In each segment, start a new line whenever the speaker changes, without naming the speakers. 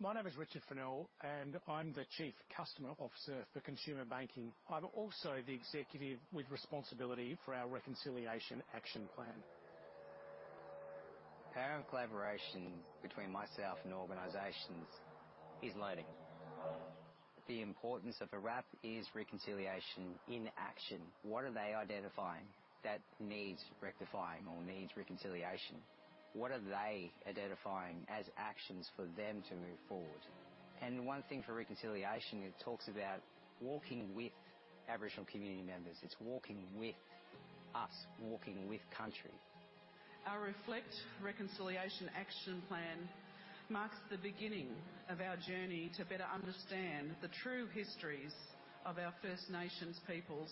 My name is Richard Fennell, and I'm the Chief Customer Officer for Consumer Banking. I'm also the executive with responsibility for our Reconciliation Action Plan. Our collaboration between myself and organizations is learning. The importance of a RAP is reconciliation in action. What are they identifying that needs rectifying or needs reconciliation? What are they identifying as actions for them to move forward? And one thing for reconciliation, it talks about walking with Aboriginal community members. It's walking with us, walking with Country.
Our Reflect Reconciliation Action Plan marks the beginning of our journey to better understand the true histories of our First Nations peoples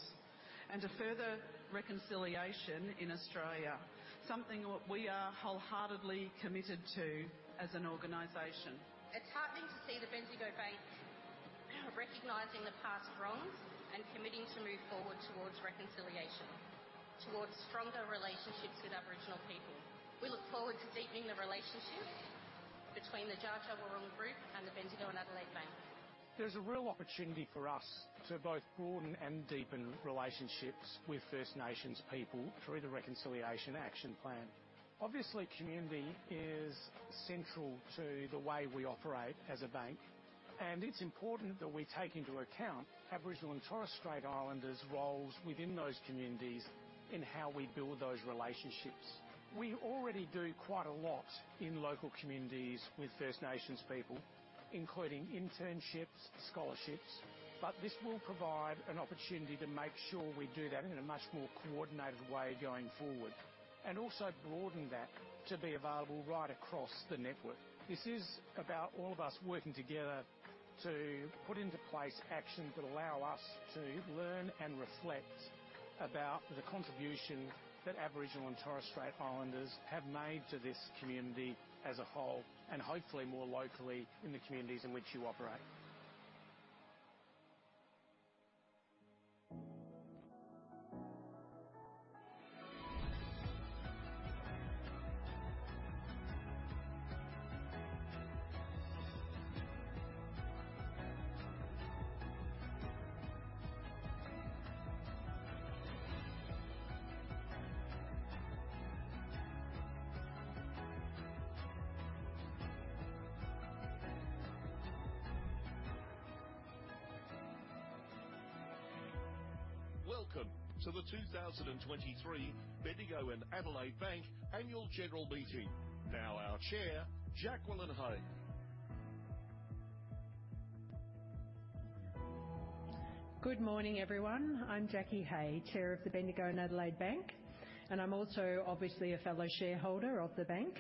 and to further reconciliation in Australia, something that we are wholeheartedly committed to as an organization. It's heartening to see the Bendigo Bank recognizing the past wrongs and committing to move forward towards reconciliation, towards stronger relationships with Aboriginal people. We look forward to deepening the relationship between the Dja Dja Wurrung group and the Bendigo and Adelaide Bank.
There's a real opportunity for us to both broaden and deepen relationships with First Nations people through the Reconciliation Action Plan. Obviously, community is central to the way we operate as a bank, and it's important that we take into account Aboriginal and Torres Strait Islanders' roles within those communities in how we build those relationships. We already do quite a lot in local communities with First Nations people, including internships, scholarships, but this will provide an opportunity to make sure we do that in a much more coordinated way going forward, and also broaden that to be available right across the network. This is about all of us working together to put into place actions that allow us to learn and reflect about the contribution that Aboriginal and Torres Strait Islanders have made to this community as a whole, and hopefully more locally in the communities in which you operate.
Welcome to the 2023 Bendigo and Adelaide Bank Annual General Meeting. Now, our Chair, Jacqueline Hey.
Good morning, everyone. I'm Jacqui Hey, chair of the Bendigo and Adelaide Bank, and I'm also obviously a fellow shareholder of the bank.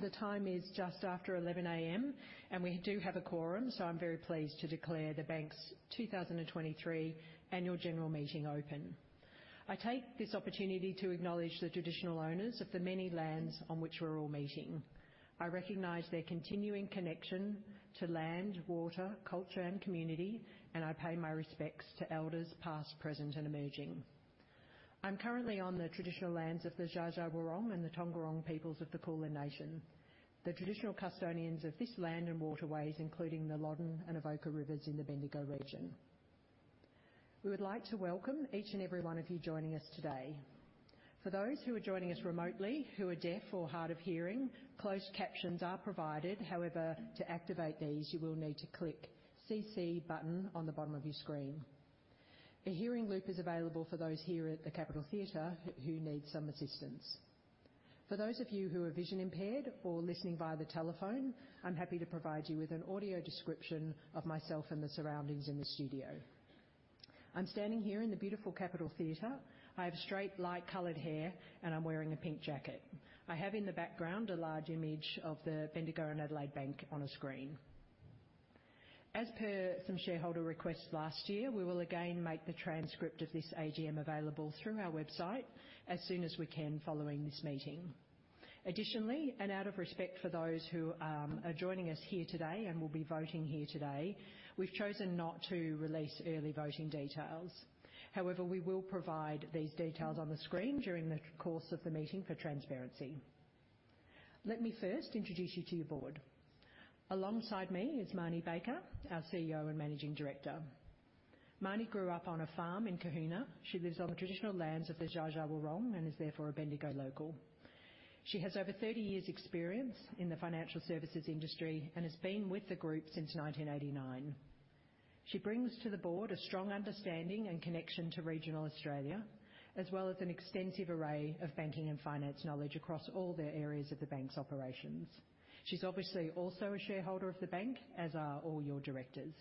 The time is just after 11 A.M., and we do have a quorum, so I'm very pleased to declare the bank's 2023 annual general meeting open. I take this opportunity to acknowledge the Traditional Owners of the many lands on which we're all meeting. I recognize their continuing connection to land, water, culture, and community, and I pay my respects to Elders, past, present, and emerging. I'm currently on the traditional lands of the Dja Dja Wurrung and the Taungurung peoples of the Kulin Nation, the traditional custodians of this land and waterways, including the Loddon and Avoca rivers in the Bendigo region. We would like to welcome each and every one of you joining us today. For those who are joining us remotely, who are deaf or hard of hearing, closed captions are provided. However, to activate these, you will need to click CC button on the bottom of your screen. A hearing loop is available for those here at the Capital Theatre who need some assistance. For those of you who are vision impaired or listening via the telephone, I'm happy to provide you with an audio description of myself and the surroundings in the studio. I'm standing here in the beautiful Capital Theatre. I have straight, light-colored hair, and I'm wearing a pink jacket. I have, in the background, a large image of the Bendigo and Adelaide Bank on a screen. As per some shareholder requests last year, we will again make the transcript of this AGM available through our website as soon as we can following this meeting. Additionally, and out of respect for those who are joining us here today and will be voting here today, we've chosen not to release early voting details. However, we will provide these details on the screen during the course of the meeting for transparency. Let me first introduce you to your board. Alongside me is Marnie Baker, our CEO and Managing Director. Marnie grew up on a farm in Cohuna. She lives on the traditional lands of the Dja Dja Wurrung and is therefore a Bendigo local. She has over 30 years' experience in the financial services industry and has been with the group since 1989. She brings to the board a strong understanding and connection to regional Australia, as well as an extensive array of banking and finance knowledge across all the areas of the bank's operations. She's obviously also a shareholder of the bank, as are all your directors.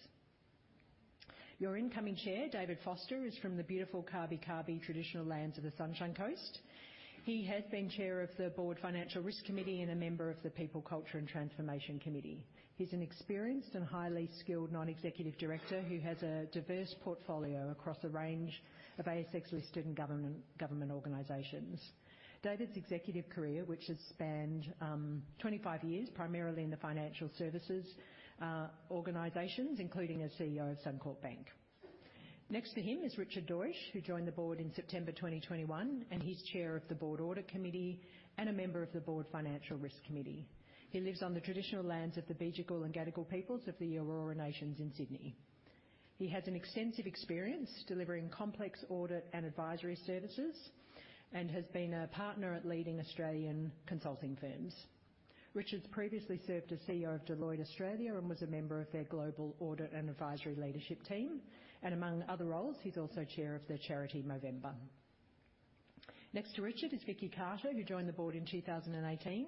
Your incoming chair, David Foster, is from the beautiful Kabi Kabi traditional lands of the Sunshine Coast. He has been Chair of the Board Financial Risk Committee and a member of the People, Culture, and Transformation Committee. He's an experienced and highly skilled non-executive director who has a diverse portfolio across a range of ASX-listed and government organizations. David's executive career, which has spanned 25 years, primarily in the financial services organizations, including as CEO of Suncorp Bank. Next to him is Richard Deutsch, who joined the board in September 2021, and he's Chair of the Board Audit Committee and a member of the Board Financial Risk Committee. He lives on the traditional lands of the Bedegal and Gadigal peoples of the Eora Nations in Sydney. He has an extensive experience delivering complex audit and advisory services and has been a partner at leading Australian consulting firms. Richard's previously served as CEO of Deloitte Australia and was a member of their Global Audit and Advisory Leadership team, and among other roles, he's also chair of the charity, Movember. Next to Richard is Vicki Carter, who joined the board in 2018.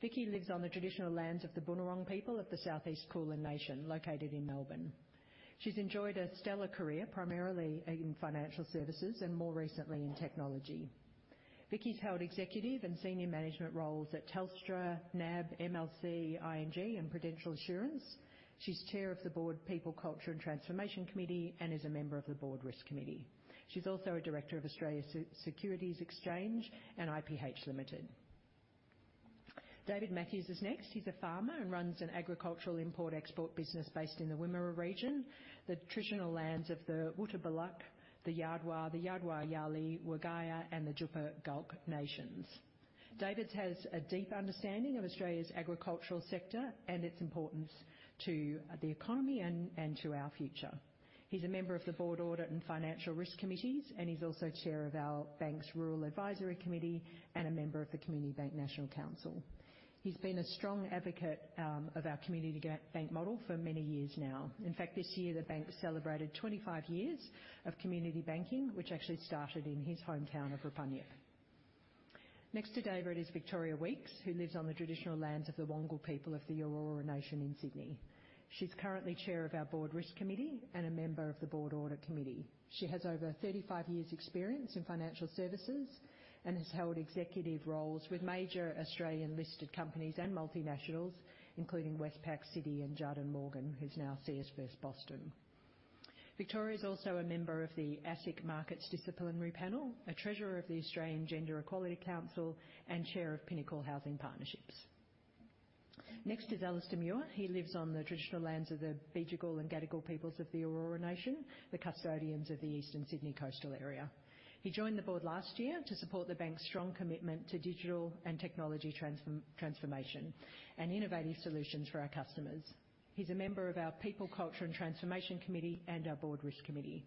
Vicki lives on the traditional lands of the Boon Wurrung people of the South East Kulin Nation, located in Melbourne. She's enjoyed a stellar career, primarily in financial services and more recently in technology. Vicki's held executive and senior management roles at Telstra, NAB, MLC, ING, and Prudential Insurance. She's Chair of the Board People, Culture, and Transformation Committee, and is a member of the Board Risk Committee. She's also a director of Australian Securities Exchange and IPH Limited. David Matthews is next. He's a farmer and runs an agricultural import-export business based in the Wimmera region, the traditional lands of the Wotjobaluk, the Jaadwa, the Jadawadjali, Wergaia, and the Jupagulk nations. David has a deep understanding of Australia's agricultural sector and its importance to the economy and to our future. He's a member of the Board Audit and Financial Risk Committees, and he's also chair of our bank's Rural Advisory Committee and a member of the Community Bank National Council. He's been a strong advocate of our community bank model for many years now. In fact, this year, the bank celebrated 25 years of community banking, which actually started in his hometown of Rupanyup. Next to David is Victoria Weekes, who lives on the traditional lands of the Wangal people of the Eora Nation in Sydney. She's currently Chair of our Board Risk Committee and a member of the Board Audit Committee. She has over 35 years' experience in financial services and has held executive roles with major Australian-listed companies and multinationals, including Westpac, Citi, and J.P. Morgan, who's now CS First Boston. Victoria is also a member of the ASIC Markets Disciplinary Panel, a treasurer of the Australian Gender Equality Council, and chair of Pinnacle Housing Partnerships. Next is Alistair Muir. He lives on the traditional lands of the Bedegal and Gadigal peoples of the Eora Nation, the custodians of the Eastern Sydney coastal area. He joined the board last year to support the bank's strong commitment to digital and technology transformation and innovative solutions for our customers. He's a member of our People, Culture, and Transformation Committee and our Board Risk Committee.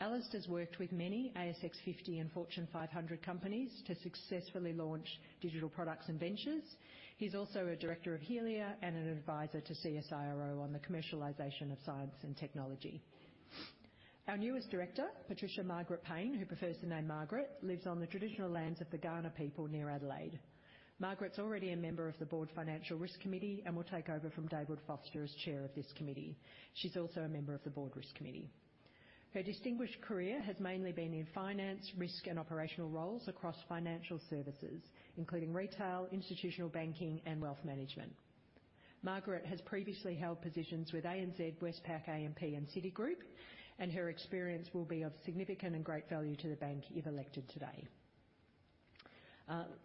Alistair's worked with many ASX 50 and Fortune 500 companies to successfully launch digital products and ventures. He's also a director of Helia and an advisor to CSIRO on the commercialization of science and technology. Our newest director, Patricia Margaret Payn, who prefers the name Margaret, lives on the traditional lands of the Kaurna people near Adelaide. Margaret's already a member of the Board Financial Risk Committee and will take over from David Foster as chair of this committee. She's also a member of the Board Risk Committee. Her distinguished career has mainly been in finance, risk, and operational roles across financial services, including retail, institutional banking, and wealth management. Margaret has previously held positions with ANZ, Westpac, AMP, and Citigroup, and her experience will be of significant and great value to the bank if elected today.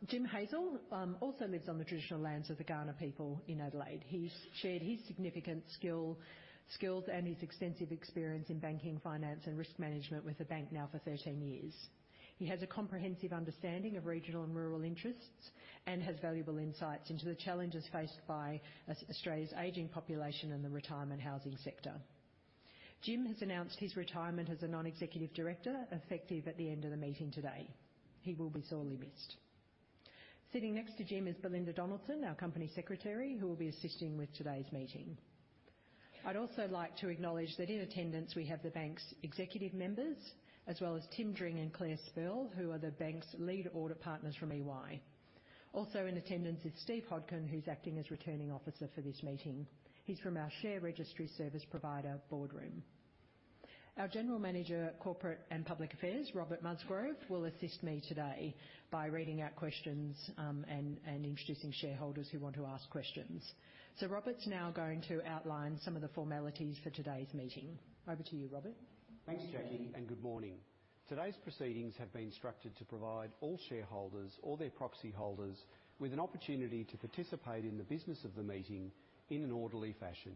Jim Hazel also lives on the traditional lands of the Kaurna people in Adelaide. He's shared his significant skills and his extensive experience in banking, finance, and risk management with the bank now for 13 years. He has a comprehensive understanding of regional and rural interests and has valuable insights into the challenges faced by Australia's aging population and the retirement housing sector. Jim has announced his retirement as a non-executive director, effective at the end of the meeting today. He will be sorely missed. Sitting next to Jim is Belinda Donaldson, our Company Secretary, who will be assisting with today's meeting. I'd also like to acknowledge that in attendance, we have the bank's executive members, as well as Tim Dring and Clare Sporle, who are the bank's lead audit partners from EY. Also in attendance is Steve Hodkin, who's acting as Returning Officer for this meeting. He's from our share registry service provider, Boardroom. Our General Manager, Corporate and Public Affairs, Robert Musgrove, will assist me today by reading out questions and introducing shareholders who want to ask questions. So Robert's now going to outline some of the formalities for today's meeting. Over to you, Robert.
Thanks, Jacqui, and good morning. Today's proceedings have been structured to provide all shareholders or their proxy holders with an opportunity to participate in the business of the meeting in an orderly fashion.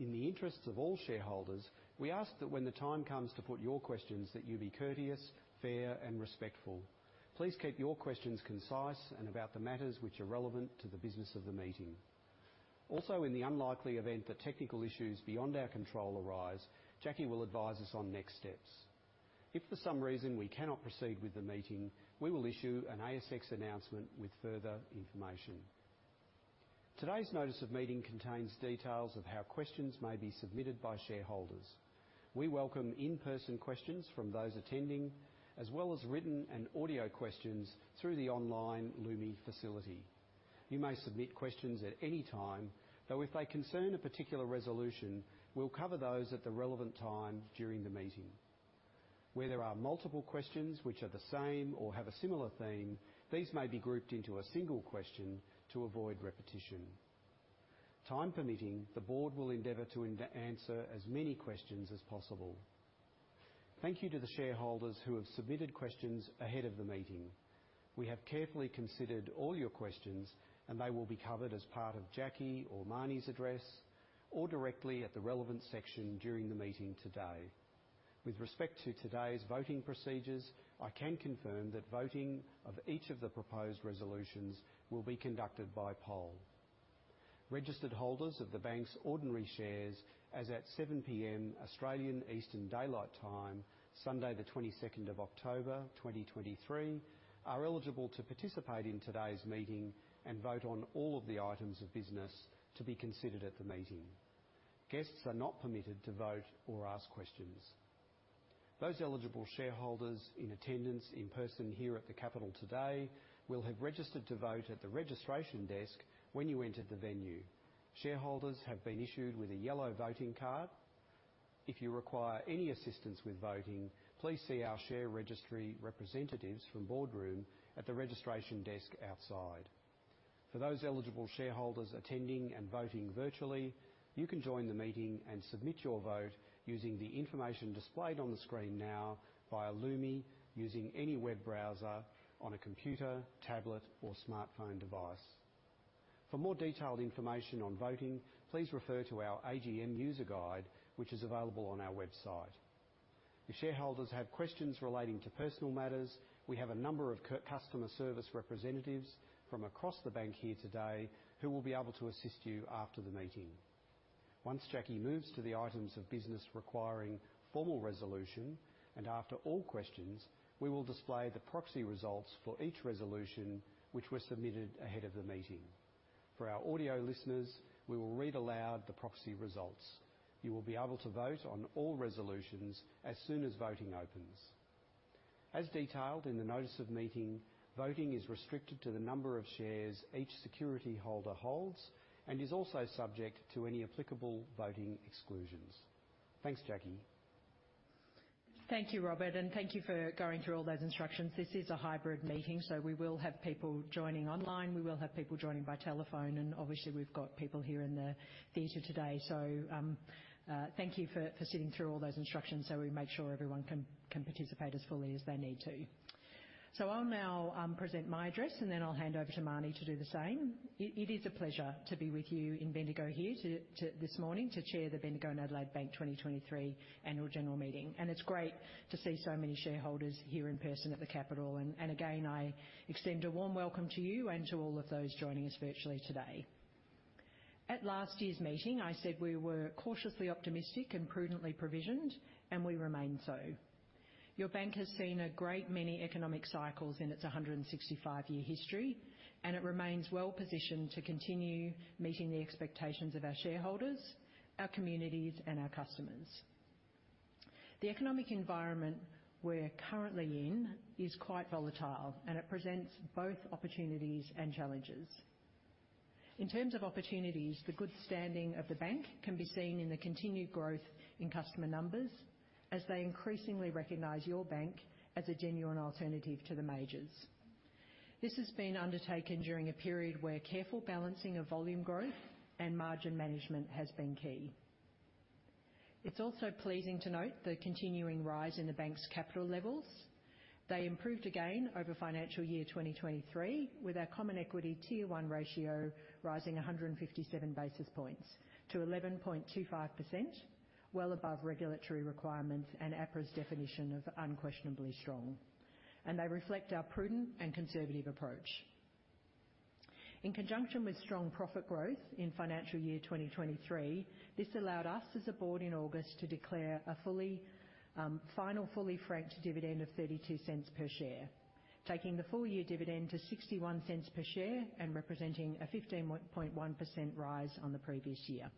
In the interests of all shareholders, we ask that when the time comes to put your questions, that you be courteous, fair, and respectful. Please keep your questions concise and about the matters which are relevant to the business of the meeting. Also, in the unlikely event that technical issues beyond our control arise, Jacqui will advise us on next steps. If for some reason we cannot proceed with the meeting, we will issue an ASX announcement with further information. Today's Notice of Meeting contains details of how questions may be submitted by shareholders. We welcome in-person questions from those attending, as well as written and audio questions through the online Lumi facility. You may submit questions at any time, though if they concern a particular resolution, we'll cover those at the relevant time during the meeting. Where there are multiple questions which are the same or have a similar theme, these may be grouped into a single question to avoid repetition. Time permitting, the board will endeavor to answer as many questions as possible. Thank you to the shareholders who have submitted questions ahead of the meeting. We have carefully considered all your questions, and they will be covered as part of Jacqui or Marnie's address, or directly at the relevant section during the meeting today. With respect to today's voting procedures, I can confirm that voting of each of the proposed resolutions will be conducted by poll. Registered holders of the bank's ordinary shares as at 7:00 P.M., Australian Eastern Daylight Time, Sunday, the 22nd of October, 2023, are eligible to participate in today's meeting and vote on all of the items of business to be considered at the meeting. Guests are not permitted to vote or ask questions. Those eligible shareholders in attendance, in person here at the Capital today, will have registered to vote at the registration desk when you entered the venue. Shareholders have been issued with a yellow voting card. If you require any assistance with voting, please see our share registry representatives from Boardroom at the registration desk outside. For those eligible shareholders attending and voting virtually, you can join the meeting and submit your vote using the information displayed on the screen now via Lumi, using any web browser on a computer, tablet, or smartphone device. For more detailed information on voting, please refer to our AGM user guide, which is available on our website. If shareholders have questions relating to personal matters, we have a number of customer service representatives from across the bank here today who will be able to assist you after the meeting. Once Jacqui moves to the items of business requiring formal resolution, and after all questions, we will display the proxy results for each resolution, which were submitted ahead of the meeting. For our audio listeners, we will read aloud the proxy results. You will be able to vote on all resolutions as soon as voting opens. As detailed in the Notice of Meeting, voting is restricted to the number of shares each security holder holds and is also subject to any applicable voting exclusions. Thanks, Jacqui.
Thank you, Robert, and thank you for going through all those instructions. This is a hybrid meeting, so we will have people joining online, we will have people joining by telephone, and obviously, we've got people here in the theater today. So, thank you for sitting through all those instructions so we make sure everyone can participate as fully as they need to. So I'll now present my address, and then I'll hand over to Marnie to do the same. It is a pleasure to be with you in Bendigo here this morning to chair the Bendigo and Adelaide Bank 2023 Annual General Meeting. And it's great to see so many shareholders here in person at the Capital Theatre, and again, I extend a warm welcome to you and to all of those joining us virtually today. At last year's meeting, I said we were cautiously optimistic and prudently provisioned, and we remain so. Your bank has seen a great many economic cycles in its 165-year history, and it remains well-positioned to continue meeting the expectations of our shareholders, our communities, and our customers. The economic environment we're currently in is quite volatile, and it presents both opportunities and challenges. In terms of opportunities, the good standing of the bank can be seen in the continued growth in customer numbers, as they increasingly recognize your bank as a genuine alternative to the majors. This has been undertaken during a period where careful balancing of volume growth and margin management has been key. It's also pleasing to note the continuing rise in the bank's capital levels. They improved again over financial year 2023, with our Common Equity Tier 1 ratio rising 157 basis points to 11.25%, well above regulatory requirements and APRA's definition of unquestionably strong, and they reflect our prudent and conservative approach. In conjunction with strong profit growth in financial year 2023, this allowed us, as a board in August, to declare a full final fully franked dividend of 0.32 per share, taking the full-year dividend to 0.61 per share and representing a 15.1% rise on the previous year.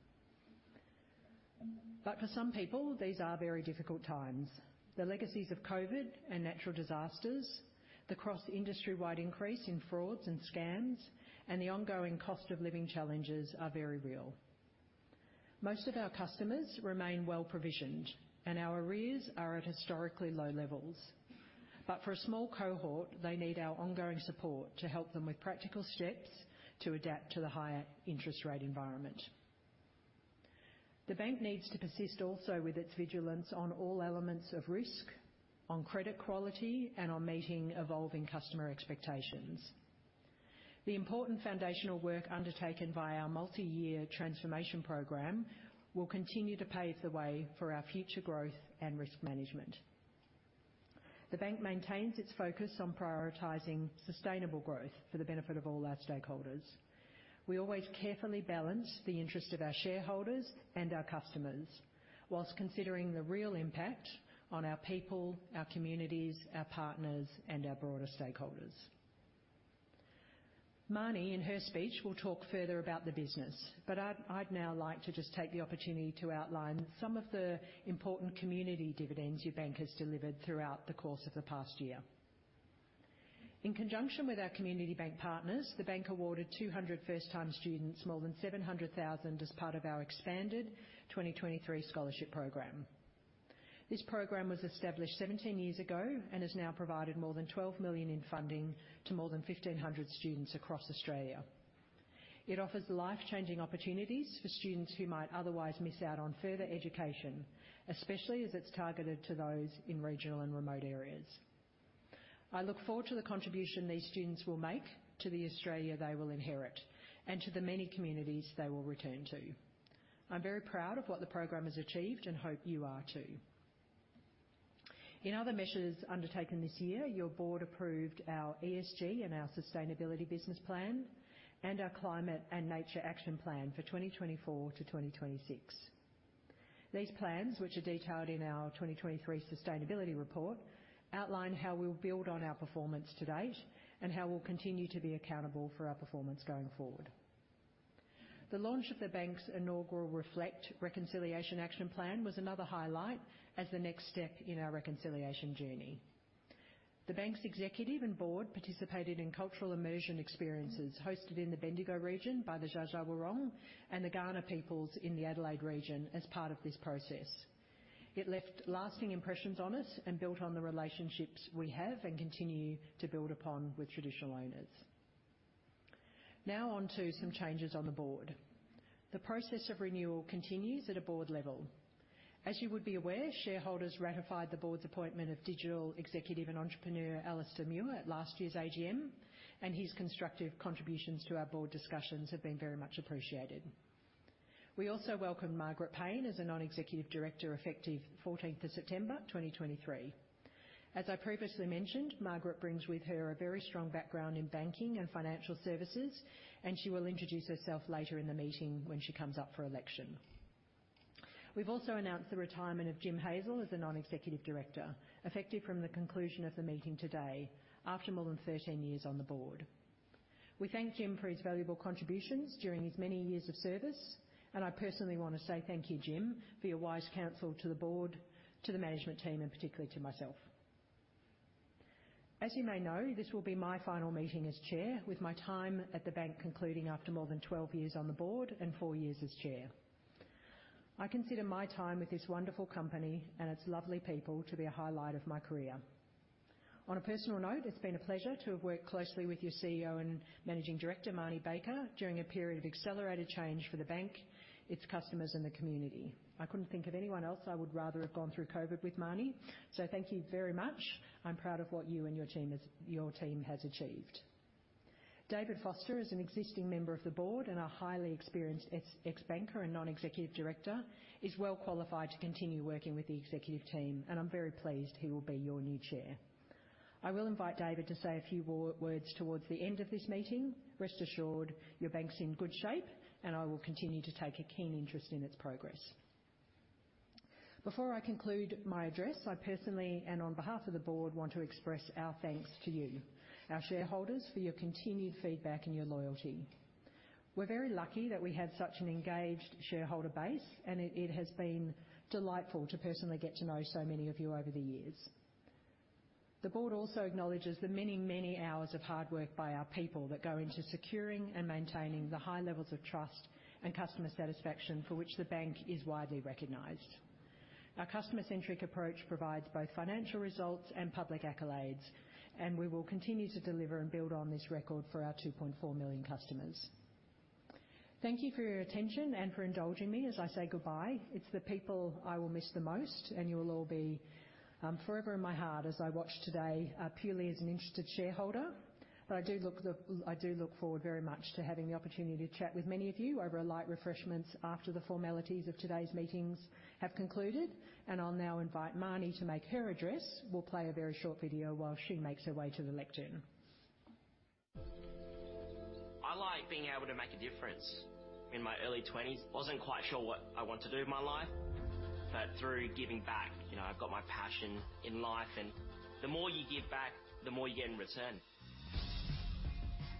But for some people, these are very difficult times. The legacies of COVID and natural disasters, the cross-industry-wide increase in frauds and scams, and the ongoing cost of living challenges are very real. Most of our customers remain well-provisioned, and our arrears are at historically low levels. But for a small cohort, they need our ongoing support to help them with practical steps to adapt to the higher interest rate environment. The bank needs to persist also with its vigilance on all elements of risk, on credit quality, and on meeting evolving customer expectations. The important foundational work undertaken by our multi-year transformation program will continue to pave the way for our future growth and risk management. The bank maintains its focus on prioritizing sustainable growth for the benefit of all our stakeholders. We always carefully balance the interest of our shareholders and our customers, while considering the real impact on our people, our communities, our partners, and our broader stakeholders. Marnie, in her speech, will talk further about the business, but I'd now like to just take the opportunity to outline some of the important community dividends your bank has delivered throughout the course of the past year. In conjunction with our Community Bank partners, the bank awarded 200 first-time students more than 700,000 as part of our expanded 2023 scholarship program. This program was established 17 years ago and has now provided more than 12 million in funding to more than 1,500 students across Australia. It offers life-changing opportunities for students who might otherwise miss out on further education, especially as it's targeted to those in regional and remote areas. I look forward to the contribution these students will make to the Australia they will inherit, and to the many communities they will return to. I'm very proud of what the program has achieved and hope you are, too. In other measures undertaken this year, your board approved our ESG and our sustainability business plan and our climate and nature action plan for 2024-2026. These plans, which are detailed in our 2023 sustainability report, outline how we'll build on our performance to date and how we'll continue to be accountable for our performance going forward. The launch of the Bank's inaugural Reflect Reconciliation Action Plan was another highlight as the next step in our reconciliation journey. The Bank's executive and board participated in cultural immersion experiences hosted in the Bendigo region by the Dja Dja Wurrung and the Kaurna Peoples in the Adelaide region as part of this process. It left lasting impressions on us and built on the relationships we have and continue to build upon with traditional owners. Now, on to some changes on the board. The process of renewal continues at a board level. As you would be aware, shareholders ratified the board's appointment of digital executive and entrepreneur, Alistair Muir, at last year's AGM, and his constructive contributions to our board discussions have been very much appreciated. We also welcome Margaret Payne as a non-executive director, effective 14th of September, 2023. As I previously mentioned, Margaret brings with her a very strong background in banking and financial services, and she will introduce herself later in the meeting when she comes up for election. We've also announced the retirement of Jim Hazel as a non-executive director, effective from the conclusion of the meeting today after more than 13 years on the board. We thank Jim for his valuable contributions during his many years of service, and I personally want to say thank you, Jim, for your wise counsel to the board, to the management team, and particularly to myself. As you may know, this will be my final meeting as chair, with my time at the bank concluding after more than 12 years on the board and four years as chair. I consider my time with this wonderful company and its lovely people to be a highlight of my career. On a personal note, it's been a pleasure to have worked closely with your CEO and Managing Director, Marnie Baker, during a period of accelerated change for the bank, its customers, and the community. I couldn't think of anyone else I would rather have gone through COVID with, Marnie, so thank you very much. I'm proud of what you and your team has achieved. David Foster is an existing member of the board and a highly experienced ex-banker and non-executive director, is well qualified to continue working with the executive team, and I'm very pleased he will be your new chair. I will invite David to say a few more words towards the end of this meeting. Rest assured, your bank's in good shape, and I will continue to take a keen interest in its progress. Before I conclude my address, I personally, and on behalf of the board, want to express our thanks to you, our shareholders, for your continued feedback and your loyalty. We're very lucky that we have such an engaged shareholder base, and it has been delightful to personally get to know so many of you over the years. The board also acknowledges the many, many hours of hard work by our people that go into securing and maintaining the high levels of trust and customer satisfaction for which the bank is widely recognized. Our customer-centric approach provides both financial results and public accolades, and we will continue to deliver and build on this record for our 2.4 million customers. Thank you for your attention and for indulging me as I say goodbye. It's the people I will miss the most, and you will all be forever in my heart as I watch today purely as an interested shareholder. But I do look forward very much to having the opportunity to chat with many of you over light refreshments after the formalities of today's meetings have concluded, and I'll now invite Marnie to make her address. We'll play a very short video while she makes her way to the lectern.
I like being able to make a difference. In my early twenties, wasn't quite sure what I wanted to do with my life, but through giving back, you know, I've got my passion in life, and the more you give back, the more you get in return.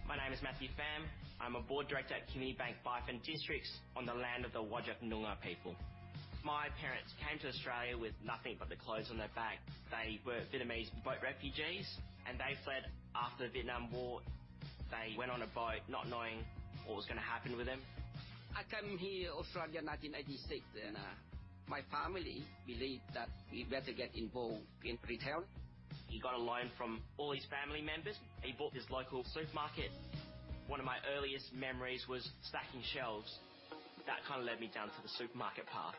My name is Matthew Pham. I'm a board director at Community Bank Byford and Districts, on the land of the Whadjuk Noongar people. My parents came to Australia with nothing but the clothes on their back. They were Vietnamese boat refugees, and they fled after the Vietnam War. They went on a boat not knowing what was going to happen with them. I come here, Australia, 1986, and my family believed that we better get involved in retail. He got a loan from all his family members. He bought this local supermarket. One of my earliest memories was stacking shelves. That kind of led me down to the supermarket path.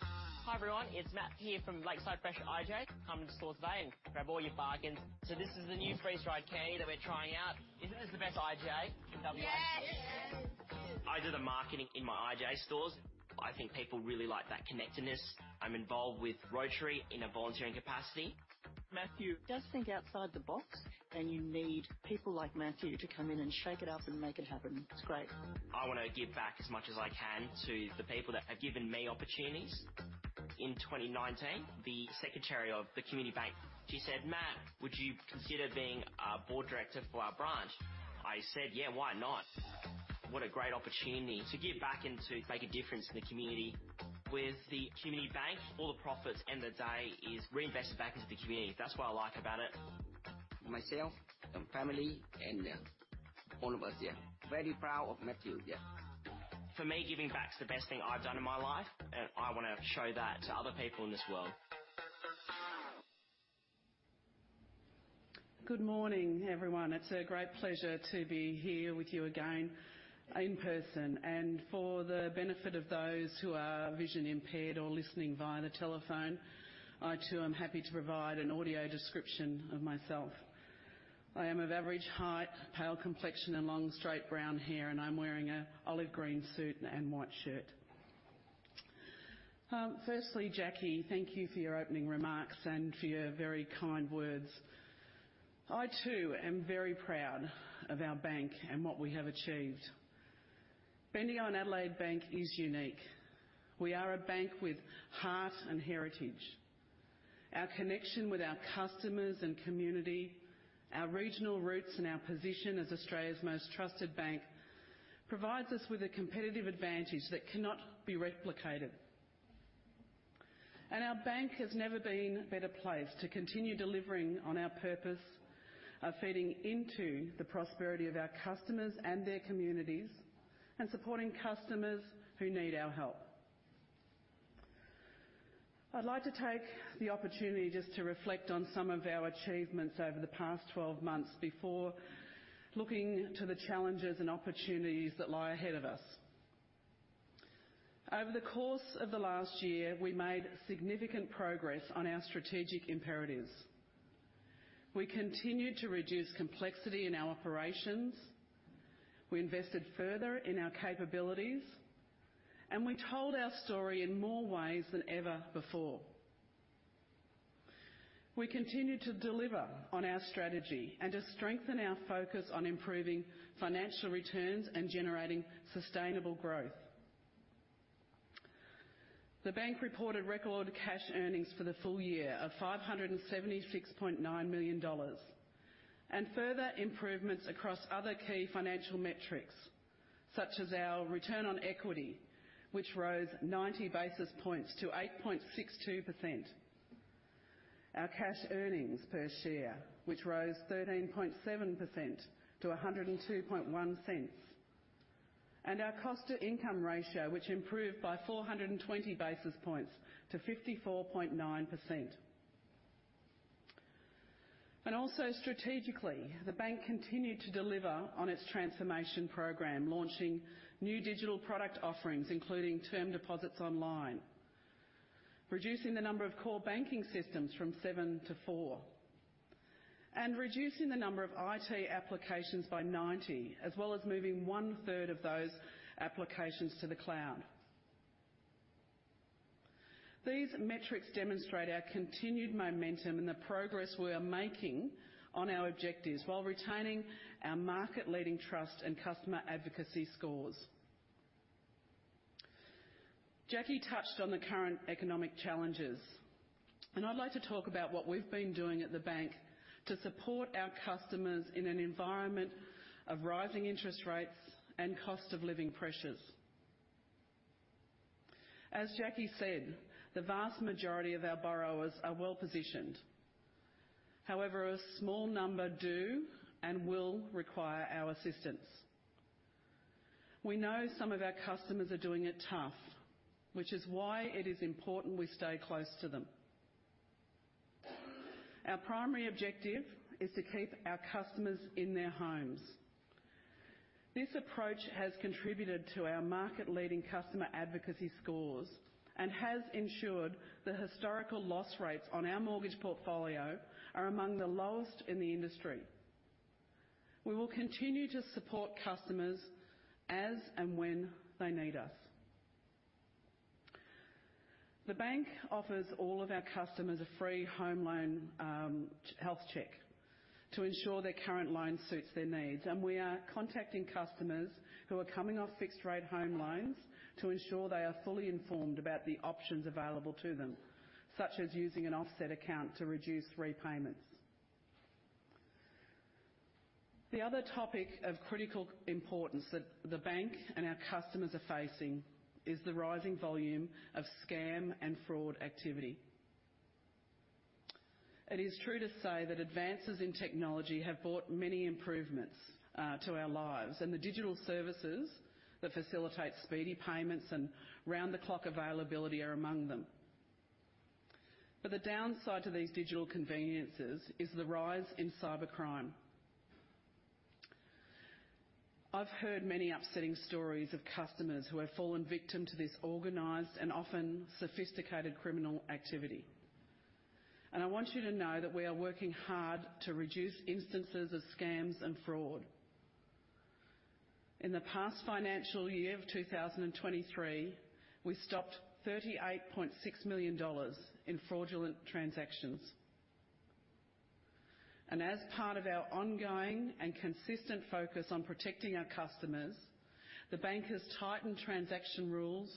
Hi, everyone, it's Matt here from Lakeside Fresh IGA. Come to the store today and grab all your bargains. So this is the new freeze-dried candy that we're trying out. Isn't this the best IGA? Yes. Yes. I do the marketing in my IGA stores. I think people really like that connectedness. I'm involved with Rotary in a volunteering capacity. Matthew does think outside the box, and you need people like Matthew to come in and shake it up and make it happen. It's great. I want to give back as much as I can to the people that have given me opportunities. In 2019, the secretary of the Community Bank, she said, "Matt, would you consider being a board director for our branch?" I said, "Yeah, why not?" What a great opportunity to give back and to make a difference in the community.... With the Community Bank, all the profits in the day is reinvested back into the community. That's what I like about it. Myself and family, and, all of us, yeah, very proud of Matthew. Yeah. For me, giving back is the best thing I've done in my life, and I wanna show that to other people in this world.
Good morning, everyone. It's a great pleasure to be here with you again in person. For the benefit of those who are vision impaired or listening via the telephone, I too am happy to provide an audio description of myself. I am of average height, pale complexion, and long, straight brown hair, and I'm wearing an olive green suit and white shirt. Firstly, Jackie, thank you for your opening remarks and for your very kind words. I, too, am very proud of our bank and what we have achieved. Bendigo and Adelaide Bank is unique. We are a bank with heart and heritage. Our connection with our customers and community, our regional roots, and our position as Australia's most trusted bank, provides us with a competitive advantage that cannot be replicated. Our bank has never been better placed to continue delivering on our purpose of feeding into the prosperity of our customers and their communities, and supporting customers who need our help. I'd like to take the opportunity just to reflect on some of our achievements over the past 12 months before looking to the challenges and opportunities that lie ahead of us. Over the course of the last year, we made significant progress on our strategic imperatives. We continued to reduce complexity in our operations, we invested further in our capabilities, and we told our story in more ways than ever before. We continued to deliver on our strategy and to strengthen our focus on improving financial returns and generating sustainable growth. The bank reported record cash earnings for the full year of 576.9 million dollars, and further improvements across other key financial metrics, such as our return on equity, which rose 90 basis points to 8.62%. Our cash earnings per share, which rose 13.7% to 1.021, and our cost-to-income ratio, which improved by 420 basis points to 54.9%. Also strategically, the bank continued to deliver on its transformation program, launching new digital product offerings, including Term Deposits Online, reducing the number of core banking systems from 7 to 4, and reducing the number of IT applications by 90, as well as moving one-third of those applications to the cloud. These metrics demonstrate our continued momentum and the progress we are making on our objectives while retaining our market-leading trust and customer advocacy scores. Jackie touched on the current economic challenges, and I'd like to talk about what we've been doing at the bank to support our customers in an environment of rising interest rates and cost of living pressures. As Jackie said, the vast majority of our borrowers are well-positioned. However, a small number do and will require our assistance. We know some of our customers are doing it tough, which is why it is important we stay close to them. Our primary objective is to keep our customers in their homes. This approach has contributed to our market-leading customer advocacy scores and has ensured the historical loss rates on our mortgage portfolio are among the lowest in the industry. We will continue to support customers as and when they need us. The bank offers all of our customers a free home loan health check to ensure their current loan suits their needs, and we are contacting customers who are coming off fixed rate home loans to ensure they are fully informed about the options available to them, such as using an offset account to reduce repayments. The other topic of critical importance that the bank and our customers are facing is the rising volume of scam and fraud activity. It is true to say that advances in technology have brought many improvements to our lives, and the digital services that facilitate speedy payments and round-the-clock availability are among them. But the downside to these digital conveniences is the rise in cybercrime. I've heard many upsetting stories of customers who have fallen victim to this organized and often sophisticated criminal activity, and I want you to know that we are working hard to reduce instances of scams and fraud. In the past financial year of 2023, we stopped 38.6 million dollars in fraudulent transactions. And as part of our ongoing and consistent focus on protecting our customers, the bank has tightened transaction rules,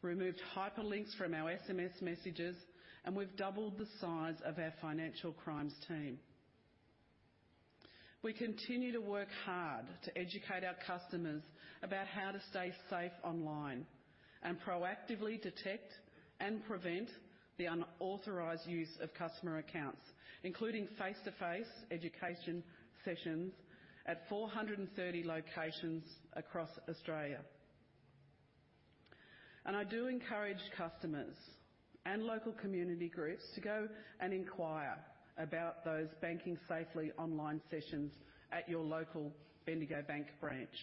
removed hyperlinks from our SMS messages, and we've doubled the size of our financial crimes team.... We continue to work hard to educate our customers about how to stay safe online and proactively detect and prevent the unauthorized use of customer accounts, including face-to-face education sessions at 430 locations across Australia. And I do encourage customers and local community groups to go and inquire about those banking safely online sessions at your local Bendigo Bank branch.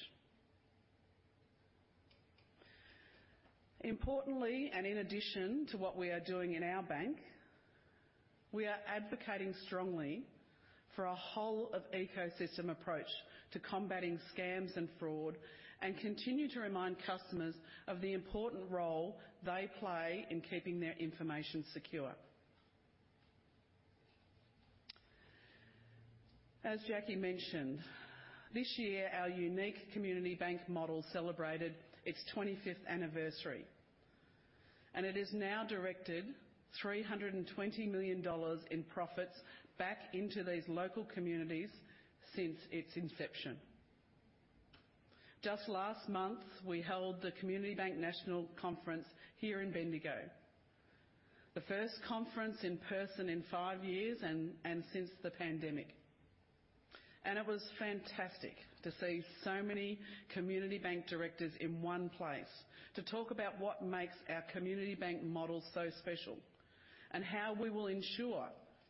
Importantly, and in addition to what we are doing in our bank, we are advocating strongly for a whole of ecosystem approach to combating scams and fraud, and continue to remind customers of the important role they play in keeping their information secure. As Jacqui mentioned, this year, our unique Community Bank model celebrated its 25th anniversary, and it has now directed 320 million dollars in profits back into these local communities since its inception. Just last month, we held the Community Bank National Conference here in Bendigo, the first conference in person in five years and since the pandemic. It was fantastic to see so many Community Bank directors in one place to talk about what makes our Community Bank model so special and how we will ensure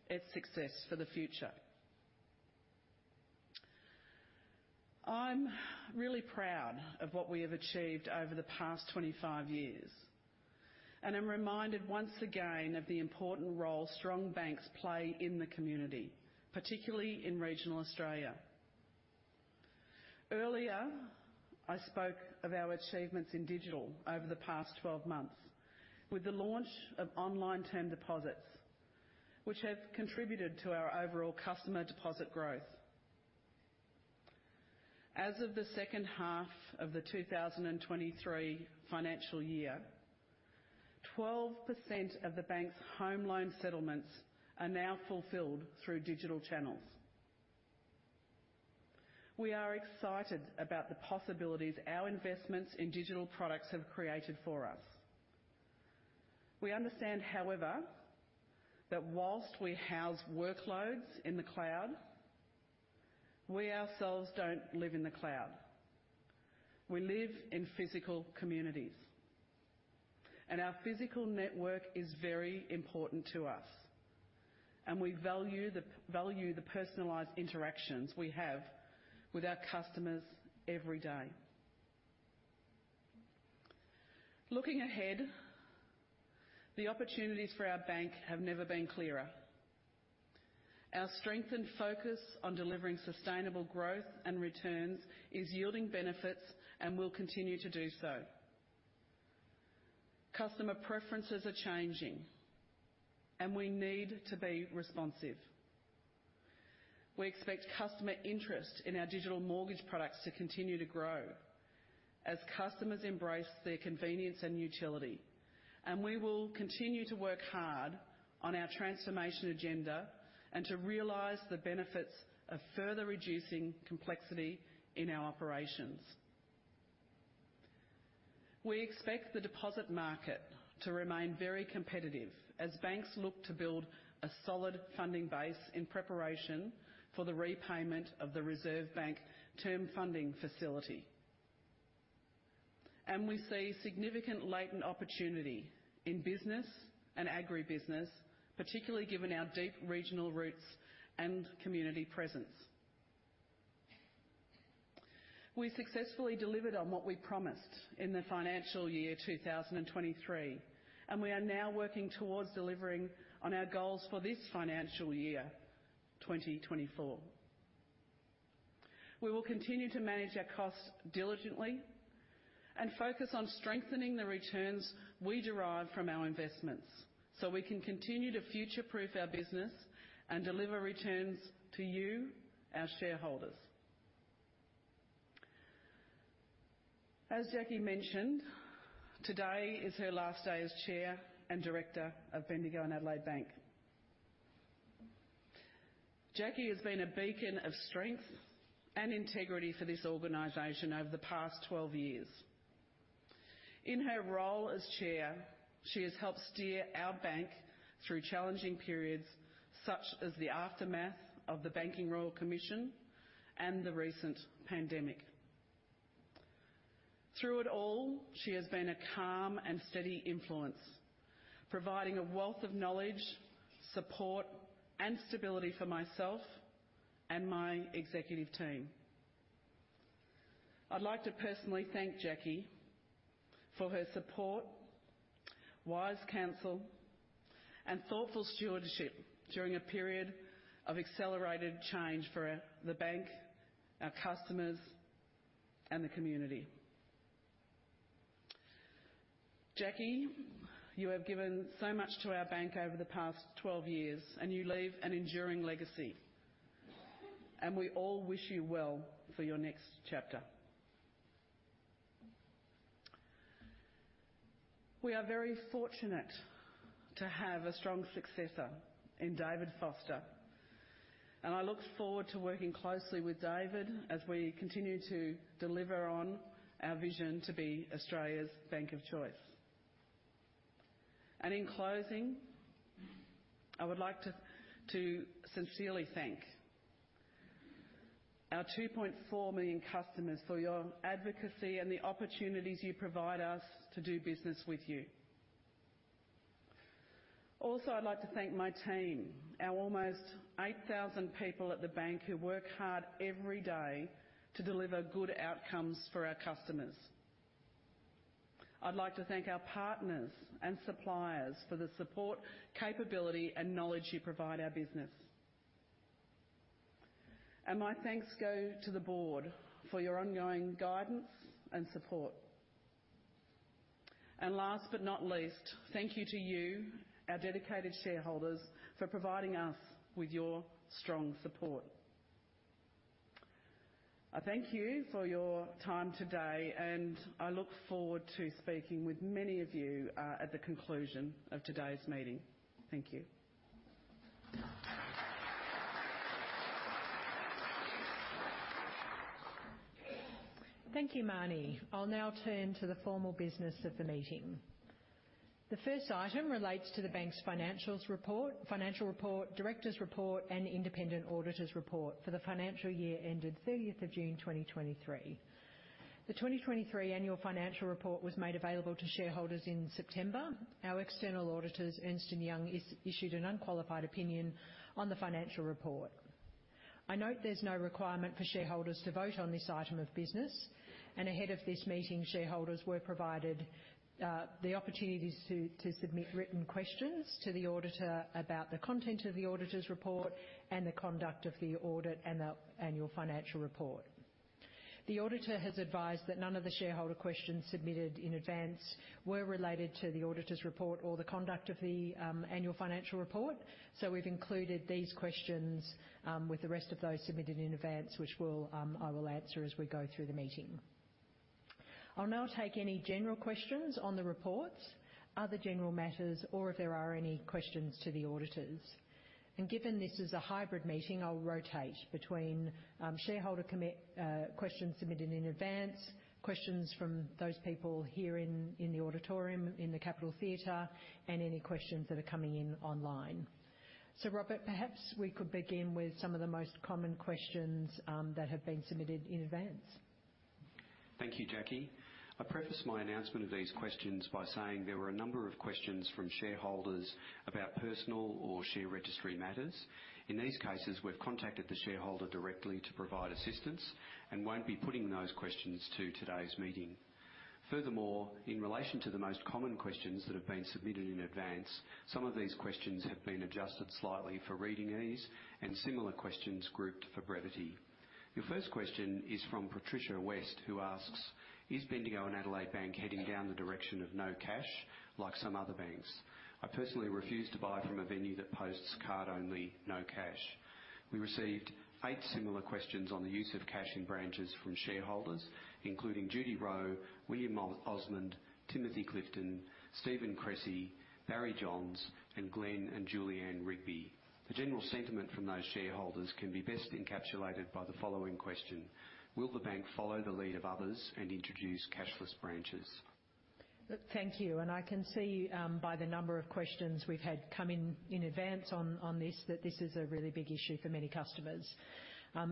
its success for the future. I'm really proud of what we have achieved over the past 25 years, and I'm reminded once again of the important role strong banks play in the community, particularly in regional Australia. Earlier, I spoke of our achievements in digital over the past 12 months with the launch of online term deposits, which have contributed to our overall customer deposit growth. As of the second half of the 2023 financial year, 12% of the bank's home loan settlements are now fulfilled through digital channels. We are excited about the possibilities our investments in digital products have created for us. We understand, however, that while we house workloads in the cloud, we ourselves don't live in the cloud. We live in physical communities, and our physical network is very important to us, and we value the personalized interactions we have with our customers every day. Looking ahead, the opportunities for our bank have never been clearer. Our strengthened focus on delivering sustainable growth and returns is yielding benefits and will continue to do so. Customer preferences are changing, and we need to be responsive. We expect customer interest in our digital mortgage products to continue to grow as customers embrace their convenience and utility, and we will continue to work hard on our transformation agenda and to realize the benefits of further reducing complexity in our operations. We expect the deposit market to remain very competitive as banks look to build a solid funding base in preparation for the repayment of the Reserve Bank Term Funding Facility. We see significant latent opportunity in business and agribusiness, particularly given our deep regional roots and community presence. We successfully delivered on what we promised in the financial year 2023, and we are now working towards delivering on our goals for this financial year, 2024. We will continue to manage our costs diligently and focus on strengthening the returns we derive from our investments, so we can continue to future-proof our business and deliver returns to you, our shareholders. As Jacqui mentioned, today is her last day as chair and director of Bendigo and Adelaide Bank. Jacqui has been a beacon of strength and integrity for this organization over the past 12 years. In her role as chair, she has helped steer our bank through challenging periods, such as the aftermath of the Banking Royal Commission and the recent pandemic. Through it all, she has been a calm and steady influence, providing a wealth of knowledge, support, and stability for myself and my executive team. I'd like to personally thank Jacqui for her support, wise counsel, and thoughtful stewardship during a period of accelerated change for the bank, our customers, and the community. Jacqui, you have given so much to our bank over the past 12 years, and you leave an enduring legacy, and we all wish you well for your next chapter... We are very fortunate to have a strong successor in David Foster, and I look forward to working closely with David as we continue to deliver on our vision to be Australia's bank of choice. In closing, I would like to sincerely thank our 2.4 million customers for your advocacy and the opportunities you provide us to do business with you. Also, I'd like to thank my team, our almost 8,000 people at the bank, who work hard every day to deliver good outcomes for our customers. I'd like to thank our partners and suppliers for the support, capability, and knowledge you provide our business. And my thanks go to the board for your ongoing guidance and support. And last but not least, thank you to you, our dedicated shareholders, for providing us with your strong support. I thank you for your time today, and I look forward to speaking with many of you at the conclusion of today's meeting. Thank you.
Thank you, Marnie. I'll now turn to the formal business of the meeting. The first item relates to the bank's financials report, financial report, directors' report, and independent auditors' report for the financial year ended 30 June, 2023. The 2023 Annual Financial Report was made available to shareholders in September. Our external auditors, Ernst & Young, issued an unqualified opinion on the financial report. I note there's no requirement for shareholders to vote on this item of business, and ahead of this meeting, shareholders were provided the opportunities to submit written questions to the auditor about the content of the auditor's report and the conduct of the audit and the Annual Financial Report. The auditor has advised that none of the shareholder questions submitted in advance were related to the auditor's report or the conduct of the Annual Financial Report, so we've included these questions with the rest of those submitted in advance, which I will answer as we go through the meeting. I'll now take any general questions on the reports, other general matters, or if there are any questions to the auditors. Given this is a hybrid meeting, I'll rotate between shareholder questions submitted in advance, questions from those people here in the auditorium, in the Capital Theatre, and any questions that are coming in online. Robert, perhaps we could begin with some of the most common questions that have been submitted in advance.
Thank you, Jackie. I'll preface my announcement of these questions by saying there were a number of questions from shareholders about personal or share registry matters. In these cases, we've contacted the shareholder directly to provide assistance and won't be putting those questions to today's meeting. Furthermore, in relation to the most common questions that have been submitted in advance, some of these questions have been adjusted slightly for reading ease and similar questions grouped for brevity. The first question is from Patricia West, who asks: Is Bendigo and Adelaide Bank heading down the direction of no cash like some other banks? I personally refuse to buy from a venue that posts card only, no cash. We received eight similar questions on the use of cash in branches from shareholders, including Judy Rowe, William Osmond, Timothy Clifton, Steven Cressy, Barry Johns, and Glenn and Julianne Rigby. The general sentiment from those shareholders can be best encapsulated by the following question: Will the bank follow the lead of others and introduce cashless branches?
Thank you, and I can see, by the number of questions we've had come in in advance on this, that this is a really big issue for many customers.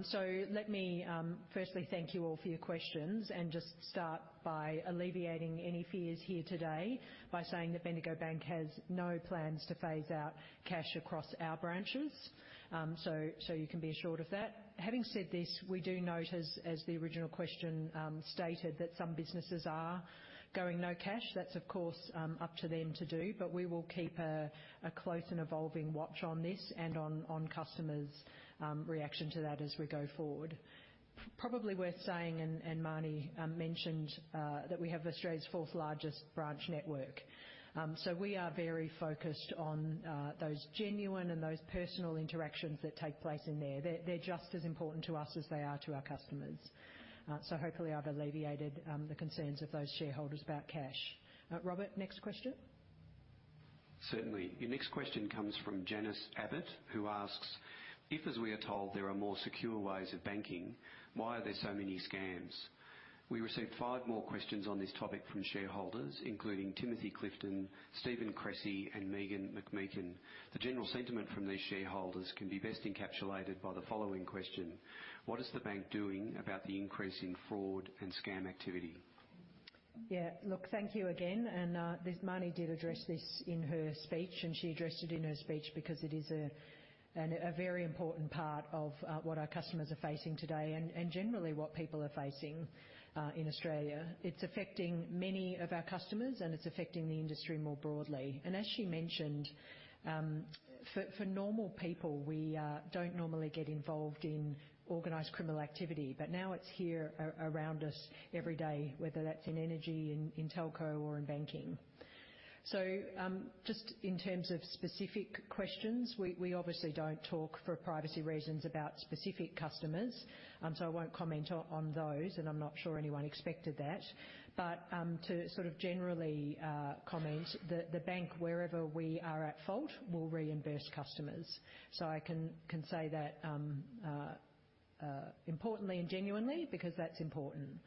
So let me, firstly thank you all for your questions, and just start by alleviating any fears here today by saying that Bendigo Bank has no plans to phase out cash across our branches. So you can be assured of that. Having said this, we do note, as the original question stated, that some businesses are going no cash. That's, of course, up to them to do, but we will keep a close and evolving watch on this and on customers' reaction to that as we go forward. Probably worth saying, and Marnie mentioned that we have Australia's fourth largest branch network. So we are very focused on those genuine and those personal interactions that take place in there. They're, they're just as important to us as they are to our customers. So hopefully, I've alleviated the concerns of those shareholders about cash. Robert, next question?
Certainly. The next question comes from Janice Abbott, who asks: If, as we are told, there are more secure ways of banking, why are there so many scams? We received five more questions on this topic from shareholders, including Timothy Clifton, Steven Cressy, and Megan McMeekin. The general sentiment from these shareholders can be best encapsulated by the following question: What is the bank doing about the increase in fraud and scam activity?
Yeah, look, thank you again, and Marnie did address this in her speech, and she addressed it in her speech because it is a, an, a very important part of what our customers are facing today and, and generally what people are facing in Australia. It's affecting many of our customers, and it's affecting the industry more broadly. And as she mentioned, for normal people, we don't normally get involved in organized criminal activity, but now it's here around us every day, whether that's in energy, in telco or in banking. So, just in terms of specific questions, we obviously don't talk for privacy reasons about specific customers, so I won't comment on those, and I'm not sure anyone expected that. But, to sort of generally comment, the bank, wherever we are at fault, will reimburse customers. So I can say that, importantly and genuinely, because that's important.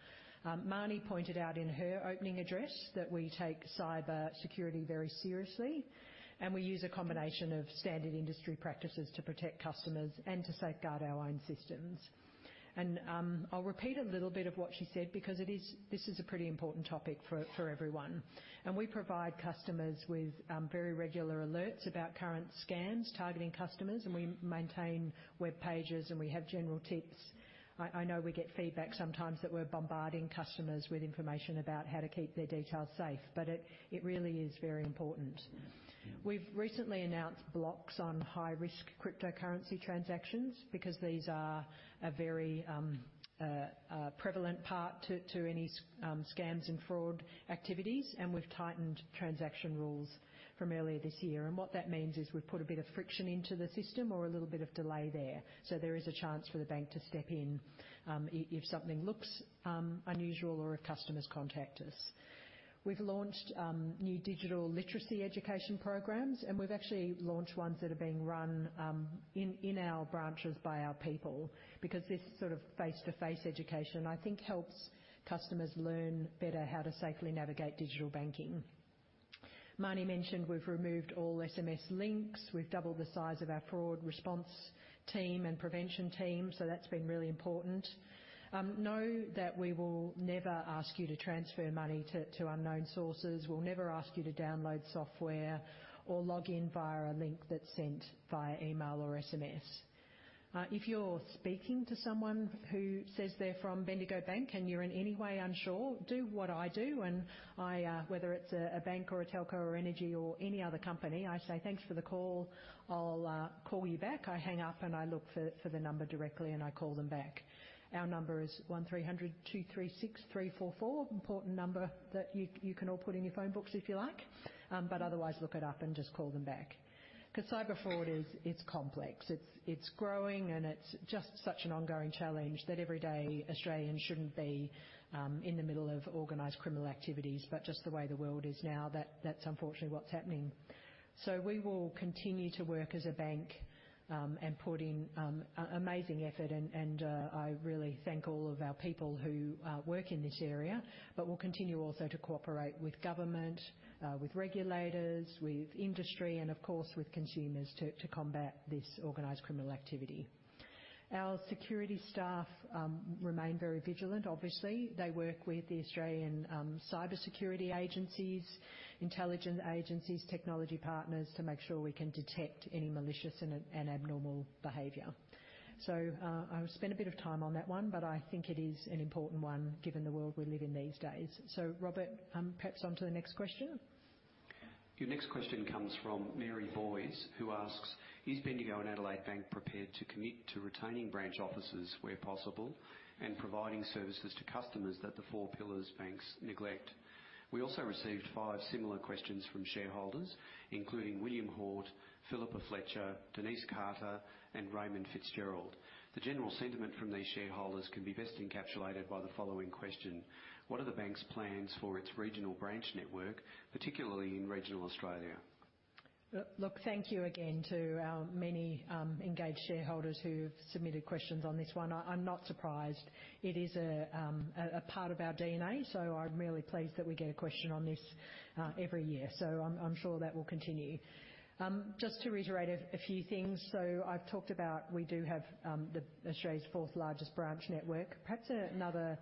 Marnie pointed out in her opening address that we take cyber security very seriously, and we use a combination of standard industry practices to protect customers and to safeguard our own systems. I'll repeat a little bit of what she said because it is, this is a pretty important topic for everyone. We provide customers with very regular alerts about current scams targeting customers, and we maintain web pages, and we have general tips. I know we get feedback sometimes that we're bombarding customers with information about how to keep their details safe, but it really is very important. We've recently announced blocks on high-risk cryptocurrency transactions because these are a very prevalent part to any scams and fraud activities, and we've tightened transaction rules from earlier this year. What that means is we've put a bit of friction into the system or a little bit of delay there. There is a chance for the bank to step in, if something looks unusual or if customers contact us. We've launched new digital literacy education programs, and we've actually launched ones that are being run in our branches by our people, because this sort of face-to-face education, I think, helps customers learn better how to safely navigate digital banking. Marnie mentioned we've removed all SMS links. We've doubled the size of our fraud response team and prevention team, so that's been really important. Know that we will never ask you to transfer money to unknown sources. We'll never ask you to download software or log in via a link that's sent via email or SMS. If you're speaking to someone who says they're from Bendigo Bank and you're in any way unsure, do what I do when whether it's a bank or a telco or energy or any other company, I say, "Thanks for the call. I'll call you back." I hang up, and I look for the number directly, and I call them back. Our number is 1300 236 344. Important number that you can all put in your phone books if you like, but otherwise, look it up and just call them back. Because cyber fraud is, it's complex, it's growing, and it's just such an ongoing challenge that every day Australians shouldn't be in the middle of organized criminal activities. But just the way the world is now, that's unfortunately what's happening. So we will continue to work as a bank and put in a amazing effort, and I really thank all of our people who work in this area. But we'll continue also to cooperate with government, with regulators, with industry, and of course, with consumers, to combat this organized criminal activity. Our security staff remain very vigilant. Obviously, they work with the Australian cybersecurity agencies, intelligence agencies, technology partners, to make sure we can detect any malicious and abnormal behavior. I've spent a bit of time on that one, but I think it is an important one, given the world we live in these days. Robert, perhaps onto the next question.
Your next question comes from Mary Boyce, who asks: Is Bendigo and Adelaide Bank prepared to commit to retaining branch offices where possible and providing services to customers that the four pillars banks neglect? We also received five similar questions from shareholders, including William Hort, Philippa Fletcher, Denise Carter, and Raymond Fitzgerald. The general sentiment from these shareholders can be best encapsulated by the following question: What are the bank's plans for its regional branch network, particularly in regional Australia?
Look, thank you again to our many engaged shareholders who've submitted questions on this one. I'm not surprised. It is a part of our DNA, so I'm really pleased that we get a question on this every year, so I'm sure that will continue. Just to reiterate a few things. So I've talked about we do have Australia's fourth largest branch network. Perhaps another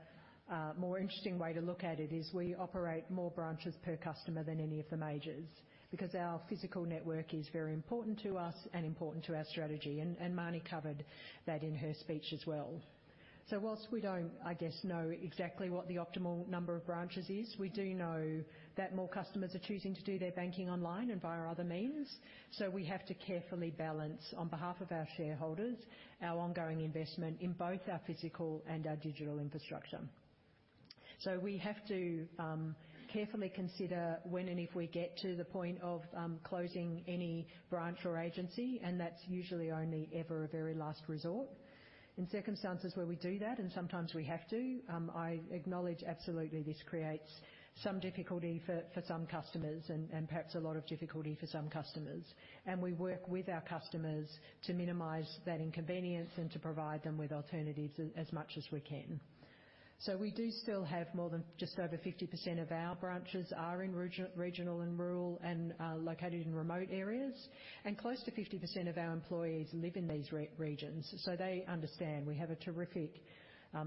more interesting way to look at it is we operate more branches per customer than any of the majors, because our physical network is very important to us and important to our strategy, and Marnie covered that in her speech as well. So while we don't, I guess, know exactly what the optimal number of branches is, we do know that more customers are choosing to do their banking online and via other means. So we have to carefully balance, on behalf of our shareholders, our ongoing investment in both our physical and our digital infrastructure. So we have to carefully consider when and if we get to the point of closing any branch or agency, and that's usually only ever a very last resort. In circumstances where we do that, and sometimes we have to, I acknowledge absolutely this creates some difficulty for, for some customers and, and perhaps a lot of difficulty for some customers. And we work with our customers to minimize that inconvenience and to provide them with alternatives as, as much as we can. So we do still have more than just over 50% of our branches are in regional and rural and located in remote areas, and close to 50% of our employees live in these regions, so they understand. We have a terrific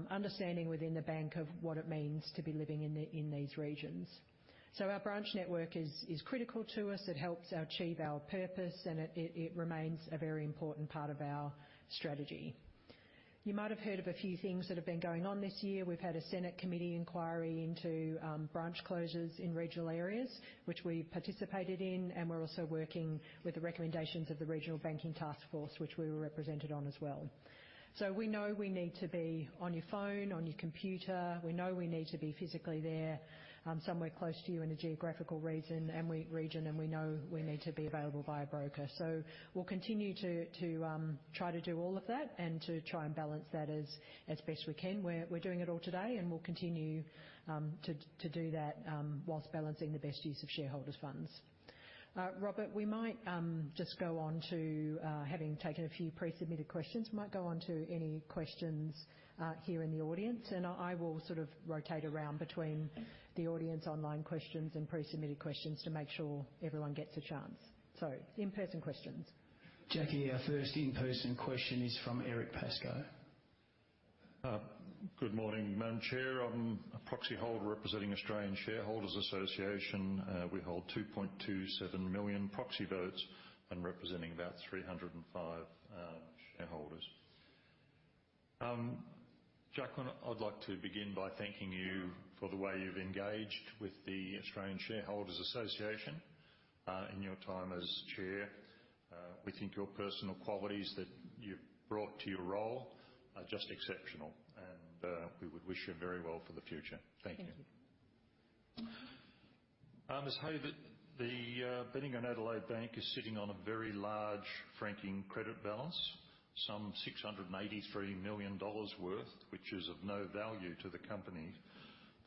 understanding within the bank of what it means to be living in the, in these regions. So our branch network is critical to us. It helps achieve our purpose, and it remains a very important part of our strategy. You might have heard of a few things that have been going on this year. We've had a Senate committee inquiry into branch closures in regional areas, which we participated in, and we're also working with the recommendations of the Regional Banking Task Force, which we were represented on as well. So we know we need to be on your phone, on your computer. We know we need to be physically there, somewhere close to you in a geographical region, and we know we need to be available by a broker. So we'll continue to try to do all of that and to try and balance that as best we can. We're doing it all today, and we'll continue to do that while balancing the best use of shareholders' funds. Robert, we might just go on to, having taken a few pre-submitted questions, we might go on to any questions here in the audience, and I will sort of rotate around between the audience, online questions, and pre-submitted questions to make sure everyone gets a chance. So in-person questions.
Jacqui, our first in-person question is from Eric Pascoe.
Good morning, Madam Chair. I'm a proxy holder representing Australian Shareholders' Association. We hold 2.27 million proxy votes and representing about 305 shareholders. Jacqueline, I'd like to begin by thanking you for the way you've engaged with the Australian Shareholders' Association in your time as chair. We think your personal qualities that you've brought to your role are just exceptional, and we would wish you very well for the future. Thank you.
Thank you.
Ms. Hey, the Bendigo and Adelaide Bank is sitting on a very large franking credit balance, some 683 million dollars worth, which is of no value to the company.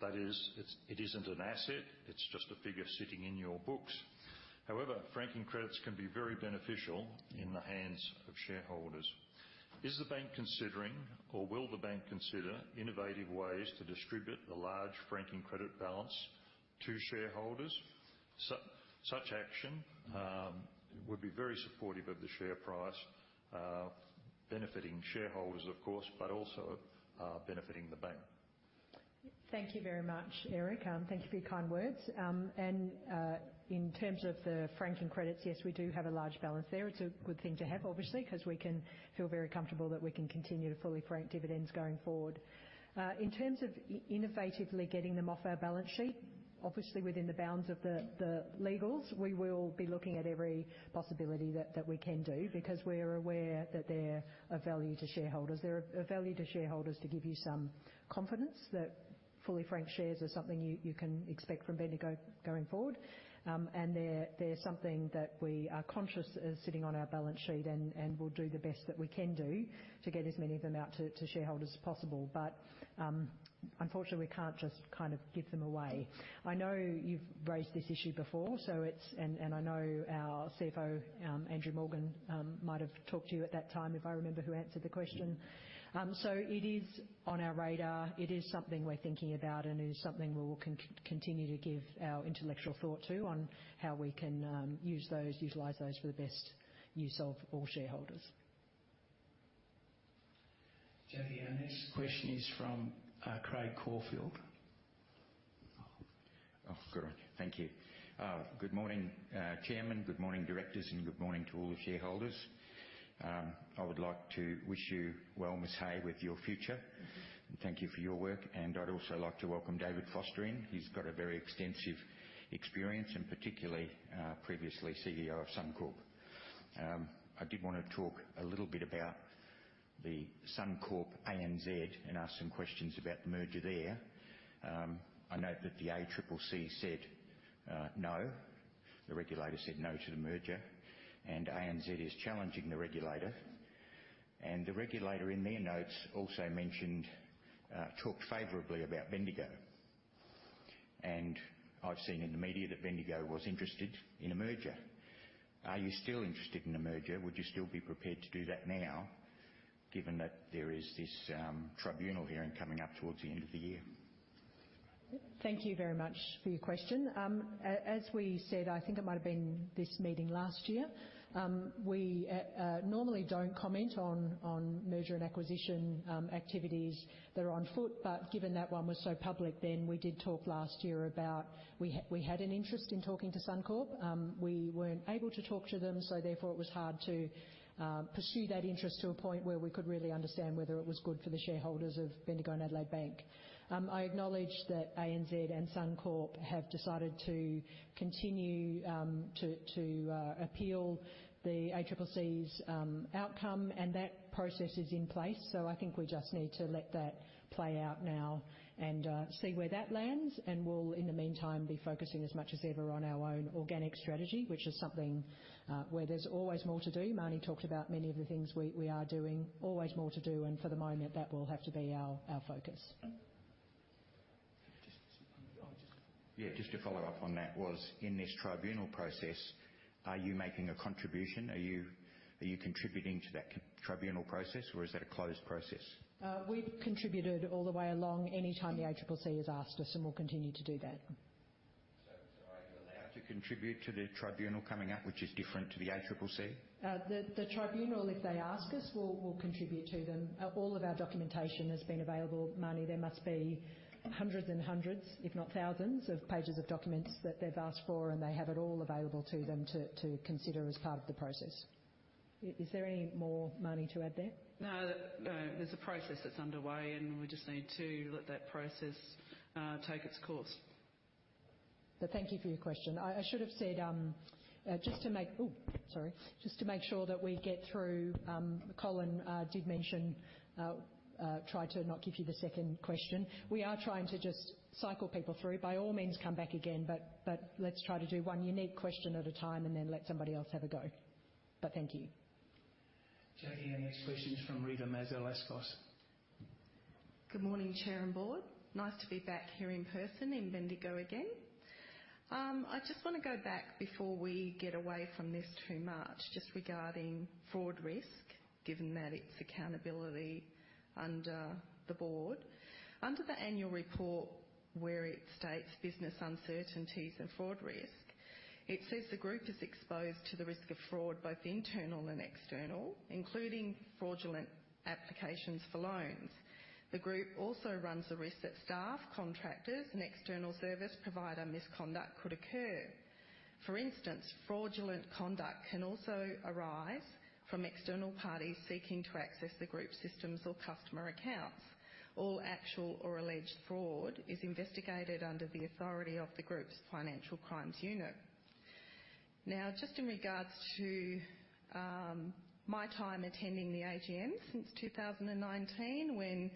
That is, it's, it isn't an asset, it's just a figure sitting in your books. However, franking credits can be very beneficial in the hands of shareholders. Is the bank considering, or will the bank consider innovative ways to distribute the large franking credit balance to shareholders? Such action would be very supportive of the share price, benefiting shareholders, of course, but also benefiting the bank.
Thank you very much, Eric. Thank you for your kind words. In terms of the franking credits, yes, we do have a large balance there. It's a good thing to have, obviously, 'cause we can feel very comfortable that we can continue to fully frank dividends going forward. In terms of innovatively getting them off our balance sheet, obviously within the bounds of the legals, we will be looking at every possibility that we can do because we're aware that they're of value to shareholders. They're of value to shareholders to give you some confidence that fully franked shares are something you can expect from Bendigo going forward. And they're something that we are conscious are sitting on our balance sheet and we'll do the best that we can do to get as many of them out to shareholders as possible. But, unfortunately, we can't just kind of give them away. I know you've raised this issue before, so it's and I know our CFO, Andrew Morgan, might have talked to you at that time, if I remember who answered the question. So it is on our radar. It is something we're thinking about and is something we will continue to give our intellectual thought to on how we can use those, utilize those for the best use of all shareholders.
Jacqui, our next question is from Craig Caulfield.
Oh, good. Thank you. Good morning, Chairman, good morning, directors, and good morning to all the shareholders. I would like to wish you well, Ms. Hey, with your future, and thank you for your work. And I'd also like to welcome David Foster in. He's got a very extensive experience and particularly, previously CEO of Suncorp. I did want to talk a little bit about the Suncorp ANZ and ask some questions about the merger there. I note that the ACCC said, no, the regulator said no to the merger, and ANZ is challenging the regulator. And the regulator in their notes also mentioned, talked favorably about Bendigo. And I've seen in the media that Bendigo was interested in a merger. Are you still interested in a merger? Would you still be prepared to do that now, given that there is this, tribunal hearing coming up towards the end of the year?
Thank you very much for your question. As we said, I think it might have been this meeting last year, we normally don't comment on merger and acquisition activities that are on foot, but given that one was so public, then we did talk last year about we had an interest in talking to Suncorp. We weren't able to talk to them, so therefore, it was hard to pursue that interest to a point where we could really understand whether it was good for the shareholders of Bendigo and Adelaide Bank. I acknowledge that ANZ and Suncorp have decided to continue to appeal the ACCC's outcome, and that process is in place. So I think we just need to let that play out now and, see where that lands, and we'll, in the meantime, be focusing as much as ever on our own organic strategy, which is something, where there's always more to do. Marnie talked about many of the things we, we are doing, always more to do, and for the moment, that will have to be our, our focus.
Just to follow up on that, in this tribunal process, are you making a contribution? Are you contributing to that tribunal process, or is that a closed process?
We've contributed all the way along, anytime the ACCC has asked us, and we'll continue to do that.
Are you allowed to contribute to the tribunal coming up, which is different to the ACCC?
The tribunal, if they ask us, we'll contribute to them. All of our documentation has been available. Marnie, there must be hundreds and hundreds, if not thousands, of pages of documents that they've asked for, and they have it all available to them to consider as part of the process... Is there any more, Marnie, to add there?
No, no. There's a process that's underway, and we just need to let that process take its course.
But thank you for your question. I should have said, just to make sure that we get through, Colin did mention, try to not give you the second question. We are trying to just cycle people through. By all means, come back again, but let's try to do one unique question at a time, and then let somebody else have a go. But thank you.
Jacqui, our next question is from Rita Mazalevskis.
Good morning, Chair and board. Nice to be back here in person in Bendigo again. I just want to go back before we get away from this too much, just regarding fraud risk, given that it's accountability under the board. Under the Annual Report, where it states business uncertainties and fraud risk, it says, "The group is exposed to the risk of fraud, both internal and external, including fraudulent applications for loans. The group also runs a risk that staff, contractors, and external service provider misconduct could occur. For instance, fraudulent conduct can also arise from external parties seeking to access the group's systems or customer accounts. All actual or alleged fraud is investigated under the authority of the group's financial crimes unit." Now, just in regards to, my time attending the AGM since 2019, when,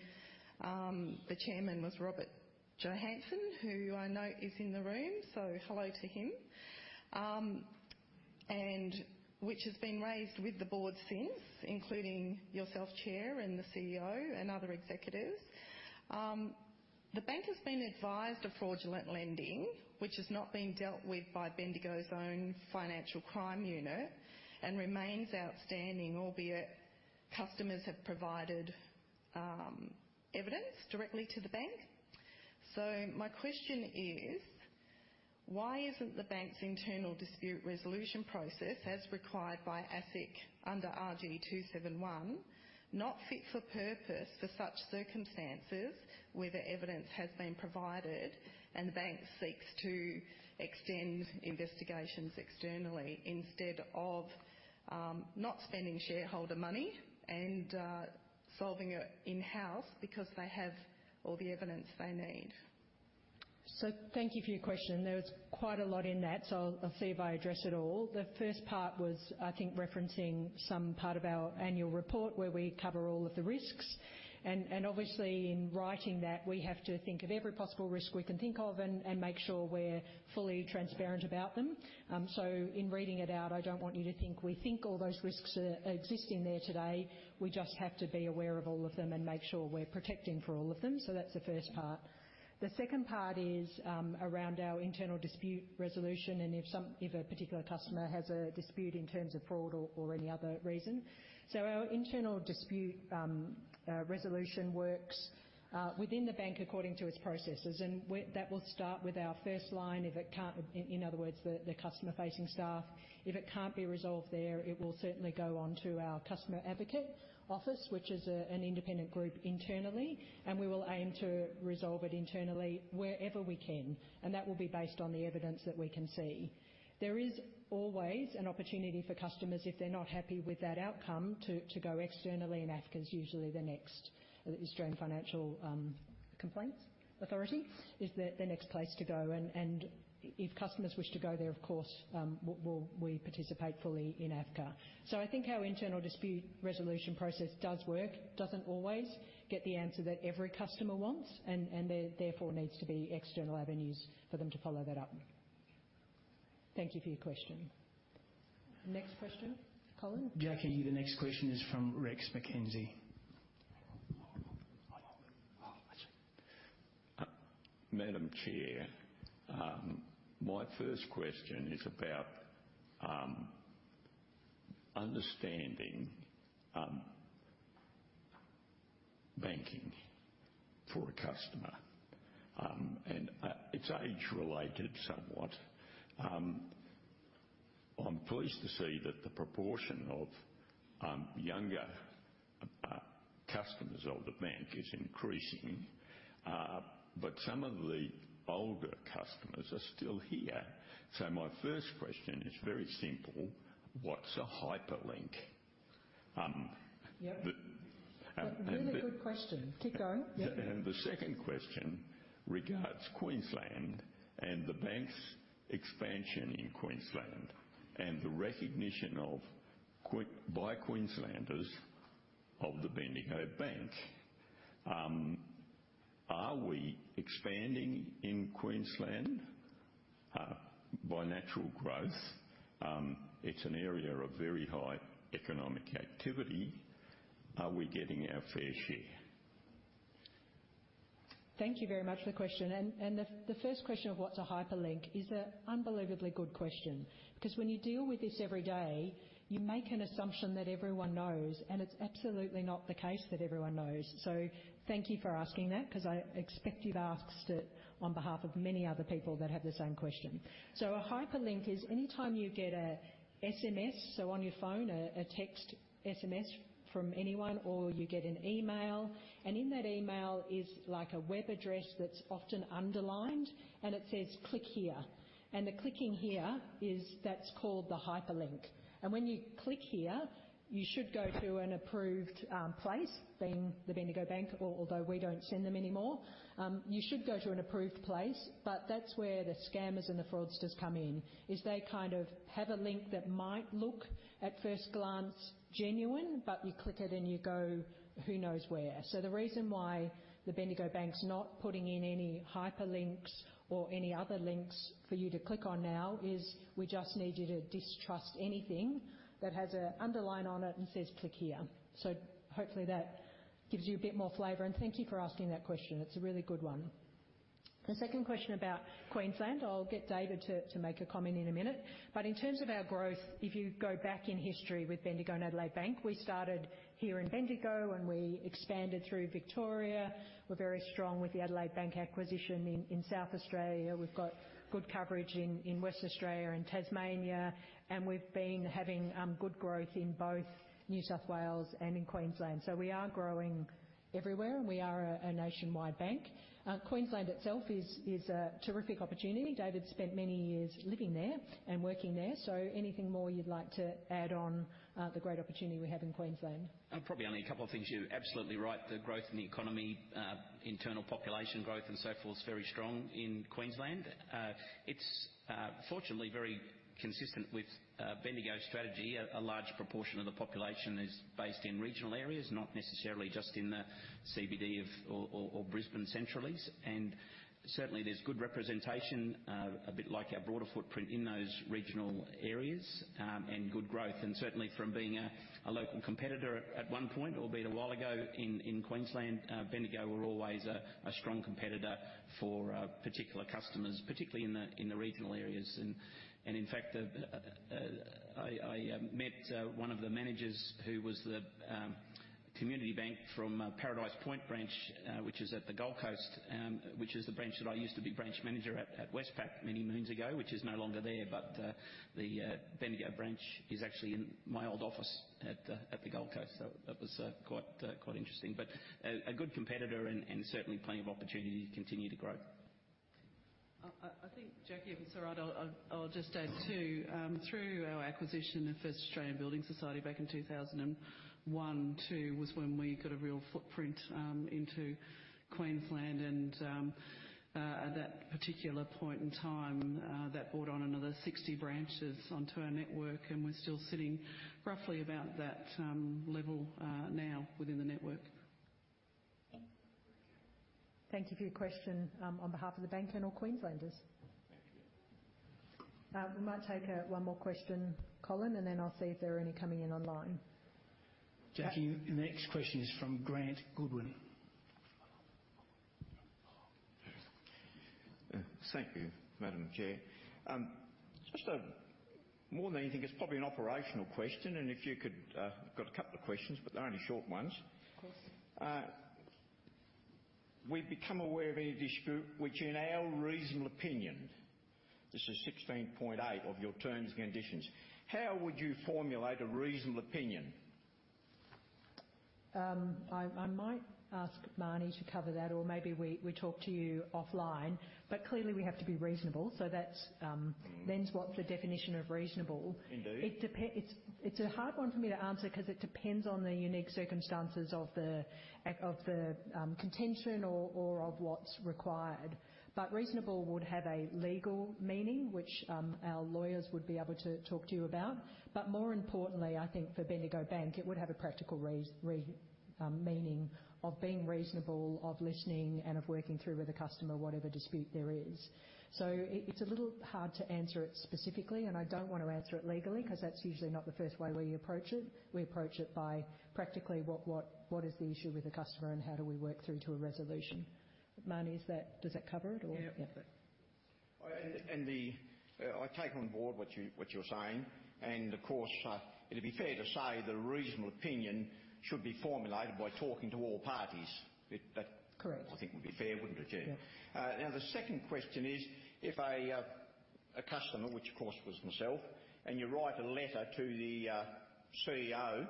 the chairman was Robert Johanson, who I know is in the room, so hello to him, and which has been raised with the board since, including yourself, Chair, and the CEO and other executives. The bank has been advised of fraudulent lending, which has not been dealt with by Bendigo's own financial crime unit and remains outstanding, albeit customers have provided, evidence directly to the bank. So my question is: why isn't the bank's internal dispute resolution process, as required by ASIC under RG 271, not fit for purpose for such circumstances, where the evidence has been provided and the bank seeks to extend investigations externally instead of, not spending shareholder money and, solving it in-house because they have all the evidence they need?
So thank you for your question. There was quite a lot in that, so I'll, I'll see if I address it all. The first part was, I think, referencing some part of our annual report, where we cover all of the risks. And obviously, in writing that, we have to think of every possible risk we can think of and make sure we're fully transparent about them. So in reading it out, I don't want you to think we think all those risks are existing there today. We just have to be aware of all of them and make sure we're protecting for all of them. So that's the first part. The second part is around our internal dispute resolution, and if a particular customer has a dispute in terms of fraud or any other reason. So our internal dispute resolution works within the bank according to its processes, and that will start with our first line if it can't. In other words, the customer-facing staff. If it can't be resolved there, it will certainly go on to our customer advocate office, which is an independent group internally, and we will aim to resolve it internally wherever we can, and that will be based on the evidence that we can see. There is always an opportunity for customers, if they're not happy with that outcome, to go externally, and AFCA is usually the next. Australian Financial Complaints Authority is the next place to go. And if customers wish to go there, of course, we'll participate fully in AFCA. So I think our internal dispute resolution process does work. Doesn't always get the answer that every customer wants, and there therefore needs to be external avenues for them to follow that up. Thank you for your question. Next question, Colin?
Jacqui, the next question is from Rex McKenzie.
Madam Chair, my first question is about understanding banking for a customer, and it's age-related somewhat. I'm pleased to see that the proportion of younger customers of the bank is increasing, but some of the older customers are still here. So my first question is very simple: What's a hyperlink?
Yep.
Uh, and the-
A really good question. Keep going. Yep.
The second question regards Queensland and the bank's expansion in Queensland, and the recognition of quick- by Queenslanders of the Bendigo Bank. Are we expanding in Queensland by natural growth? It's an area of very high economic activity. Are we getting our fair share?
Thank you very much for the question. And the first question of what's a hyperlink is a unbelievably good question, because when you deal with this every day, you make an assumption that everyone knows, and it's absolutely not the case that everyone knows. So thank you for asking that, 'cause I expect you've asked it on behalf of many other people that have the same question. So a hyperlink is any time you get a SMS, so on your phone, a text SMS from anyone, or you get an email, and in that email is, like, a web address that's often underlined, and it says, "Click here." And the clicking here is that's called the hyperlink, and when you click here, you should go to an approved place, being the Bendigo Bank, although we don't send them anymore. You should go to an approved place, but that's where the scammers and the fraudsters come in, is they kind of have a link that might look, at first glance, genuine, but you click it, and you go who knows where. So the reason why the Bendigo Bank's not putting in any hyperlinks or any other links for you to click on now is we just need you to distrust anything that has a underline on it and says, "Click here." So hopefully that gives you a bit more flavor, and thank you for asking that question. It's a really good one. The second question about Queensland, I'll get David to, to make a comment in a minute. But in terms of our growth, if you go back in history with Bendigo and Adelaide Bank, we started here in Bendigo, and we expanded through Victoria. We're very strong with the Adelaide Bank acquisition in South Australia. We've got good coverage in West Australia and Tasmania, and we've been having good growth in both New South Wales and Queensland. So we are growing everywhere, and we are a nationwide bank. Queensland itself is a terrific opportunity. David spent many years living there and working there, so anything more you'd like to add on the great opportunity we have in Queensland?
Probably only a couple of things. You're absolutely right. The growth in the economy, internal population growth, and so forth, is very strong in Queensland. It's fortunately very consistent with Bendigo's strategy. A large proportion of the population is based in regional areas, not necessarily just in the CBD of or Brisbane centrally. And certainly, there's good representation, a bit like our broader footprint in those regional areas, and good growth. And certainly from being a local competitor at one point, albeit a while ago in Queensland, Bendigo were always a strong competitor for particular customers, particularly in the regional areas. In fact, I met one of the managers who was the Community Bank from Paradise Point branch, which is at the Gold Coast, which is the branch that I used to be branch manager at, at Westpac many moons ago, which is no longer there. But the Bendigo branch is actually in my old office at the Gold Coast. So that was quite interesting. But a good competitor and certainly plenty of opportunity to continue to grow.
I think, Jacqui, if it's all right, I'll just add, too, through our acquisition of First Australian Building Society back in 2001, too, was when we got a real footprint into Queensland. And at that particular point in time, that brought on another 60 branches onto our network, and we're still sitting roughly about that level now within the network.
Thank you for your question, on behalf of the bank and all Queenslanders.
Thank you.
We might take one more question, Colin, and then I'll see if there are any coming in online.
Jacqui, the next question is from Grant Goodwin.
Thank you, Madam Chair. More than anything, it's probably an operational question, and if you could, I've got a couple of questions, but they're only short ones.
Of course, sir.
We've become aware of a dispute, which in our reasonable opinion, this is 16.8 of your terms and conditions. How would you formulate a reasonable opinion?
I might ask Marnie to cover that, or maybe we talk to you offline, but clearly, we have to be reasonable. So that's-
Mm-hmm.
What's the definition of reasonable?
Indeed.
It's a hard one for me to answer 'cause it depends on the unique circumstances of the account of the contention or of what's required. But reasonable would have a legal meaning, which our lawyers would be able to talk to you about. But more importantly, I think for Bendigo Bank, it would have a practical reasonable meaning of being reasonable, of listening, and of working through with the customer whatever dispute there is. So it's a little hard to answer it specifically, and I don't want to answer it legally, 'cause that's usually not the first way we approach it. We approach it by practically what is the issue with the customer, and how do we work through to a resolution? Marnie, does that cover it or-
Yeah.
Yeah. I take on board what you're saying, and of course, it'd be fair to say the reasonable opinion should be formulated by talking to all parties. It, that-
Correct.
I think would be fair, wouldn't it, Chair?
Yeah.
Now, the second question is, if a customer, which of course was myself, and you write a letter to the CEO,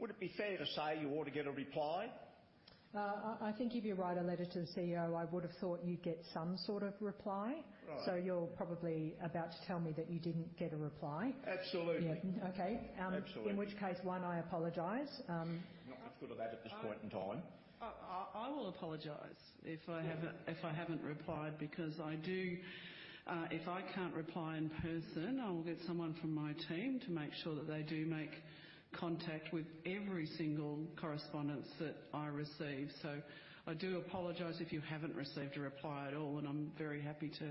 would it be fair to say you ought to get a reply?
I think if you write a letter to the CEO, I would have thought you'd get some sort of reply.
Right.
So you're probably about to tell me that you didn't get a reply.
Absolutely.
Yeah. Okay.
Absolutely.
In which case, I apologize.
Not much good of that at this point in time.
I will apologize if I haven't replied, because I do, if I can't reply in person, I will get someone from my team to make sure that they do make contact with every single correspondence that I receive. So I do apologize if you haven't received a reply at all, and I'm very happy to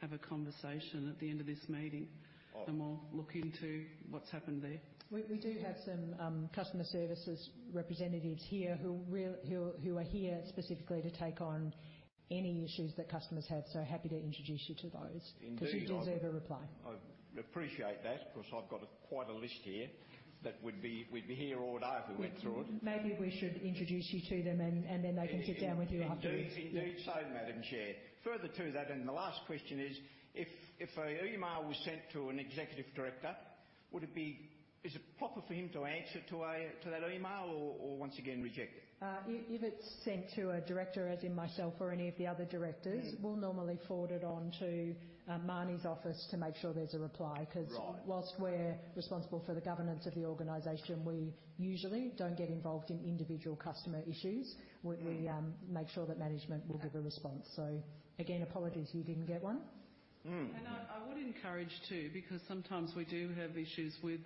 have a conversation at the end of this meeting.
All right.
We'll look into what's happened there.
We do have some customer services representatives here who are here specifically to take on any issues that customers have, so happy to introduce you to those.
Indeed, I-
because you deserve a reply.
I appreciate that. Of course, I've got a quite a list here that would be, we'd be here all day if we went through it.
Maybe we should introduce you to them, and then they can sit down with you afterwards.
Indeed. Indeed so, Madam Chair. Further to that, and the last question is: if a email was sent to an executive director-... would it be, is it proper for him to answer to that email or once again reject it?
If it's sent to a director, as in myself or any of the other directors-
Mm-hmm.
We'll normally forward it on to Marnie's office to make sure there's a reply.
Right.
'Cause while we're responsible for the governance of the organization, we usually don't get involved in individual customer issues.
Mm.
We make sure that management will give a response. So again, apologies you didn't get one.
Mm.
I would encourage, too, because sometimes we do have issues with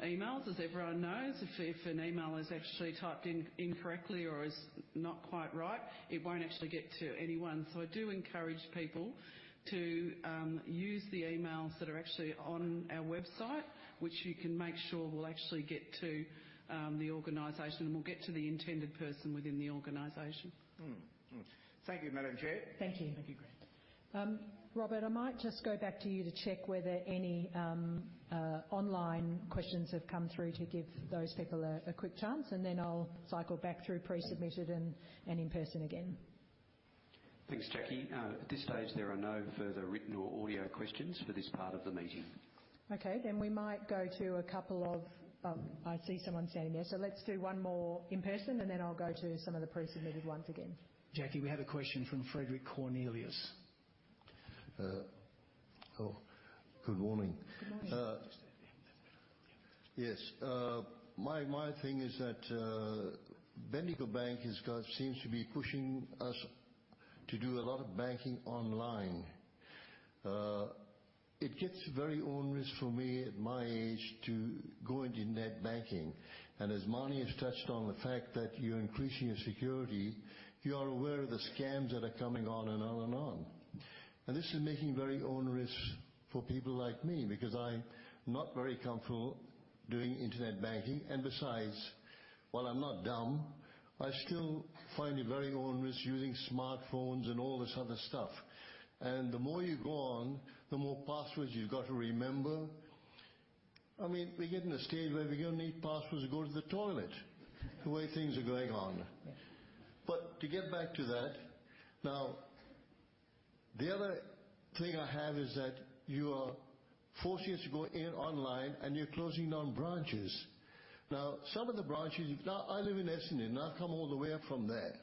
emails, as everyone knows. If an email is actually typed in incorrectly or is not quite right, it won't actually get to anyone. So I do encourage people to use the emails that are actually on our website, which you can make sure will actually get to the organization and will get to the intended person within the organization.
Mm. Mm. Thank you, Madam Chair.
Thank you.
Thank you.
Robert, I might just go back to you to check whether any online questions have come through to give those people a quick chance, and then I'll cycle back through pre-submitted and in-person again.
Thanks, Jacqui. At this stage, there are no further written or audio questions for this part of the meeting.
Okay, then we might go to a couple of... I see someone standing there, so let's do one more in person, and then I'll go to some of the pre-submitted ones again.
Jacqui, we have a question from Frederick Cornelius.
Oh, good morning.
Good morning.
Yes. My, my thing is that Bendigo Bank has got seems to be pushing us to do a lot of banking online. It gets very onerous for me at my age to go into net banking, and as Marnie has touched on the fact that you're increasing your security, you are aware of the scams that are coming on, and on, and on. And this is making it very onerous for people like me, because I'm not very comfortable doing internet banking. And besides, while I'm not dumb, I still find it very onerous using smartphones and all this other stuff. And the more you go on, the more passwords you've got to remember. I mean, we're getting to a stage where we're going to need passwords to go to the toilet, the way things are going on.
Yes.
But to get back to that, now, the other thing I have is that you are forcing us to go online, and you're closing down branches. Now, some of the branches... Now, I live in Essendon, and I've come all the way up from there.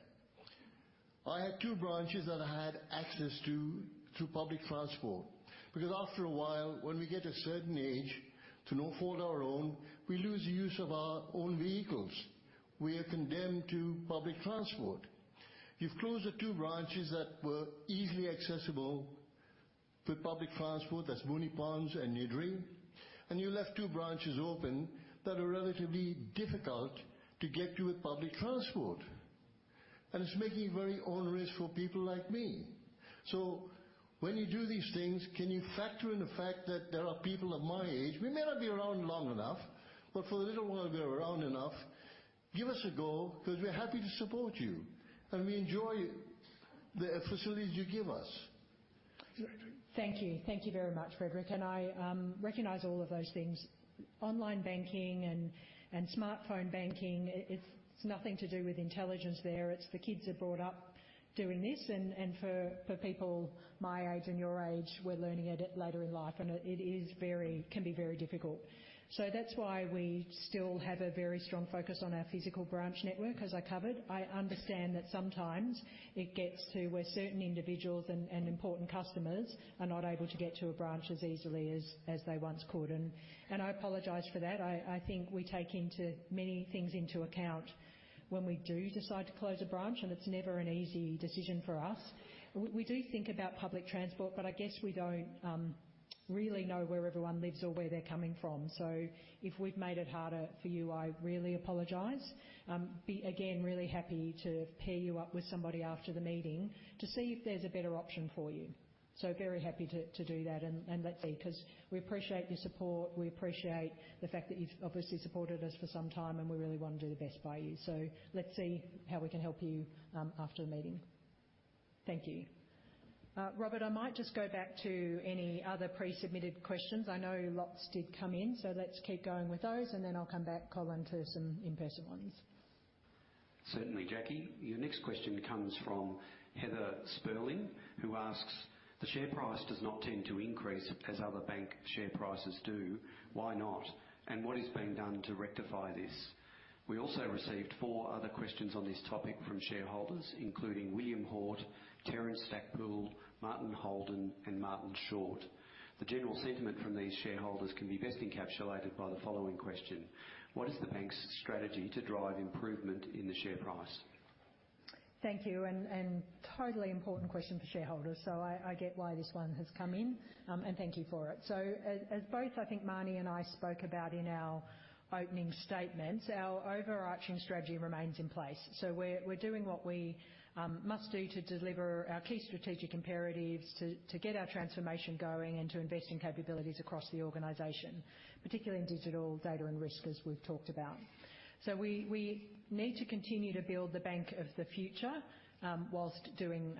I had two branches that I had access to through public transport, because after a while, when we get a certain age to not fault our own, we lose the use of our own vehicles. We are condemned to public transport. You've closed the two branches that were easily accessible through public transport, that's Moonee Ponds and Niddrie, and you left two branches open that are relatively difficult to get to with public transport, and it's making it very onerous for people like me. So when you do these things, can you factor in the fact that there are people of my age? We may not be around long enough, but for the little while we're around enough, give us a go, because we're happy to support you, and we enjoy the facilities you give us.
Thank you. Thank you very much, Frederick, and I recognize all of those things. Online banking and smartphone banking, it's nothing to do with intelligence there. It's the kids are brought up doing this, and for people my age and your age, we're learning it later in life, and it can be very difficult. So that's why we still have a very strong focus on our physical branch network, as I covered. I understand that sometimes it gets to where certain individuals and important customers are not able to get to a branch as easily as they once could, and I apologize for that. I think we take many things into account when we do decide to close a branch, and it's never an easy decision for us. We do think about public transport, but I guess we don't really know where everyone lives or where they're coming from. So if we've made it harder for you, I really apologize. But again, really happy to pair you up with somebody after the meeting to see if there's a better option for you. So very happy to do that, and let's see, 'cause we appreciate your support. We appreciate the fact that you've obviously supported us for some time, and we really want to do the best by you. So let's see how we can help you after the meeting. Thank you. Robert, I might just go back to any other pre-submitted questions. I know lots did come in, so let's keep going with those, and then I'll come back, Colin, to some in-person ones.
Certainly, Jacqui. Your next question comes from Heather Spurling, who asks: "The share price does not tend to increase as other bank share prices do. Why not? And what is being done to rectify this?" We also received four other questions on this topic from shareholders, including William Hort, Terence Stackpoole, Martin Holden, and Martin Short. The general sentiment from these shareholders can be best encapsulated by the following question: "What is the bank's strategy to drive improvement in the share price?
Thank you, and totally important question for shareholders, so I get why this one has come in. And thank you for it. So as both I think Marnie and I spoke about in our opening statements, our overarching strategy remains in place. So we're doing what we must do to deliver our key strategic imperatives, to get our transformation going, and to invest in capabilities across the organization, particularly in digital, data, and risk, as we've talked about. So we need to continue to build the bank of the future, while doing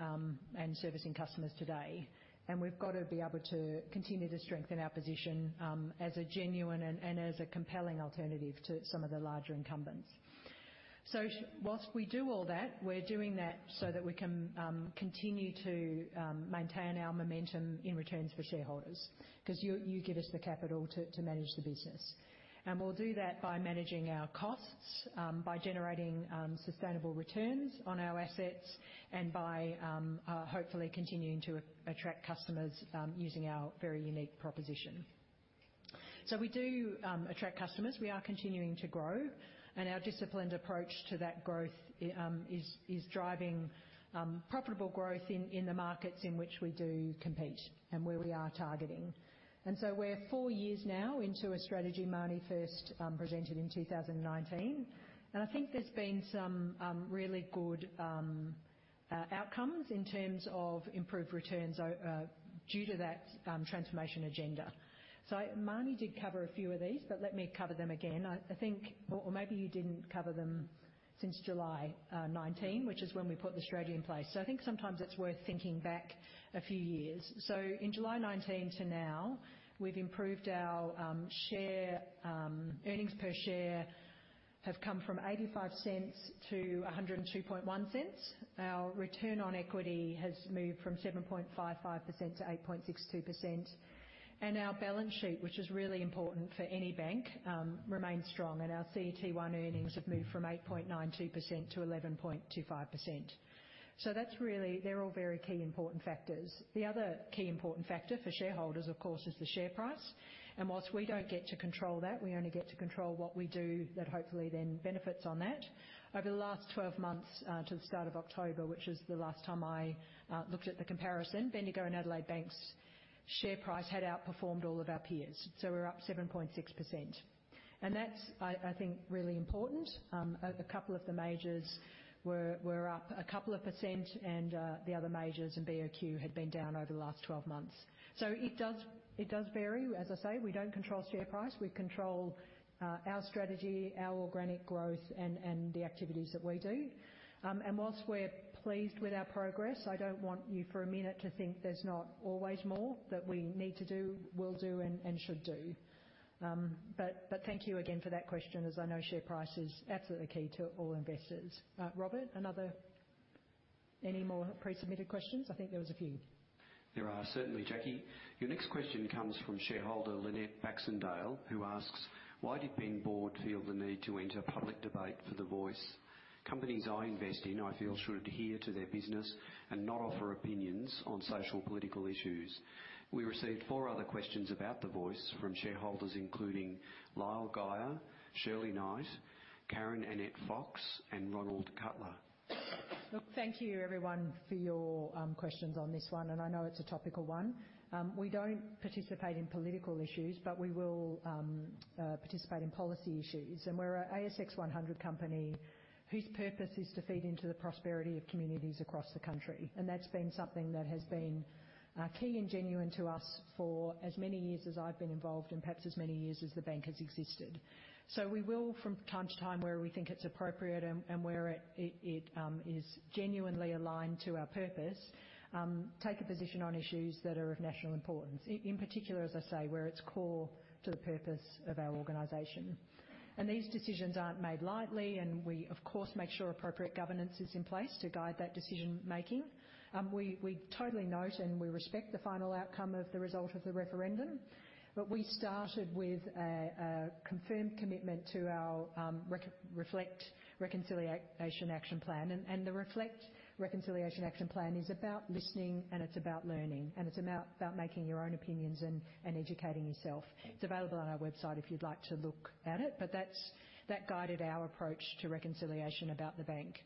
and servicing customers today. And we've got to be able to continue to strengthen our position, as a genuine and as a compelling alternative to some of the larger incumbents.... So while we do all that, we're doing that so that we can continue to maintain our momentum in returns for shareholders, because you give us the capital to manage the business. And we'll do that by managing our costs by generating sustainable returns on our assets, and by hopefully continuing to attract customers using our very unique proposition. So we do attract customers. We are continuing to grow, and our disciplined approach to that growth is driving profitable growth in the markets in which we do compete and where we are targeting. And so we're four years now into a strategy Marnie first presented in 2019, and I think there's been some really good outcomes in terms of improved returns due to that transformation agenda. So Marnie did cover a few of these, but let me cover them again. I think or maybe you didn't cover them since July 2019, which is when we put the strategy in place. So I think sometimes it's worth thinking back a few years. So in July 2019 to now, we've improved our share earnings per share have come from 0.85 to 1.021. Our return on equity has moved from 7.55% to 8.62%. And our balance sheet, which is really important for any bank, remains strong, and our CET1 earnings have moved from 8.92% to 11.25%. So that's really. They're all very key, important factors. The other key important factor for shareholders, of course, is the share price, and while we don't get to control that, we only get to control what we do, that hopefully then benefits on that. Over the last 12 months to the start of October, which is the last time I looked at the comparison, Bendigo and Adelaide Bank's share price had outperformed all of our peers. So we're up 7.6%, and that's, I think, really important. A couple of the majors were up a couple of percent, and the other majors and BOQ had been down over the last 12 months. So it does vary. As I say, we don't control share price. We control our strategy, our organic growth, and the activities that we do. While we're pleased with our progress, I don't want you, for a minute, to think there's not always more that we need to do, will do, and should do. But thank you again for that question, as I know share price is absolutely key to all investors. Robert, another... Any more pre-submitted questions? I think there was a few.
There are certainly, Jacqui. Your next question comes from shareholder Lynette Baxendale, who asks: "Why did BEN Board feel the need to enter public debate for the Voice? Companies I invest in, I feel, should adhere to their business and not offer opinions on social political issues." We received four other questions about the Voice from shareholders, including Lyle Geyer, Shirley Knight, Karen Annette Fox, and Ronald Cutler.
Look, thank you everyone for your questions on this one, and I know it's a topical one. We don't participate in political issues, but we will participate in policy issues. We're a ASX 100 company whose purpose is to feed into the prosperity of communities across the country, and that's been something that has been key and genuine to us for as many years as I've been involved and perhaps as many years as the bank has existed. So we will, from time to time, where we think it's appropriate and where it is genuinely aligned to our purpose, take a position on issues that are of national importance, in particular, as I say, where it's core to the purpose of our organization. These decisions aren't made lightly, and we, of course, make sure appropriate governance is in place to guide that decision-making. We totally note and we respect the final outcome of the result of the referendum, but we started with a confirmed commitment to our Reflect Reconciliation Action Plan. The Reflect Reconciliation Action Plan is about listening, and it's about learning, and it's about making your own opinions and educating yourself. It's available on our website if you'd like to look at it, but that guided our approach to reconciliation about the bank,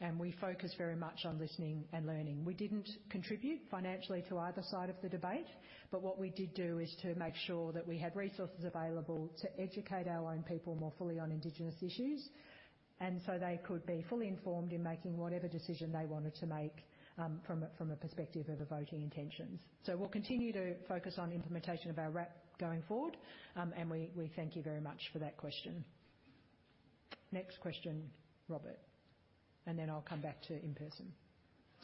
and we focus very much on listening and learning. We didn't contribute financially to either side of the debate, but what we did do is to make sure that we had resources available to educate our own people more fully on Indigenous issues, and so they could be fully informed in making whatever decision they wanted to make, from a, from a perspective of their voting intentions. So we'll continue to focus on implementation of our RAP going forward, and we thank you very much for that question. Next question, Robert, and then I'll come back to in-person.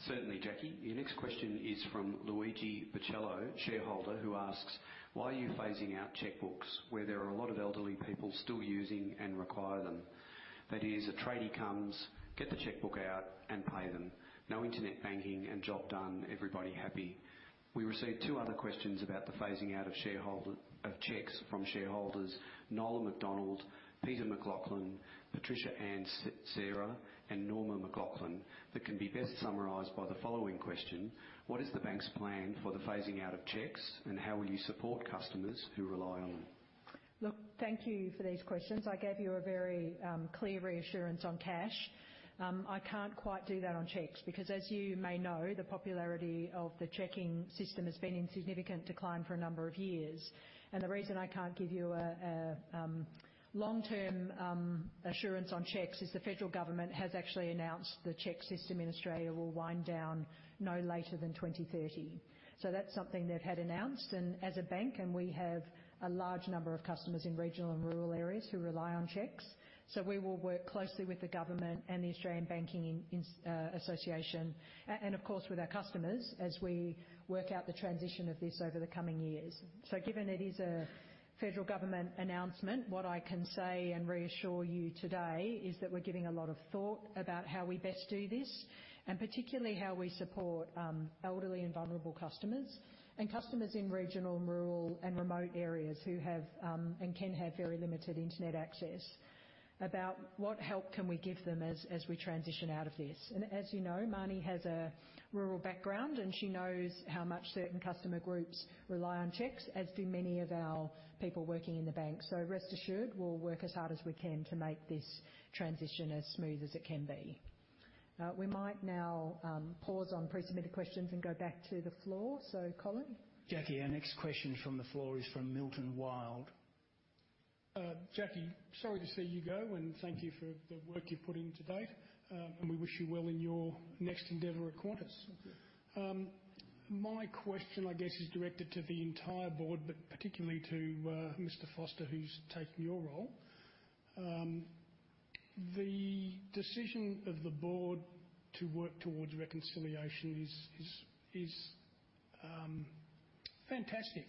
Certainly, Jacqui. Your next question is from Luigi Pucillo, shareholder, who asks: "Why are you phasing out chequebooks where there are a lot of elderly people still using and require them? That is, a tradie comes, get the chequebook out and pay them. No internet banking, and job done, everybody happy." We received two other questions about the phasing out of cheques from shareholders, Noah McDonald, Peter McLaughlin, Patricia Ann Sera, and Norma McLaughlin, that can be best summarized by the following question: "What is the bank's plan for the phasing out of cheques, and how will you support customers who rely on them?
Look, thank you for these questions. I gave you a very, clear reassurance on cash. I can't quite do that on cheques, because as you may know, the popularity of the cheque system has been in significant decline for a number of years. And the reason I can't give you a long-term assurance on cheques is the federal government has actually announced the check system in Australia will wind down no later than 2030. So that's something they've had announced, and as a bank, and we have a large number of customers in regional and rural areas who rely on cheques. So we will work closely with the government and the Australian Banking Association and, of course, with our customers as we work out the transition of this over the coming years. So given it is a federal government announcement, what I can say and reassure you today is that we're giving a lot of thought about how we best do this, and particularly how we support elderly and vulnerable customers and customers in regional, rural, and remote areas who have and can have very limited internet access, about what help can we give them as we transition out of this. And as you know, Marnie has a rural background, and she knows how much certain customer groups rely on cheques, as do many of our people working in the bank. So rest assured, we'll work as hard as we can to make this transition as smooth as it can be. We might now pause on pre-submitted questions and go back to the floor. So, Colin?
Jacqui, our next question from the floor is from Milton Wylde.
Jacqui, sorry to see you go, and thank you for the work you've put in to date. We wish you well in your next endeavor at Qantas. My question, I guess, is directed to the entire board, but particularly to Mr. Foster, who's taking your role. The decision of the board to work towards reconciliation is fantastic,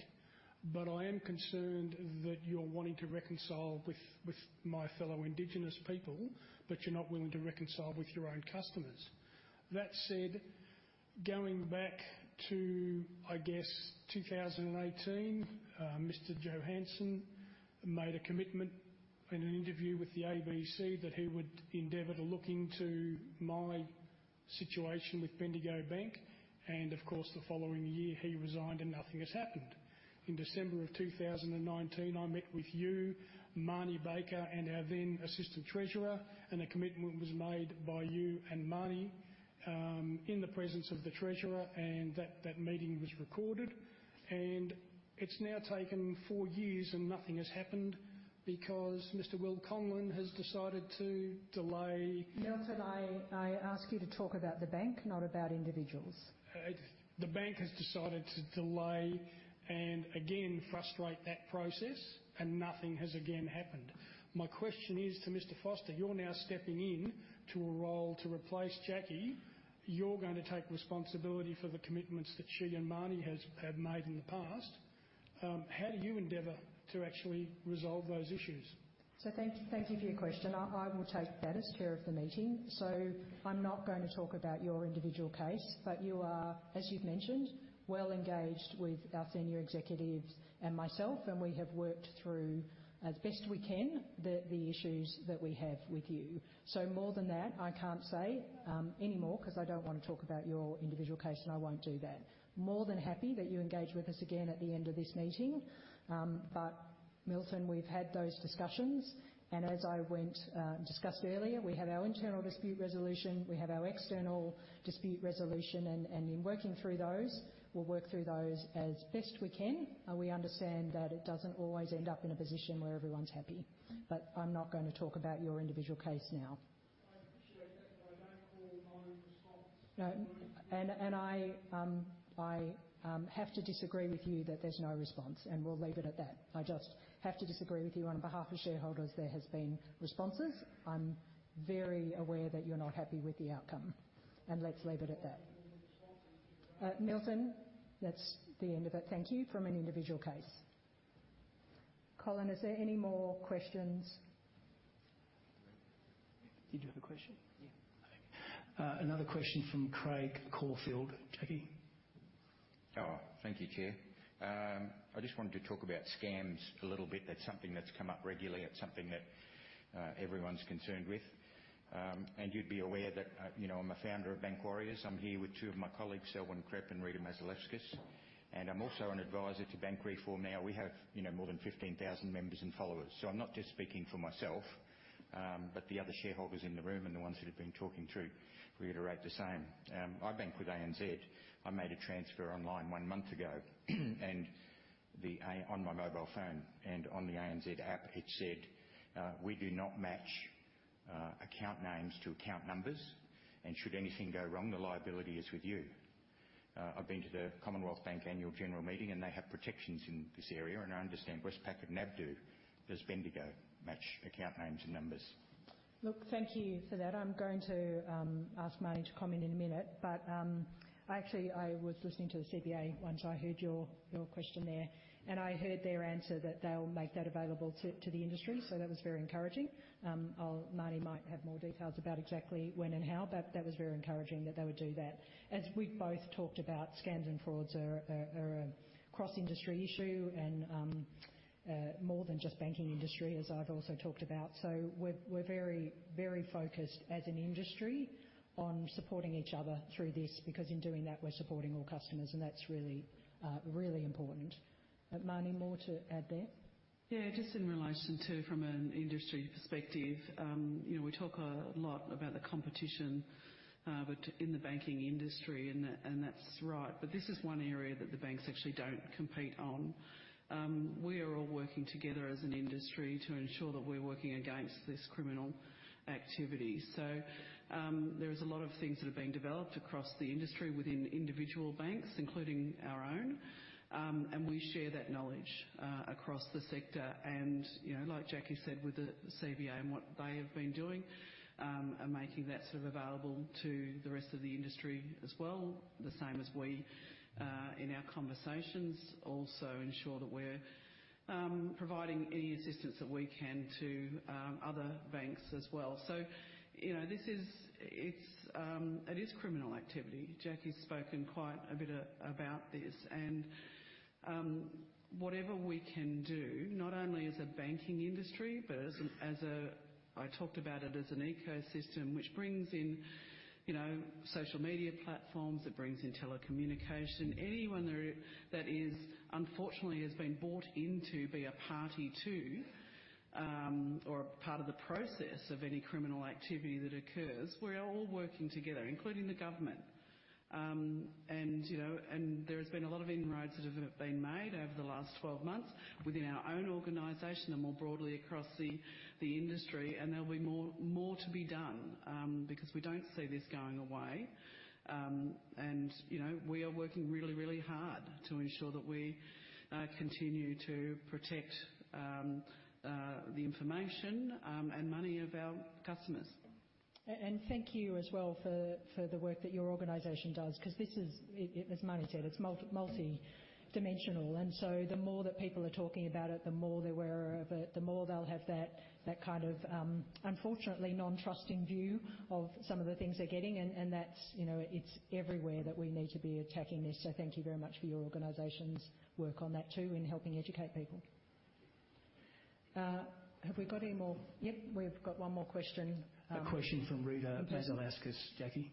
but I am concerned that you're wanting to reconcile with my fellow Indigenous people, but you're not willing to reconcile with your own customers. That said, going back to, I guess, 2018, Mr. Johanson made a commitment in an interview with the ABC that he would endeavor to look into my situation with Bendigo Bank, and of course, the following year, he resigned, and nothing has happened. In December 2019, I met with you, Marnie Baker, and our then Assistant Treasurer, and a commitment was made by you and Marnie in the presence of the Treasurer, and that meeting was recorded. It's now taken four years, and nothing has happened because Mr. Will Conlan has decided to delay-
Milton, I ask you to talk about the bank, not about individuals.
The bank has decided to delay and again frustrate that process, and nothing has again happened. My question is to Mr. Foster. You're now stepping in to a role to replace Jacqui. You're going to take responsibility for the commitments that she and Marnie has, have made in the past. How do you endeavor to actually resolve those issues?
So thank you, thank you for your question. I will take that as Chair of the meeting. So I'm not going to talk about your individual case, but you are, as you've mentioned, well engaged with our senior executives and myself, and we have worked through, as best we can, the issues that we have with you. So more than that, I can't say anymore, 'cause I don't want to talk about your individual case, and I won't do that. More than happy that you engage with us again at the end of this meeting. But Milton, we've had those discussions, and as I discussed earlier, we have our internal dispute resolution, we have our external dispute resolution, and in working through those, we'll work through those as best we can. We understand that it doesn't always end up in a position where everyone's happy. But I'm not going to talk about your individual case now.
I appreciate that, but I don't call no response.
No, I have to disagree with you that there's no response, and we'll leave it at that. I just have to disagree with you. On behalf of shareholders, there has been responses. I'm very aware that you're not happy with the outcome, and let's leave it at that.
There have been no responses at all.
Milton, that's the end of it. Thank you, from an individual case. Colin, is there any more questions?
Did you have a question?
Yeah.
Another question from Craig Caulfield. Jacqui?
Oh, thank you, Chair. I just wanted to talk about scams a little bit. That's something that's come up regularly. It's something that everyone's concerned with. And you'd be aware that you know, I'm a founder of Bank Warriors. I'm here with two of my colleagues, Elwyn Klappe and Rita Mazalevskis, and I'm also an advisor to Bank Reform Now. We have, you know, more than 15,000 members and followers, so I'm not just speaking for myself, but the other shareholders in the room and the ones that have been talking too, reiterate the same. I bank with ANZ. I made a transfer online one month ago, and the A... On my mobile phone, and on the ANZ app, it said, "We do not match account names to account numbers, and should anything go wrong, the liability is with you." I've been to the Commonwealth Bank annual general meeting, and they have protections in this area, and I understand Westpac and NAB do. Does Bendigo match account names and numbers?
Look, thank you for that. I'm going to ask Marnie to comment in a minute, but actually, I was listening to the CBA once I heard your question there, and I heard their answer that they'll make that available to the industry, so that was very encouraging. Marnie might have more details about exactly when and how, but that was very encouraging that they would do that. As we've both talked about, scams and frauds are a cross-industry issue and more than just banking industry, as I've also talked about. So we're very, very focused as an industry on supporting each other through this, because in doing that, we're supporting all customers, and that's really, really important. But Marnie, more to add there?
Yeah, just in relation to from an industry perspective, you know, we talk a lot about the competition, but in the banking industry, and that, and that's right. But this is one area that the banks actually don't compete on. We are all working together as an industry to ensure that we're working against this criminal activity. So, there is a lot of things that are being developed across the industry within individual banks, including our own, and we share that knowledge across the sector. And you know, like Jacqui said, with the CBA and what they have been doing, are making that sort of available to the rest of the industry as well, the same as we, in our conversations, also ensure that we're providing any assistance that we can to other banks as well. So, you know, this is, it's, it is criminal activity. Jacqui spoken quite a bit about this. And, whatever we can do, not only as a banking industry, but as an ecosystem, which brings in, you know, social media platforms, it brings in telecommunication. Anyone there that is, unfortunately, has been bought in to be a party to, or a part of the process of any criminal activity that occurs, we are all working together, including the government. And, you know, and there has been a lot of inroads that have been made over the last 12 months within our own organization and more broadly across the industry, and there'll be more to be done, because we don't see this going away. You know, we are working really, really hard to ensure that we continue to protect the information and money of our customers.
And thank you as well for the work that your organization does, 'cause this is, as Marnie said, it's multidimensional, and so the more that people are talking about it, the more they're aware of it, the more they'll have that kind of, unfortunately, non-trusting view of some of the things they're getting. And that's, you know, it's everywhere that we need to be attacking this. So thank you very much for your organization's work on that, too, in helping educate people. Have we got any more? Yep, we've got one more question.
A question from Rita Mazalevskis, Jacqui.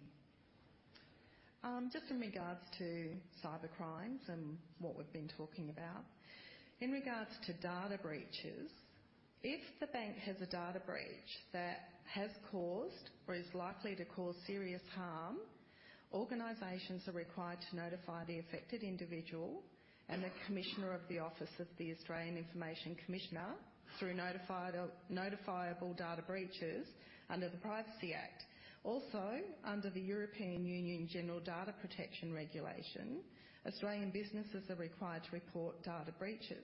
Just in regards to cyber crimes and what we've been talking about. In regards to data breaches, if the bank has a data breach that has caused or is likely to cause serious harm, organizations are required to notify the affected individual and the Commissioner of the Office of the Australian Information Commissioner, through notified, notifiable data breaches under the Privacy Act. Also, under the European Union General Data Protection Regulation, Australian businesses are required to report data breaches.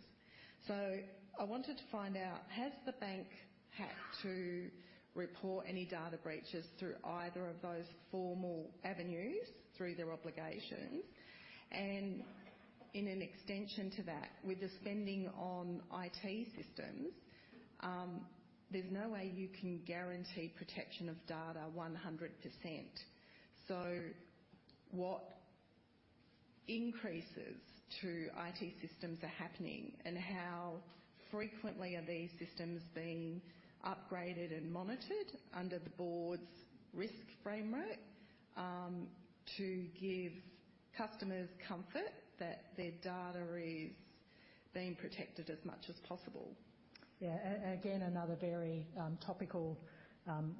So I wanted to find out, has the bank had to report any data breaches through either of those formal avenues, through their obligations? And in an extension to that, with the spending on IT systems, there's no way you can guarantee protection of data 100%. What increases to IT systems are happening, and how frequently are these systems being upgraded and monitored under the board's risk framework, to give customers comfort that their data is being protected as much as possible?
Yeah. Again, another very topical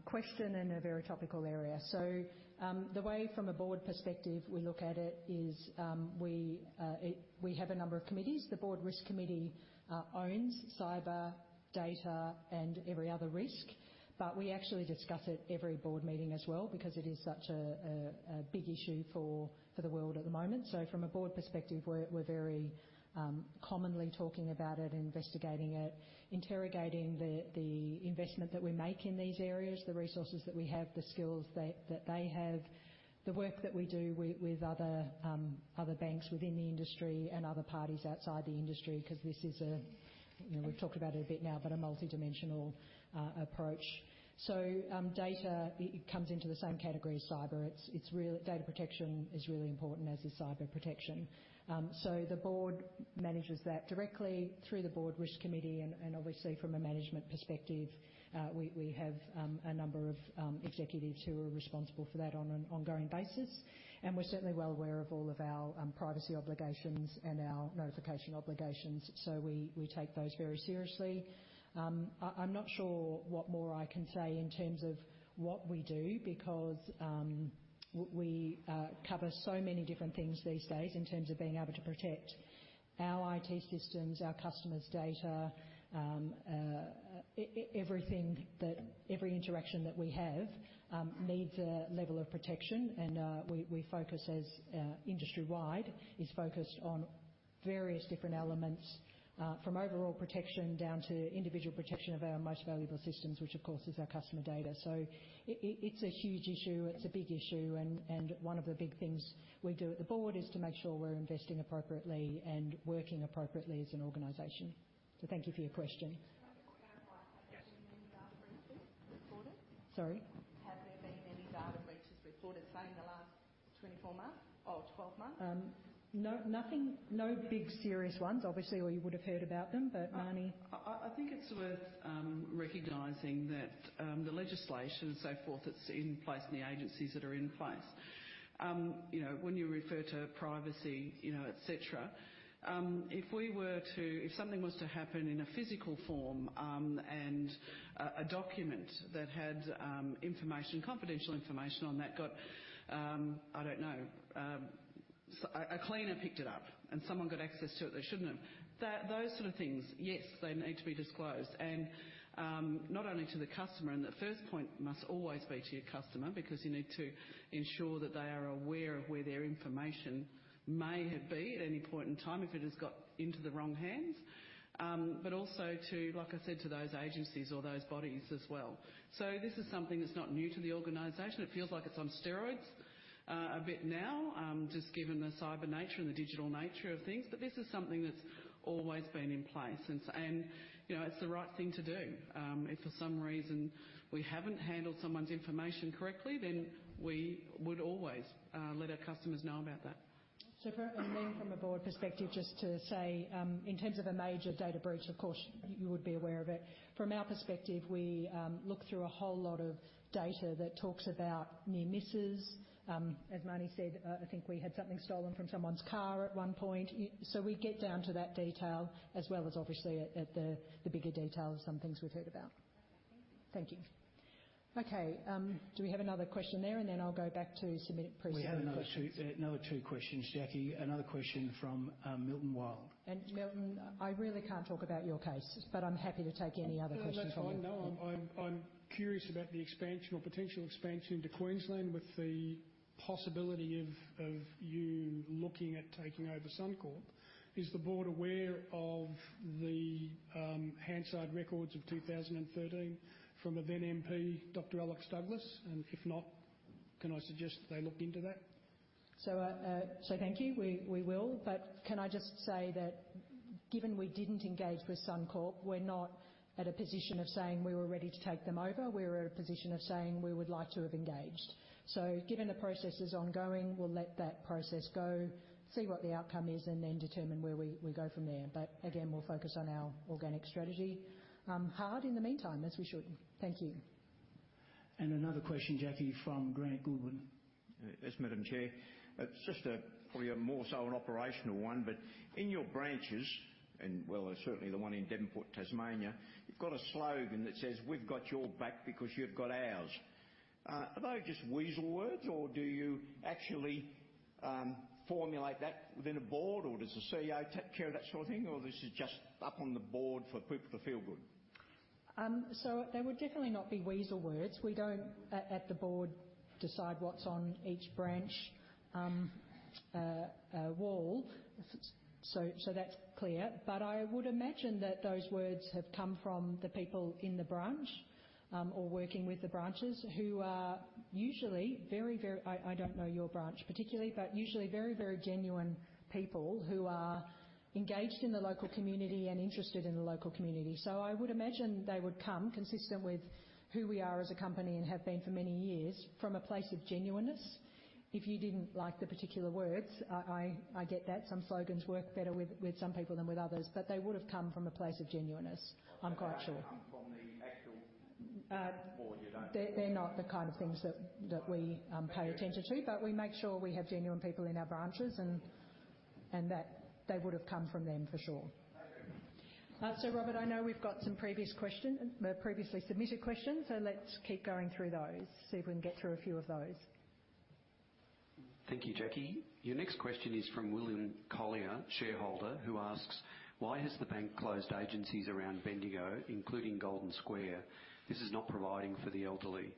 question and a very topical area. So, the way from a board perspective, we look at it, is we have a number of committees. The Board Risk Committee owns cyber, data, and every other risk, but we actually discuss it every board meeting as well, because it is such a big issue for the world at the moment. So from a board perspective, we're very commonly talking about it, investigating it, interrogating the investment that we make in these areas, the resources that we have, the skills that they have, the work that we do with other banks within the industry and other parties outside the industry, 'cause this is a, you know, we've talked about it a bit now, but a multidimensional approach. So, data, it comes into the same category as cyber. It's really... Data protection is really important, as is cyber protection. So the board manages that directly through the Board Risk Committee, and obviously from a management perspective, we have a number of executives who are responsible for that on an ongoing basis, and we're certainly well aware of all of our privacy obligations and our notification obligations, so we take those very seriously. I'm not sure what more I can say in terms of what we do, because we cover so many different things these days in terms of being able to protect our IT systems, our customers' data, every interaction that we have needs a level of protection, and we focus as industry-wide is focused on various different elements from overall protection down to individual protection of our most valuable systems, which, of course, is our customer data. So it's a huge issue, it's a big issue, and one of the big things we do at the board is to make sure we're investing appropriately and working appropriately as an organization. So thank you for your question.
Can I just clarify?
Yes.
Have there been any data breaches reported?
Sorry.
Have there been any data breaches reported, say, in the last-... 24 months? Oh, 12 months.
No, nothing, no big serious ones, obviously, or you would have heard about them, but Marnie?
I think it's worth recognizing that the legislation and so forth that's in place and the agencies that are in place. You know, when you refer to privacy, you know, et cetera, if something was to happen in a physical form, and a document that had information, confidential information on that got, I don't know, a cleaner picked it up, and someone got access to it they shouldn't have. Those sort of things, yes, they need to be disclosed and not only to the customer, and the first point must always be to your customer, because you need to ensure that they are aware of where their information may have been at any point in time, if it has got into the wrong hands. But also to, like I said, to those agencies or those bodies as well. So this is something that's not new to the organization. It feels like it's on steroids, a bit now, just given the cyber nature and the digital nature of things, but this is something that's always been in place. And, you know, it's the right thing to do. If for some reason we haven't handled someone's information correctly, then we would always let our customers know about that.
So and then from a board perspective, just to say, in terms of a major data breach, of course, you would be aware of it. From our perspective, we look through a whole lot of data that talks about near misses. As Marnie said, I think we had something stolen from someone's car at one point. So we get down to that detail as well as obviously at the bigger detail of some things we've heard about. Thank you. Okay, do we have another question there? And then I'll go back to submitted press questions.
We have another two, another two questions, Jacqui. Another question from, Milton Wilde.
Milton, I really can't talk about your case, but I'm happy to take any other questions from you.
No, that's... I know. I'm curious about the expansion or potential expansion to Queensland with the possibility of you looking at taking over Suncorp. Is the board aware of the Hansard records of 2013 from a then MP, Dr. Alex Douglas? And if not, can I suggest they look into that?
So, thank you. We will. But can I just say that given we didn't engage with Suncorp, we're not at a position of saying we were ready to take them over. We're at a position of saying we would like to have engaged. So given the process is ongoing, we'll let that process go, see what the outcome is, and then determine where we go from there. But again, we'll focus on our organic strategy, hard in the meantime, as we should. Thank you.
Another question, Jacqui, from Grant Goodwin.
Yes, Madam Chair. It's just a, probably a more so an operational one, but in your branches, and well, certainly the one in Devonport, Tasmania, you've got a slogan that says: "We've got your back because you've got ours." Are they just weasel words, or do you actually formulate that within a board, or does the CEO take care of that sort of thing? Or this is just up on the board for people to feel good?
So they would definitely not be weasel words. We don't at the board decide what's on each branch wall. So that's clear. But I would imagine that those words have come from the people in the branch or working with the branches, who are usually very, very... I don't know your branch particularly, but usually very, very genuine people who are engaged in the local community and interested in the local community. So I would imagine they would come consistent with who we are as a company, and have been for many years, from a place of genuineness. If you didn't like the particular words, I get that. Some slogans work better with some people than with others, but they would have come from a place of genuineness, I'm quite sure.
But they haven't come from the actual board? You don't-
They're not the kind of things that we pay attention to.
Thank you.
We make sure we have genuine people in our branches, and that they would have come from them for sure.
Thank you.
So, Robert, I know we've got some previous question, previously submitted questions, so let's keep going through those, see if we can get through a few of those.
Thank you, Jacqui. Your next question is from William Collier, shareholder, who asks: "Why has the bank closed agencies around Bendigo, including Golden Square? This is not providing for the elderly."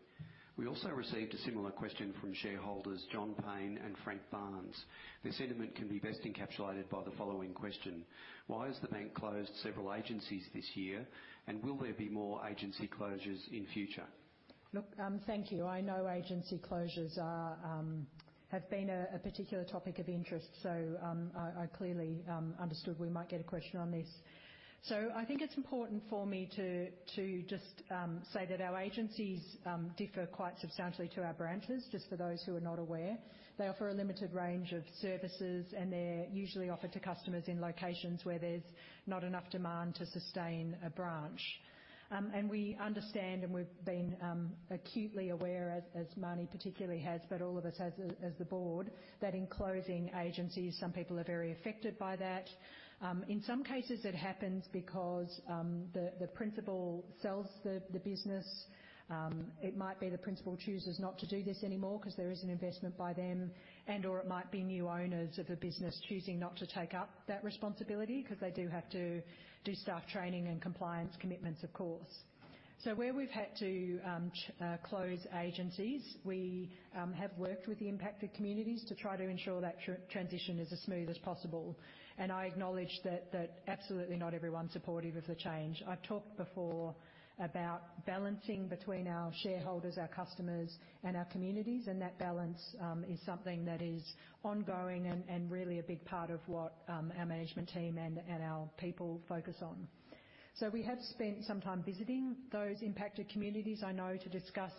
We also received a similar question from shareholders John Payne and Frank Barnes. Their sentiment can be best encapsulated by the following question: "Why has the bank closed several agencies this year, and will there be more agency closures in future?
Look, thank you. I know agency closures are have been a particular topic of interest, so I clearly understood we might get a question on this. So I think it's important for me to just say that our agencies differ quite substantially to our branches, just for those who are not aware. They offer a limited range of services, and they're usually offered to customers in locations where there's not enough demand to sustain a branch. And we understand, and we've been acutely aware, as Marnie particularly has, but all of us as the board, that in closing agencies, some people are very affected by that. In some cases, it happens because the principal sells the business. It might be the principal chooses not to do this anymore because there is an investment by them, and/or it might be new owners of the business choosing not to take up that responsibility, because they do have to do staff training and compliance commitments, of course. So where we've had to close agencies, we have worked with the impacted communities to try to ensure that transition is as smooth as possible. And I acknowledge that that absolutely not everyone's supportive of the change. I've talked before about balancing between our shareholders, our customers, and our communities, and that balance is something that is ongoing and really a big part of what our management team and our people focus on. So we have spent some time visiting those impacted communities, I know, to discuss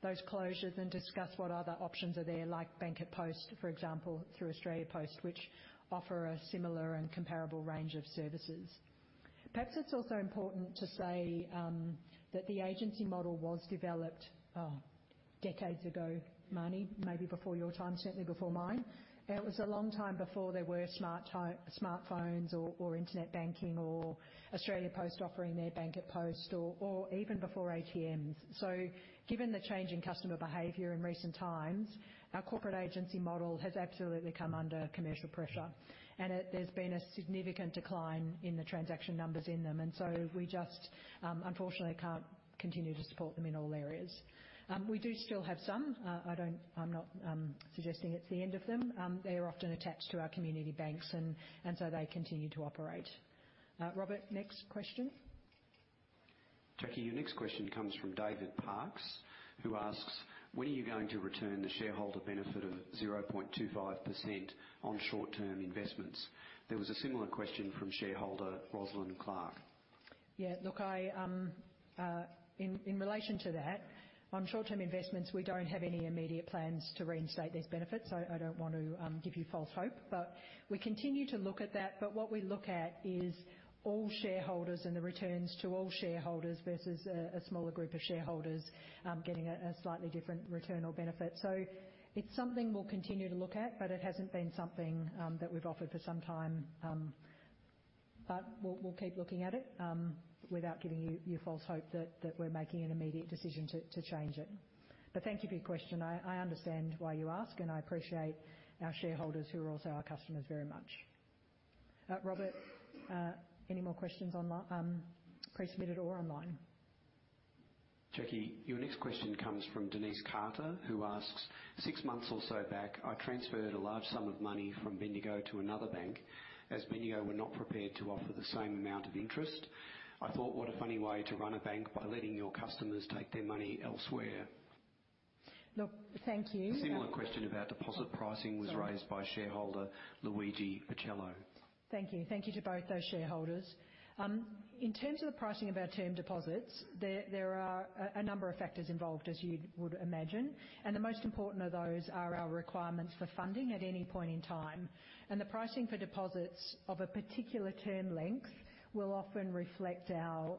those closures and discuss what other options are there, like Bank@Post, for example, through Australia Post, which offer a similar and comparable range of services. Perhaps it's also important to say that the agency model was developed, oh, decades ago, Marnie, maybe before your time, certainly before mine. It was a long time before there were smartphones or internet banking or Australia Post offering their Bank@Post or even before ATMs. So given the change in customer behavior in recent times, our corporate agency model has absolutely come under commercial pressure, and there's been a significant decline in the transaction numbers in them, and so we just, unfortunately, can't continue to support them in all areas. We do still have some. I don't, I'm not suggesting it's the end of them. They are often attached to our community banks and so they continue to operate. Robert, next question?
Jackie, your next question comes from David Parks, who asks: "When are you going to return the shareholder benefit of 0.25% on short-term investments?" There was a similar question from shareholder Rosalind Clark.
Yeah, look, I, in relation to that, on short-term investments, we don't have any immediate plans to reinstate these benefits. So I don't want to give you false hope, but we continue to look at that. But what we look at is all shareholders and the returns to all shareholders versus a smaller group of shareholders getting a slightly different return or benefit. So it's something we'll continue to look at, but it hasn't been something that we've offered for some time. But we'll keep looking at it without giving you false hope that we're making an immediate decision to change it. But thank you for your question. I understand why you ask, and I appreciate our shareholders, who are also our customers, very much. Robert, any more questions online, pre-submitted or online?
Jackie, your next question comes from Denise Carter, who asks: "Six months or so back, I transferred a large sum of money from Bendigo to another bank, as Bendigo were not prepared to offer the same amount of interest. I thought, what a funny way to run a bank, by letting your customers take their money elsewhere.
Look, thank you,
A similar question about deposit pricing-
Sorry.
Was raised by shareholder Luigi Picello.
Thank you. Thank you to both those shareholders. In terms of the pricing of our term deposits, there are a number of factors involved, as you would imagine, and the most important of those are our requirements for funding at any point in time. And the pricing for deposits of a particular term length will often reflect our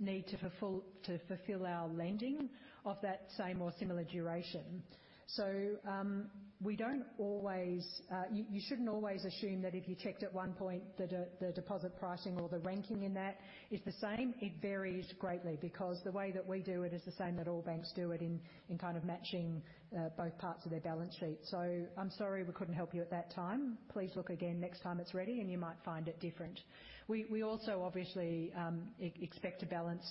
need to fulfill our lending of that same or similar duration. So, we don't always... You shouldn't always assume that if you checked at one point, the deposit pricing or the ranking in that is the same. It varies greatly, because the way that we do it is the same that all banks do it, in kind of matching both parts of their balance sheet. So I'm sorry we couldn't help you at that time. Please look again next time it's ready, and you might find it different. We also obviously expect to balance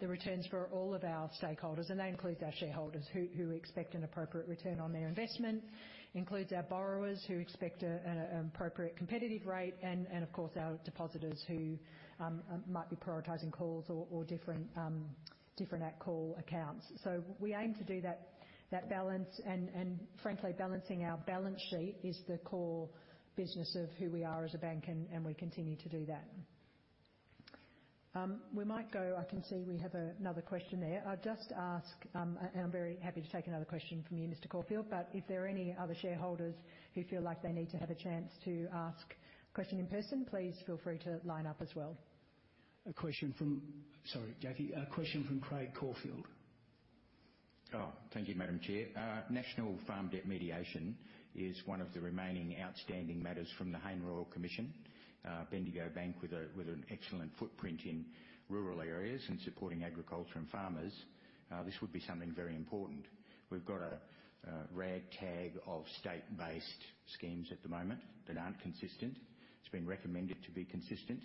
the returns for all of our stakeholders, and that includes our shareholders, who expect an appropriate return on their investment. Includes our borrowers, who expect an appropriate competitive rate, and of course, our depositors, who might be prioritizing calls or different at-call accounts. So we aim to do that balance, and frankly, balancing our balance sheet is the core business of who we are as a bank, and we continue to do that. We might go. I can see we have another question there. I'd just ask, and I'm very happy to take another question from you, Mr. Caulfield, but if there are any other shareholders who feel like they need to have a chance to ask a question in person, please feel free to line up as well.
A question from... Sorry, Jackie. A question from Craig Caulfield.
Oh, thank you, Madam Chair. National Farm Debt Mediation is one of the remaining outstanding matters from the Hayne Royal Commission. Bendigo Bank, with an excellent footprint in rural areas and supporting agriculture and farmers, this would be something very important. We've got a ragtag of state-based schemes at the moment that aren't consistent. It's been recommended to be consistent.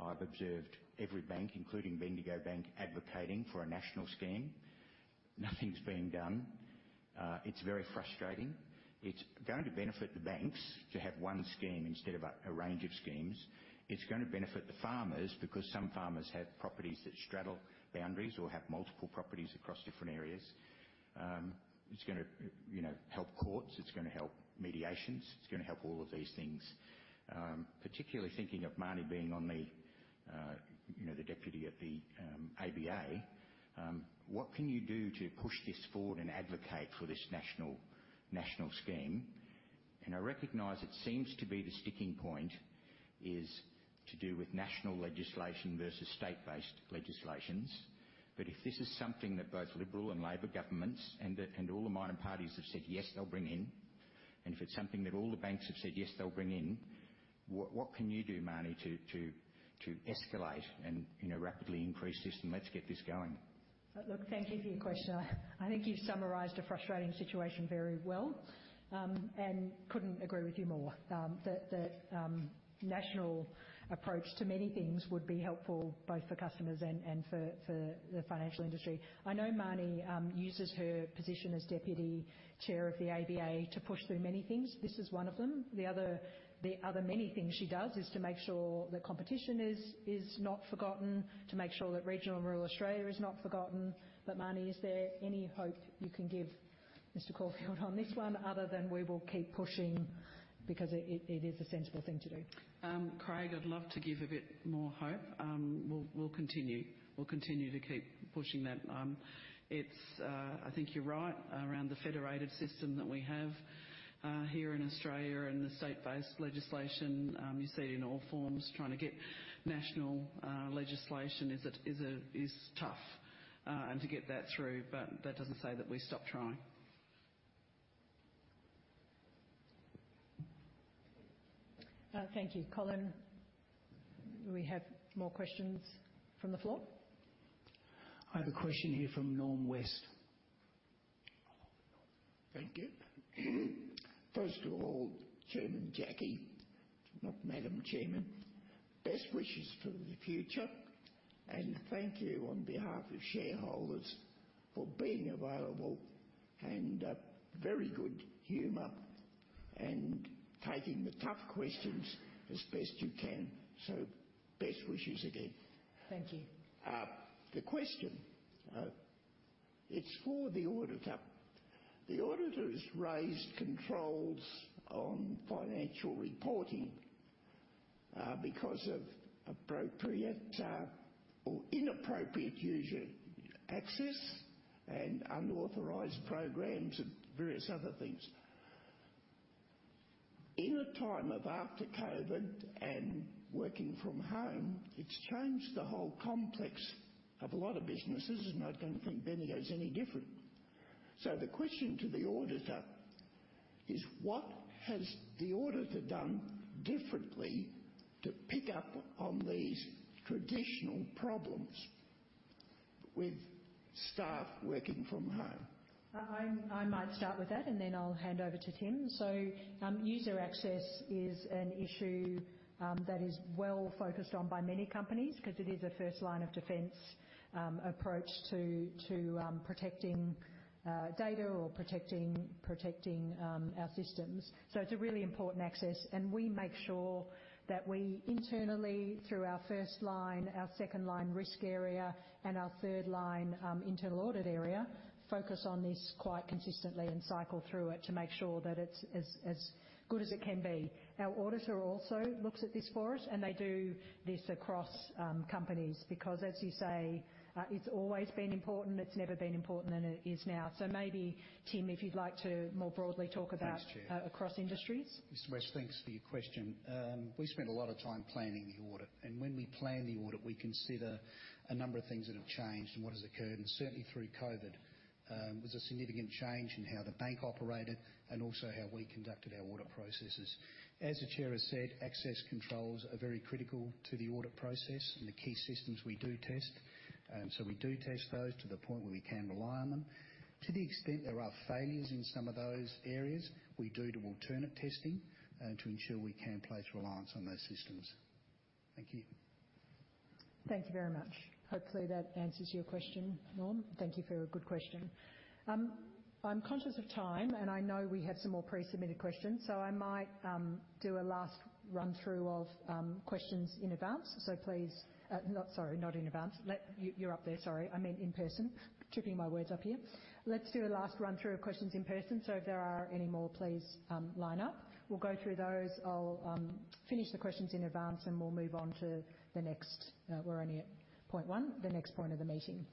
I've observed every bank, including Bendigo Bank, advocating for a national scheme. Nothing's been done. It's very frustrating. It's going to benefit the banks to have one scheme instead of a range of schemes. It's going to benefit the farmers, because some farmers have properties that straddle boundaries or have multiple properties across different areas. It's gonna, you know, help courts, it's gonna help mediations, it's gonna help all of these things. Particularly thinking of Marnie being on the, you know, the deputy at the, ABA, what can you do to push this forward and advocate for this national, national scheme? And I recognize it seems to be the sticking point is to do with national legislation versus state-based legislations. But if this is something that both Liberal and Labor governments and the, and all the minor parties have said, yes, they'll bring in, and if it's something that all the banks have said, yes, they'll bring in, what, what can you do, Marnie, to, to, to escalate and, you know, rapidly increase this and let's get this going?
Look, thank you for your question. I, I think you've summarized a frustrating situation very well, and couldn't agree with you more, that, that, national approach to many things would be helpful both for customers and, and for, for the financial industry. I know Marnie, uses her position as deputy chair of the ABA to push through many things. This is one of them. The other, the other many things she does is to make sure that competition is, is not forgotten, to make sure that regional rural Australia is not forgotten. But Marnie, is there any hope you can give?... Mr. Caulfield, on this one, other than we will keep pushing because it, it is a sensible thing to do.
Craig, I'd love to give a bit more hope. We'll continue. We'll continue to keep pushing that. It's, I think you're right around the federated system that we have here in Australia and the state-based legislation. You see it in all forms. Trying to get national legislation is tough, and to get that through, but that doesn't say that we stop trying.
Thank you. Colin, do we have more questions from the floor?
I have a question here from Norm West.
Thank you. First of all, Chairman Jacqui, not Madam Chairman, best wishes for the future, and thank you on behalf of shareholders for being available and very good humor and taking the tough questions as best you can. So best wishes again.
Thank you.
The question, it's for the auditor. The auditors raised controls on financial reporting, because of appropriate, or inappropriate user access and unauthorized programs and various other things. In a time after COVID and working from home, it's changed the whole complex of a lot of businesses, and I don't think Bendigo is any different. So the question to the auditor is: what has the auditor done differently to pick up on these traditional problems with staff working from home?
I might start with that, and then I'll hand over to Tim. So, user access is an issue that is well focused on by many companies because it is a first line of defense approach to protecting data or protecting our systems. So it's a really important access, and we make sure that we internally, through our first line, our second line risk area, and our third line internal audit area, focus on this quite consistently and cycle through it to make sure that it's as good as it can be. Our auditor also looks at this for us, and they do this across companies, because as you say, it's always been important. It's never been important than it is now. So maybe, Tim, if you'd like to more broadly talk about-
Thanks, Chair.
Across industries.
Mr. West, thanks for your question. We spent a lot of time planning the audit, and when we plan the audit, we consider a number of things that have changed and what has occurred. And certainly through COVID, was a significant change in how the bank operated and also how we conducted our audit processes. As the chair has said, access controls are very critical to the audit process and the key systems we do test, so we do test those to the point where we can rely on them. To the extent there are failures in some of those areas, we do the alternate testing, to ensure we can place reliance on those systems. Thank you.
Thank you very much. Hopefully, that answers your question, Norm. Thank you for your good question. I'm conscious of time, and I know we have some more pre-submitted questions, so I might do a last run-through of questions in advance. So please, not in advance. I meant in person. Tripping my words up here. Let's do a last run-through of questions in person. So if there are any more, please line up. We'll go through those. I'll finish the questions in advance, and we'll move on to the next. We're only at point one, the next point of the meeting.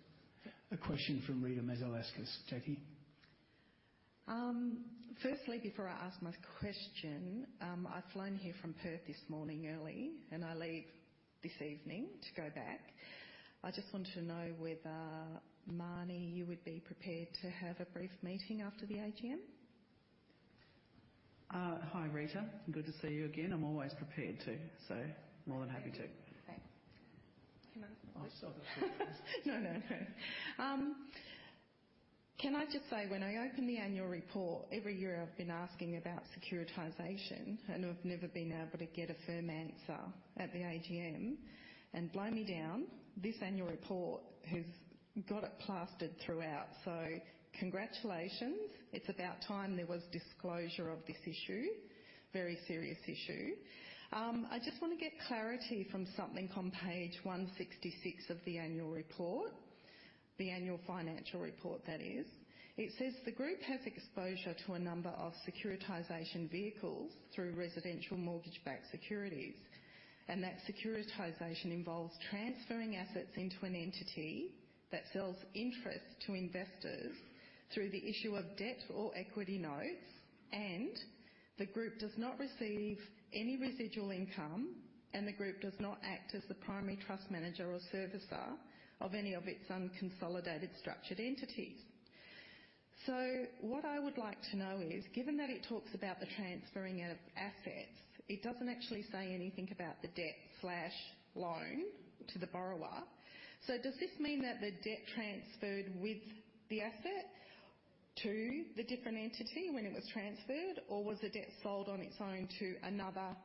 A question from Rita Mazalevskis, Jackie.
Firstly, before I ask my question, I've flown here from Perth this morning early, and I leave this evening to go back. I just wanted to know whether, Marnie, you would be prepared to have a brief meeting after the AGM?
Hi, Rita. Good to see you again. I'm always prepared to, so more than happy to.
Thanks. Can I-
Oh, sorry.
No, no, no. Can I just say, when I opened the annual report, every year I've been asking about securitization, and I've never been able to get a firm answer at the AGM. And blow me down, this annual report has got it plastered throughout. So congratulations. It's about time there was disclosure of this issue, very serious issue. I just want to get clarity from something on page 166 of the annual report, the annual financial report, that is. It says, "The group has exposure to a number of securitization vehicles through residential mortgage-backed securities, and that securitization involves transferring assets into an entity that sells interest to investors through the issue of debt or equity notes, and the group does not receive any residual income, and the group does not act as the primary trust manager or servicer of any of its unconsolidated structured entities." So what I would like to know is, given that it talks about the transferring of assets, it doesn't actually say anything about the debt slash loan to the borrower. So does this mean that the debt transferred with the asset to the different entity when it was transferred, or was the debt sold on its own to another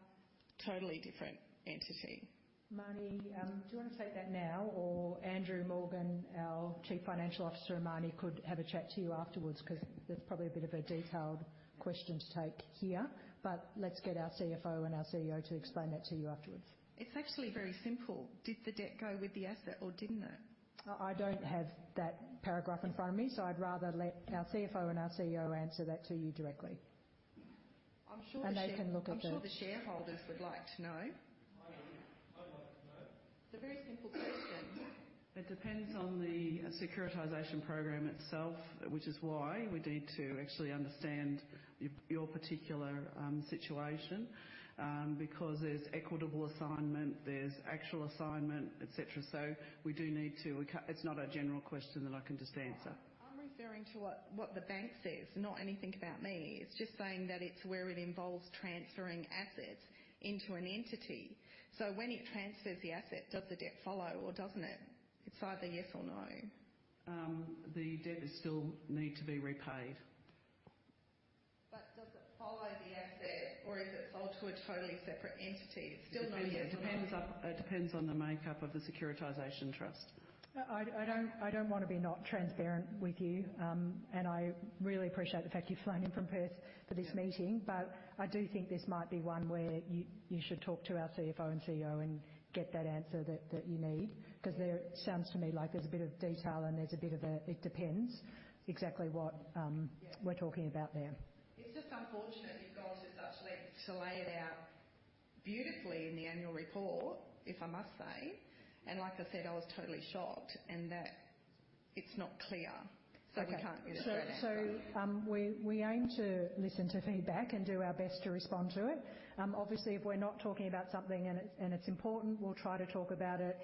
totally different entity?
Marnie, do you want to take that now, or Andrew Morgan, our Chief Financial Officer, and Marnie could have a chat to you afterwards? Because that's probably a bit of a detailed question to take here, but let's get our CFO and our CEO to explain that to you afterwards.
It's actually very simple. Did the debt go with the asset or didn't it?
I don't have that paragraph in front of me, so I'd rather let our CFO and our CEO answer that to you directly....
I'm sure the shareholders would like to know.
I'd like to know.
It's a very simple question.
It depends on the securitization program itself, which is why we need to actually understand your, your particular situation. Because there's equitable assignment, there's actual assignment, et cetera. So we do need to. It's not a general question that I can just answer.
I'm referring to what the bank says, not anything about me. It's just saying that it's where it involves transferring assets into an entity. So when it transfers the asset, does the debt follow or doesn't it? It's either yes or no.
The debt is still need to be repaid.
Does it follow the asset, or is it sold to a totally separate entity? It's still no-
It depends on, it depends on the makeup of the securitization trust.
I don't want to be not transparent with you. I really appreciate the fact you've flown in from Perth for this meeting.
Yeah.
I do think this might be one where you should talk to our CFO and CEO and get that answer that you need, because there sounds to me like there's a bit of detail and there's a bit of a, "It depends" exactly what,
Yeah...
we're talking about there.
It's just unfortunate you've gone to such lengths to lay it out beautifully in the annual report, if I must say, and like I said, I was totally shocked, and that it's not clear.
Okay.
So we can't get a straight answer.
So, we aim to listen to feedback and do our best to respond to it. Obviously, if we're not talking about something and it's important, we'll try to talk about it.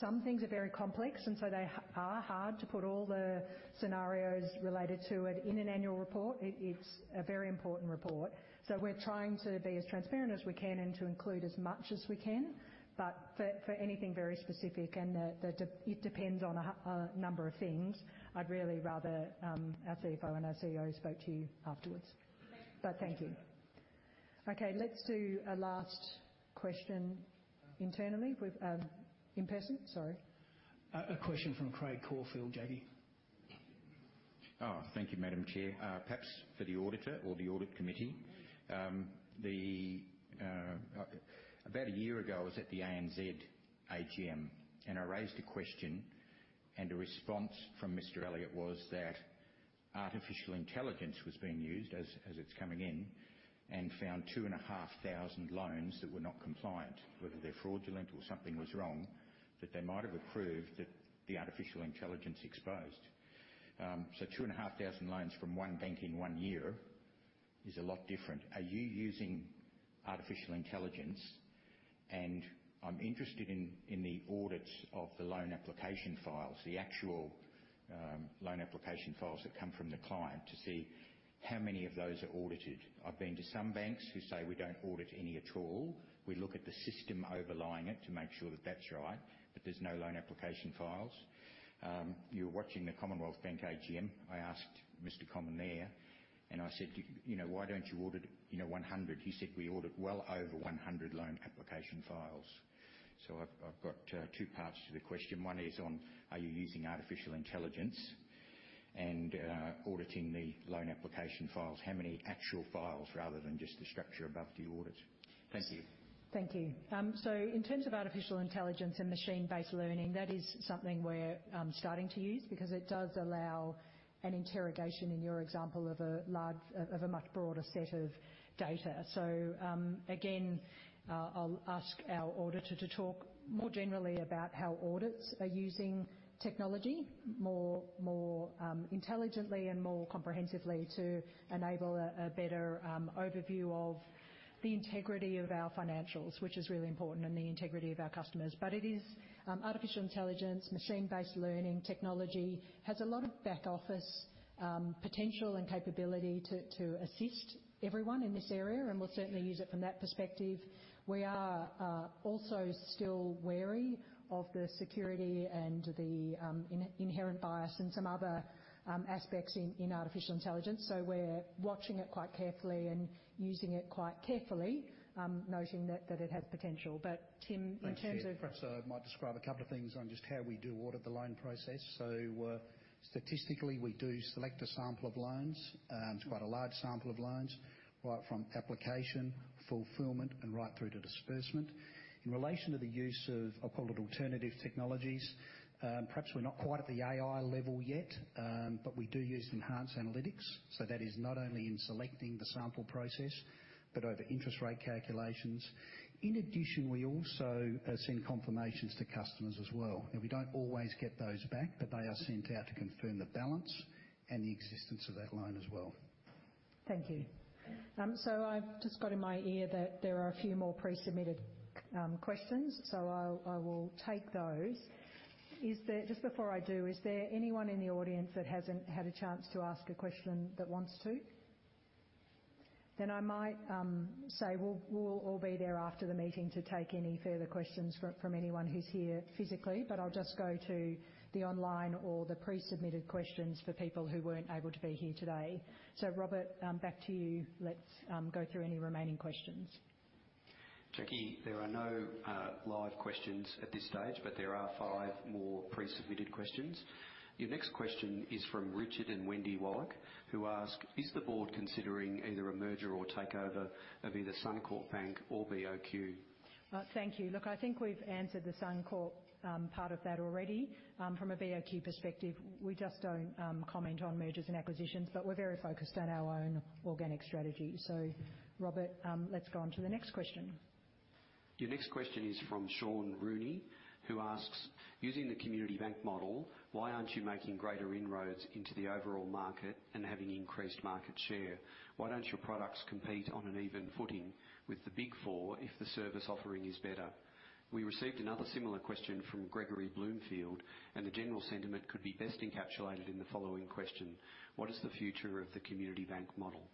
Some things are very complex, and so they are hard to put all the scenarios related to it in an annual report. It's a very important report, so we're trying to be as transparent as we can and to include as much as we can. But for anything very specific and it depends on a number of things, I'd really rather our CFO and our CEO spoke to you afterwards.
Thank you.
Thank you. Okay, let's do a last question internally with, in person, sorry.
A question from Craig Caulfield, Jacqui.
Oh, thank you, Madam Chair. Perhaps for the auditor or the audit committee. About a year ago, I was at the ANZ AGM, and I raised a question, and a response from Mr. Elliot was that artificial intelligence was being used as, as it's coming in, and found 2,500 loans that were not compliant, whether they're fraudulent or something was wrong, that they might have approved that the artificial intelligence exposed. So 2,500 loans from one bank in one year is a lot different. Are you using artificial intelligence? And I'm interested in, in the audits of the loan application files, the actual, loan application files that come from the client, to see how many of those are audited. I've been to some banks who say, "We don't audit any at all. We look at the system overlying it to make sure that that's right, but there's no loan application files. You were watching the Commonwealth Bank AGM. I asked Mr. Comyn there, and I said, "You know, why don't you audit, you know, 100?" He said, "We audit well over 100 loan application files." So I've got two parts to the question. One is on, are you using artificial intelligence and auditing the loan application files? How many actual files, rather than just the structure above the audits? Thank you.
Thank you. So in terms of artificial intelligence and machine-based learning, that is something we're starting to use because it does allow an interrogation, in your example, of a large, of a much broader set of data. So, again, I'll ask our auditor to talk more generally about how audits are using technology more intelligently and more comprehensively to enable a better overview of the integrity of our financials, which is really important, and the integrity of our customers. But it is artificial intelligence, machine-based learning, technology has a lot of back office potential and capability to assist everyone in this area, and we'll certainly use it from that perspective. We are also still wary of the security and the inherent bias and some other aspects in artificial intelligence. So we're watching it quite carefully and using it quite carefully, noting that it has potential. But Tim, in terms of-
Thanks, Chair. Perhaps I might describe a couple of things on just how we do audit the loan process. So, statistically, we do select a sample of loans. It's quite a large sample of loans, right from application, fulfillment, and right through to disbursement. In relation to the use of, I'll call it alternative technologies, perhaps we're not quite at the AI level yet, but we do use enhanced analytics, so that is not only in selecting the sample process, but over interest rate calculations. In addition, we also send confirmations to customers as well, and we don't always get those back, but they are sent out to confirm the balance and the existence of that loan as well.
Thank you. So I've just got in my ear that there are a few more pre-submitted questions, so I'll, I will take those. Is there... just before I do, is there anyone in the audience that hasn't had a chance to ask a question that wants to? Then I might say, we'll, we'll all be there after the meeting to take any further questions from, from anyone who's here physically, but I'll just go to the online or the pre-submitted questions for people who weren't able to be here today. So, Robert, back to you. Let's go through any remaining questions.
Jacqui, there are no live questions at this stage, but there are five more pre-submitted questions. Your next question is from Richard and Wendy Wallach, who ask: Is the board considering either a merger or takeover of either Suncorp Bank or BOQ?
Thank you. Look, I think we've answered the Suncorp part of that already. From a BOQ perspective, we just don't comment on mergers and acquisitions, but we're very focused on our own organic strategy. So Robert, let's go on to the next question....
Your next question is from Sean Rooney, who asks, "Using the Community Bank model, why aren't you making greater inroads into the overall market and having increased market share? Why don't your products compete on an even footing with the Big Four if the service offering is better?" We received another similar question from Gregory Bloomfield, and the general sentiment could be best encapsulated in the following question: "What is the future of the Community Bank model?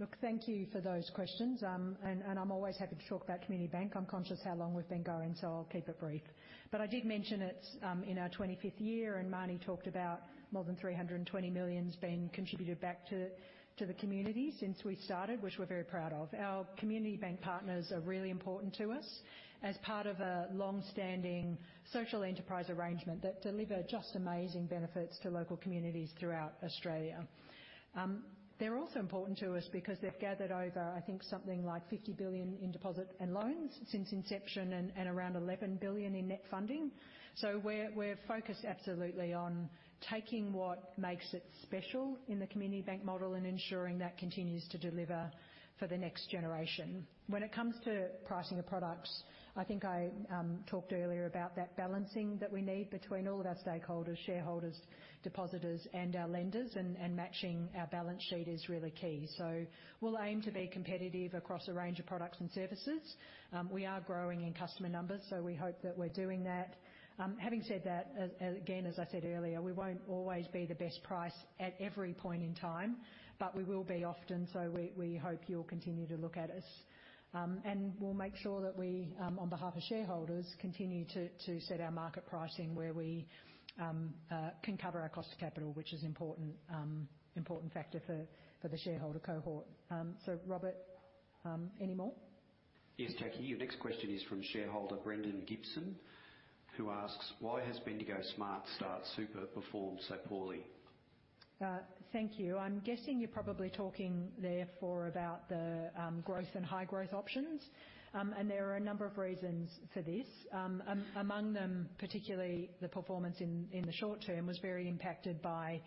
Look, thank you for those questions. And I'm always happy to talk about Community Bank. I'm conscious how long we've been going, so I'll keep it brief. But I did mention it's in our 25th year, and Marnie talked about more than 320 million's been contributed back to the community since we started, which we're very proud of. Our Community Bank partners are really important to us as part of a long-standing social enterprise arrangement that deliver just amazing benefits to local communities throughout Australia. They're also important to us because they've gathered over, I think, something like 50 billion in deposit and loans since inception and around 11 billion in net funding. So we're focused absolutely on taking what makes it special in the Community Bank model and ensuring that continues to deliver for the next generation. When it comes to pricing of products, I think I talked earlier about that balancing that we need between all of our stakeholders, shareholders, depositors, and our lenders, and matching our balance sheet is really key. We'll aim to be competitive across a range of products and services. We are growing in customer numbers, so we hope that we're doing that. Having said that, as I said earlier, we won't always be the best price at every point in time, but we will be often, so we hope you'll continue to look at us. We'll make sure that we, on behalf of shareholders, continue to set our market pricing where we can cover our cost of capital, which is important, important factor for the shareholder cohort. Robert, any more?
Yes, Jacqui. Your next question is from shareholder Brendan Gibson, who asks: "Why has Bendigo SmartStart Super performed so poorly?
Thank you. I'm guessing you're probably talking therefore about the growth and high growth options. And there are a number of reasons for this. Among them, particularly the performance in the short term, was very impacted by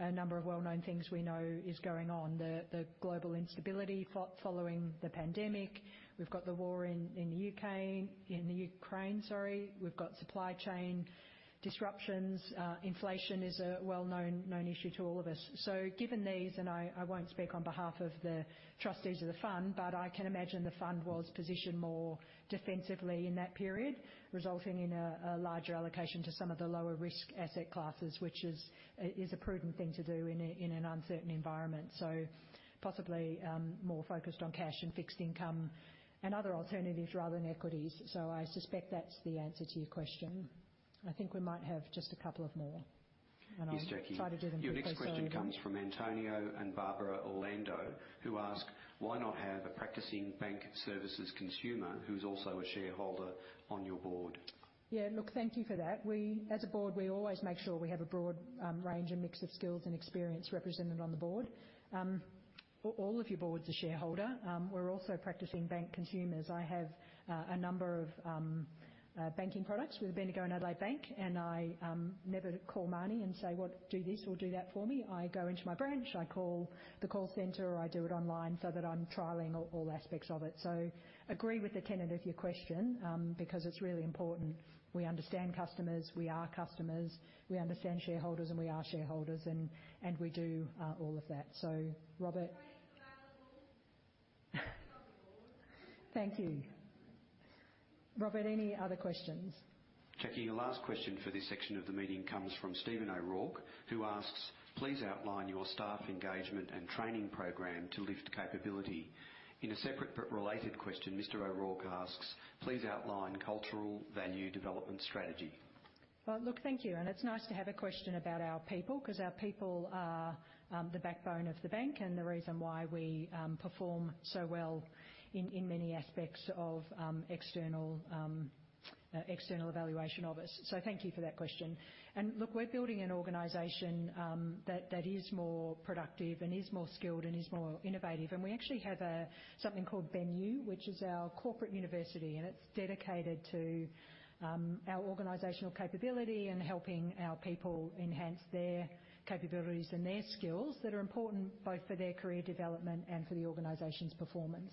a number of well-known things we know is going on. The global instability following the pandemic. We've got the war in the UK... In Ukraine, sorry. We've got supply chain disruptions. Inflation is a well-known issue to all of us. So given these, and I won't speak on behalf of the trustees of the fund, but I can imagine the fund was positioned more defensively in that period, resulting in a larger allocation to some of the lower risk asset classes, which is a prudent thing to do in an uncertain environment. So possibly, more focused on cash and fixed income and other alternatives, rather than equities. So I suspect that's the answer to your question. I think we might have just a couple of more, and I'll-
Yes, Jacqui.
Try to do them quickly, so-
Your next question comes from Antonio and Barbara Orlando, who ask: "Why not have a practicing bank services consumer, who's also a shareholder, on your board?
Yeah, look, thank you for that. We, as a board, we always make sure we have a broad, range and mix of skills and experience represented on the board. All, all of your board's a shareholder. We're also practicing bank consumers. I have, a number of, banking products with Bendigo and Adelaide Bank, and I, never call Marnie and say, "Well, do this or do that for me." I go into my branch, I call the call center, or I do it online so that I'm trialing all, all aspects of it. So agree with the tenet of your question, because it's really important we understand customers, we are customers, we understand shareholders, and we are shareholders, and, and we do, all of that. So Robert-
on the board.
Thank you. Robert, any other questions?
Jacqui, your last question for this section of the meeting comes from Stephen O'Rourke, who asks: "Please outline your staff engagement and training program to lift capability." In a separate but related question, Mr. O'Rourke asks: "Please outline cultural value development strategy.
Well, look, thank you, and it's nice to have a question about our people, 'cause our people are the backbone of the bank and the reason why we perform so well in many aspects of external evaluation of us. So thank you for that question. Look, we're building an organization that is more productive and is more skilled and is more innovative. And we actually have something called BEN U, which is our corporate university, and it's dedicated to our organizational capability and helping our people enhance their capabilities and their skills that are important both for their career development and for the organization's performance.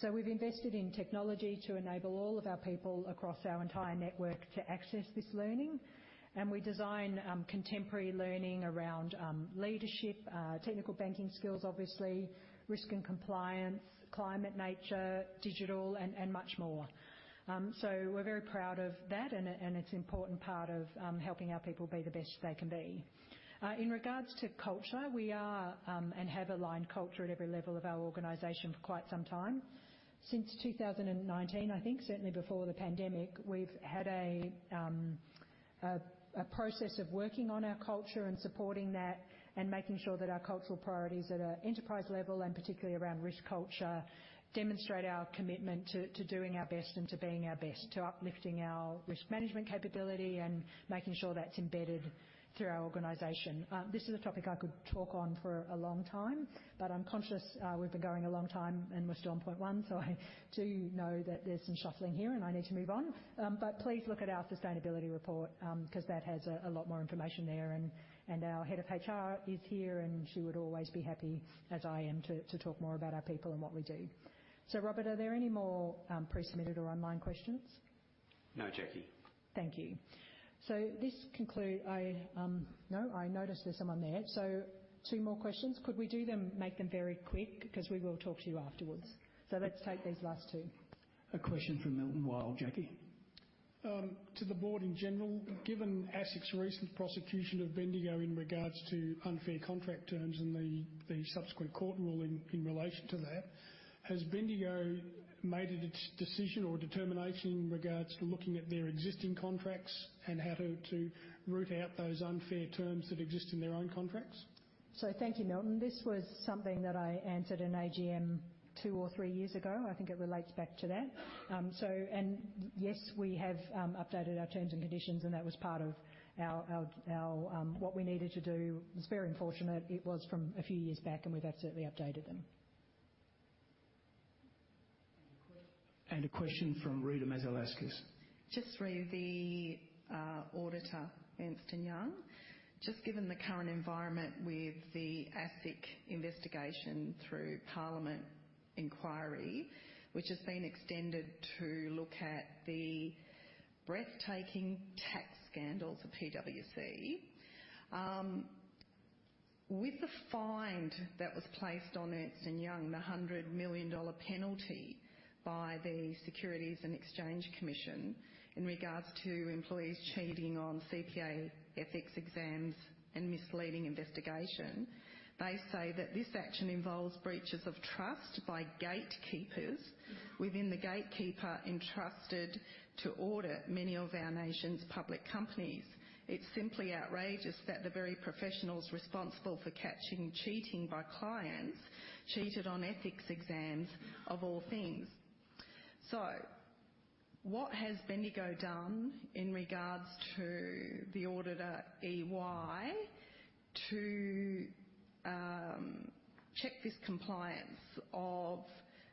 So we've invested in technology to enable all of our people across our entire network to access this learning, and we design contemporary learning around leadership, technical banking skills, obviously, risk and compliance, climate, nature, digital, and much more. So we're very proud of that, and it's an important part of helping our people be the best they can be. In regards to culture, we are and have aligned culture at every level of our organization for quite some time. Since 2019, I think, certainly before the pandemic, we've had a process of working on our culture and supporting that and making sure that our cultural priorities at an enterprise level, and particularly around risk culture, demonstrate our commitment to doing our best and to being our best, to uplifting our risk management capability and making sure that's embedded through our organization. This is a topic I could talk on for a long time, but I'm conscious, we've been going a long time, and we're still on point one, so I do know that there's some shuffling here, and I need to move on. But please look at our sustainability report, 'cause that has a lot more information there. Our head of HR is here, and she would always be happy, as I am, to talk more about our people and what we do. So Robert, are there any more pre-submitted or online questions?...
No, Jacqui.
Thank you. So this concludes. I noticed there's someone there. So two more questions. Could we do them, make them very quick? Because we will talk to you afterwards. So let's take these last two.
A question from Milton Wilde, Jacqui.
To the board in general, given ASIC's recent prosecution of Bendigo in regards to unfair contract terms and the subsequent court ruling in relation to that, has Bendigo made a decision or determination in regards to looking at their existing contracts and how to root out those unfair terms that exist in their own contracts?
Thank you, Milton. This was something that I answered in AGM two or three years ago. I think it relates back to that. And yes, we have updated our terms and conditions, and that was part of our what we needed to do. It's very unfortunate. It was from a few years back, and we've absolutely updated them.
A question from Rita Mazalevskis.
Just through the auditor, Ernst & Young. Just given the current environment with the ASIC investigation through parliamentary inquiry, which has been extended to look at the breathtaking tax scandals of PwC. With the fine that was placed on Ernst & Young, the $100 million penalty by the Securities and Exchange Commission in regards to employees cheating on CPA ethics exams and misleading investigation, they say that this action involves breaches of trust by gatekeepers within the gatekeeper entrusted to audit many of our nation's public companies. It's simply outrageous that the very professionals responsible for catching cheating by clients cheated on ethics exams, of all things. So what has Bendigo done in regards to the auditor, EY, to check this compliance of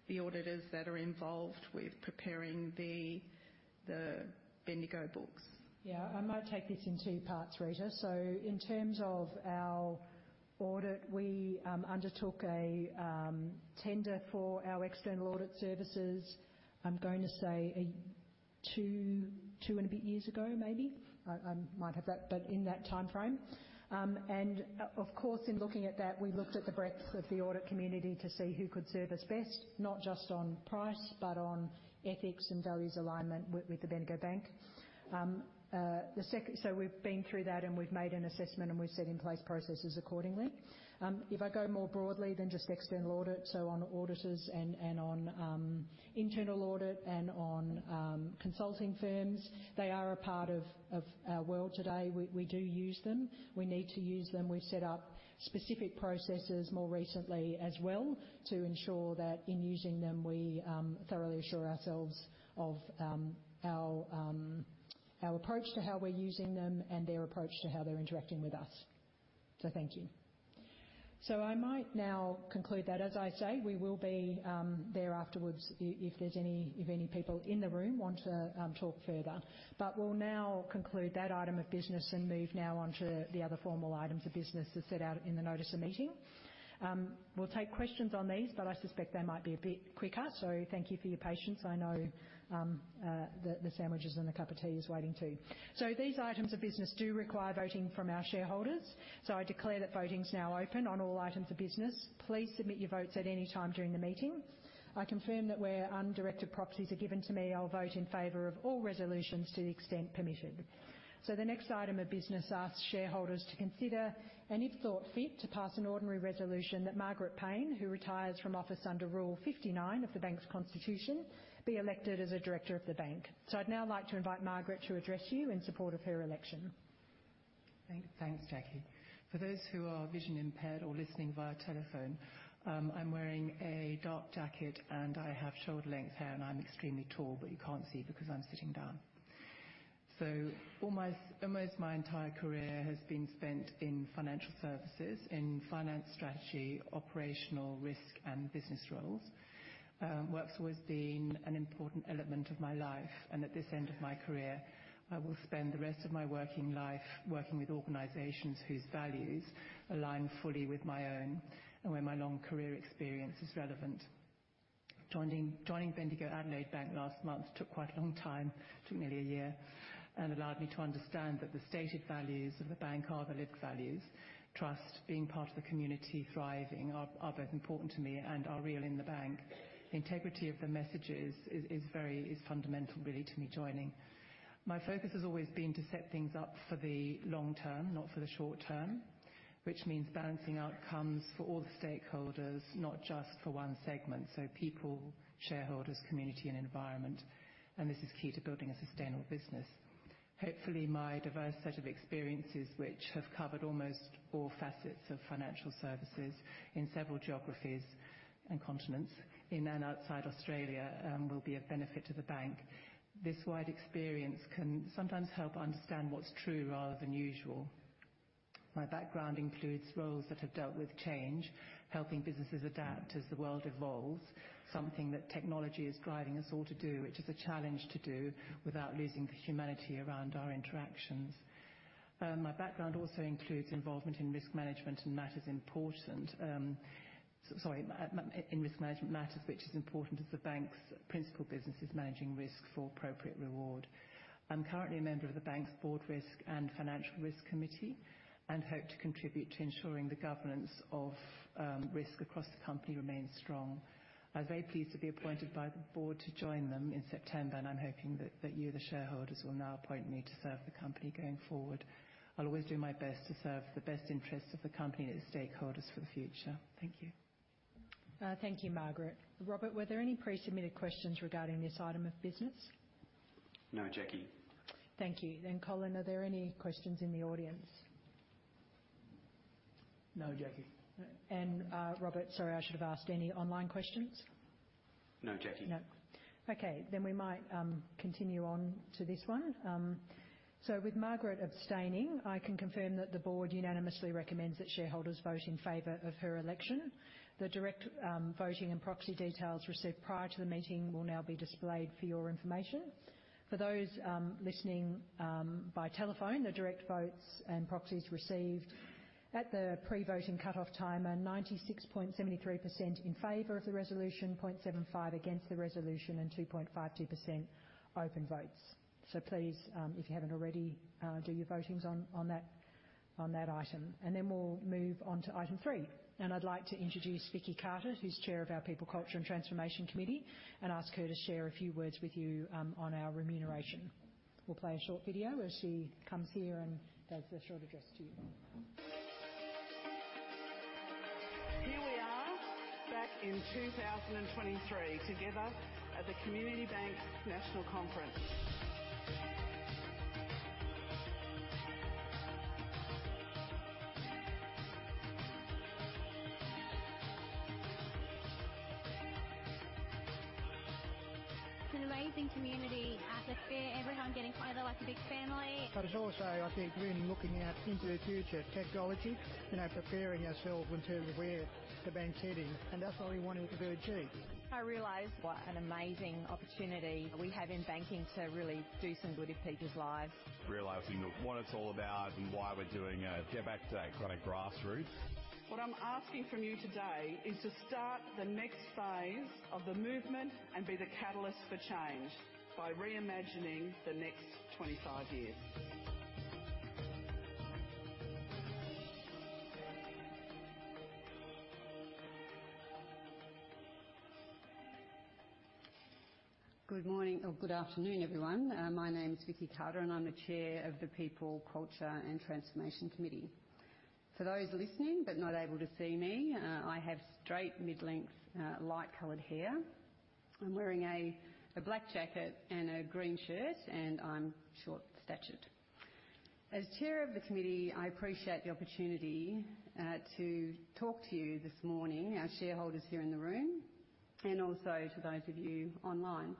the auditors that are involved with preparing the Bendigo books?
Yeah, I might take this in two parts, Rita. So in terms of our audit, we undertook a tender for our external audit services, I'm going to say, a two, two and a bit years ago, maybe. I might have that, but in that timeframe. And of course, in looking at that, we looked at the breadth of the audit community to see who could serve us best, not just on price, but on ethics and values alignment with the Bendigo Bank. The second, so we've been through that, and we've made an assessment, and we've set in place processes accordingly. If I go more broadly than just external audit, so on auditors and on internal audit and on consulting firms, they are a part of our world today. We do use them. We need to use them. We've set up specific processes more recently as well, to ensure that in using them, we thoroughly assure ourselves of our approach to how we're using them and their approach to how they're interacting with us. So thank you. So I might now conclude that. As I say, we will be there afterwards if any people in the room want to talk further. But we'll now conclude that item of business and move now on to the other formal items of business as set out in the Notice of Meeting. We'll take questions on these, but I suspect they might be a bit quicker, so thank you for your patience. I know the sandwiches and a cup of tea is waiting too. So these items of business do require voting from our shareholders, so I declare that voting is now open on all items of business. Please submit your votes at any time during the meeting. I confirm that where undirected proxies are given to me, I'll vote in favor of all resolutions to the extent permitted. So the next item of business asks shareholders to consider, and if thought fit, to pass an ordinary resolution that Margaret Payne, who retires from office under Rule 59 of the Bank's Constitution, be elected as a director of the Bank. So I'd now like to invite Margaret to address you in support of her election.
Thanks, Jacqui. For those who are vision impaired or listening via telephone, I'm wearing a dark jacket, and I have shoulder-length hair, and I'm extremely tall, but you can't see because I'm sitting down. So almost my entire career has been spent in financial services, in finance strategy, operational risk, and business roles. Work's always been an important element of my life, and at this end of my career, I will spend the rest of my working life working with organizations whose values align fully with my own and where my long career experience is relevant. Joining Bendigo and Adelaide Bank last month took quite a long time, took nearly a year, and allowed me to understand that the stated values of the bank are the lived values. Trust, being part of the community, thriving are both important to me and are real in the bank. Integrity of the messages is very fundamental really to me joining. My focus has always been to set things up for the long term, not for the short term, which means balancing outcomes for all the stakeholders, not just for one segment, so people, shareholders, community, and environment, and this is key to building a sustainable business. Hopefully, my diverse set of experiences, which have covered almost all facets of financial services in several geographies and continents, in and outside Australia, will be of benefit to the bank. This wide experience can sometimes help understand what's true rather than usual. My background includes roles that have dealt with change, helping businesses adapt as the world evolves, something that technology is driving us all to do, which is a challenge to do without losing the humanity around our interactions. My background also includes involvement in risk management and matters important in risk management matters, which is important as the bank's principal business is managing risk for appropriate reward. I'm currently a member of the bank's Board Risk and Financial Risk Committee, and hope to contribute to ensuring the governance of risk across the company remains strong. I was very pleased to be appointed by the board to join them in September, and I'm hoping that, that you, the shareholders, will now appoint me to serve the company going forward. I'll always do my best to serve the best interests of the company and its stakeholders for the future. Thank you.
Thank you, Margaret. Robert, were there any pre-submitted questions regarding this item of business?
No, Jackie.
Thank you. Then, Colin, are there any questions in the audience?
No, Jackie.
Robert, sorry, I should have asked, any online questions?
No, Jackie.
No. Okay, then we might continue on to this one. So with Margaret abstaining, I can confirm that the board unanimously recommends that shareholders vote in favor of her election. The direct voting and proxy details received prior to the meeting will now be displayed for your information. For those listening by telephone, the direct votes and proxies received at the pre-voting cutoff time are 96.73% in favor of the resolution, 0.75% against the resolution, and 2.52% open votes. So please, if you haven't already, do your votings on that item, and then we'll move on to item three. And I'd like to introduce Vicki Carter, who's chair of our People, Culture, and Transformation Committee, and ask her to share a few words with you on our remuneration. We'll play a short video as she comes here and does a short address to you.
Here we are, back in 2023, together at the Community Bank National Conference. It's an amazing community atmosphere. Everyone getting together like a big family. But it's also, I think, really looking out into the future. Technology, you know, preparing ourselves in terms of where the bank's heading, and that's what we wanted to achieve. I realized what an amazing opportunity we have in banking to really do some good in people's lives. Realizing that what it's all about and why we're doing it, get back to that kind of grassroots. What I'm asking from you today is to start the next phase of the movement and be the catalyst for change by reimagining the next 25 years.
Good morning or good afternoon, everyone. My name is Vicki Carter, and I'm the chair of the People, Culture, and Transformation Committee. For those listening, but not able to see me, I have straight, mid-length, light-colored hair. I'm wearing a, a black jacket and a green shirt, and I'm short-statured. As chair of the committee, I appreciate the opportunity to talk to you this morning, our shareholders here in the room, and also to those of you online.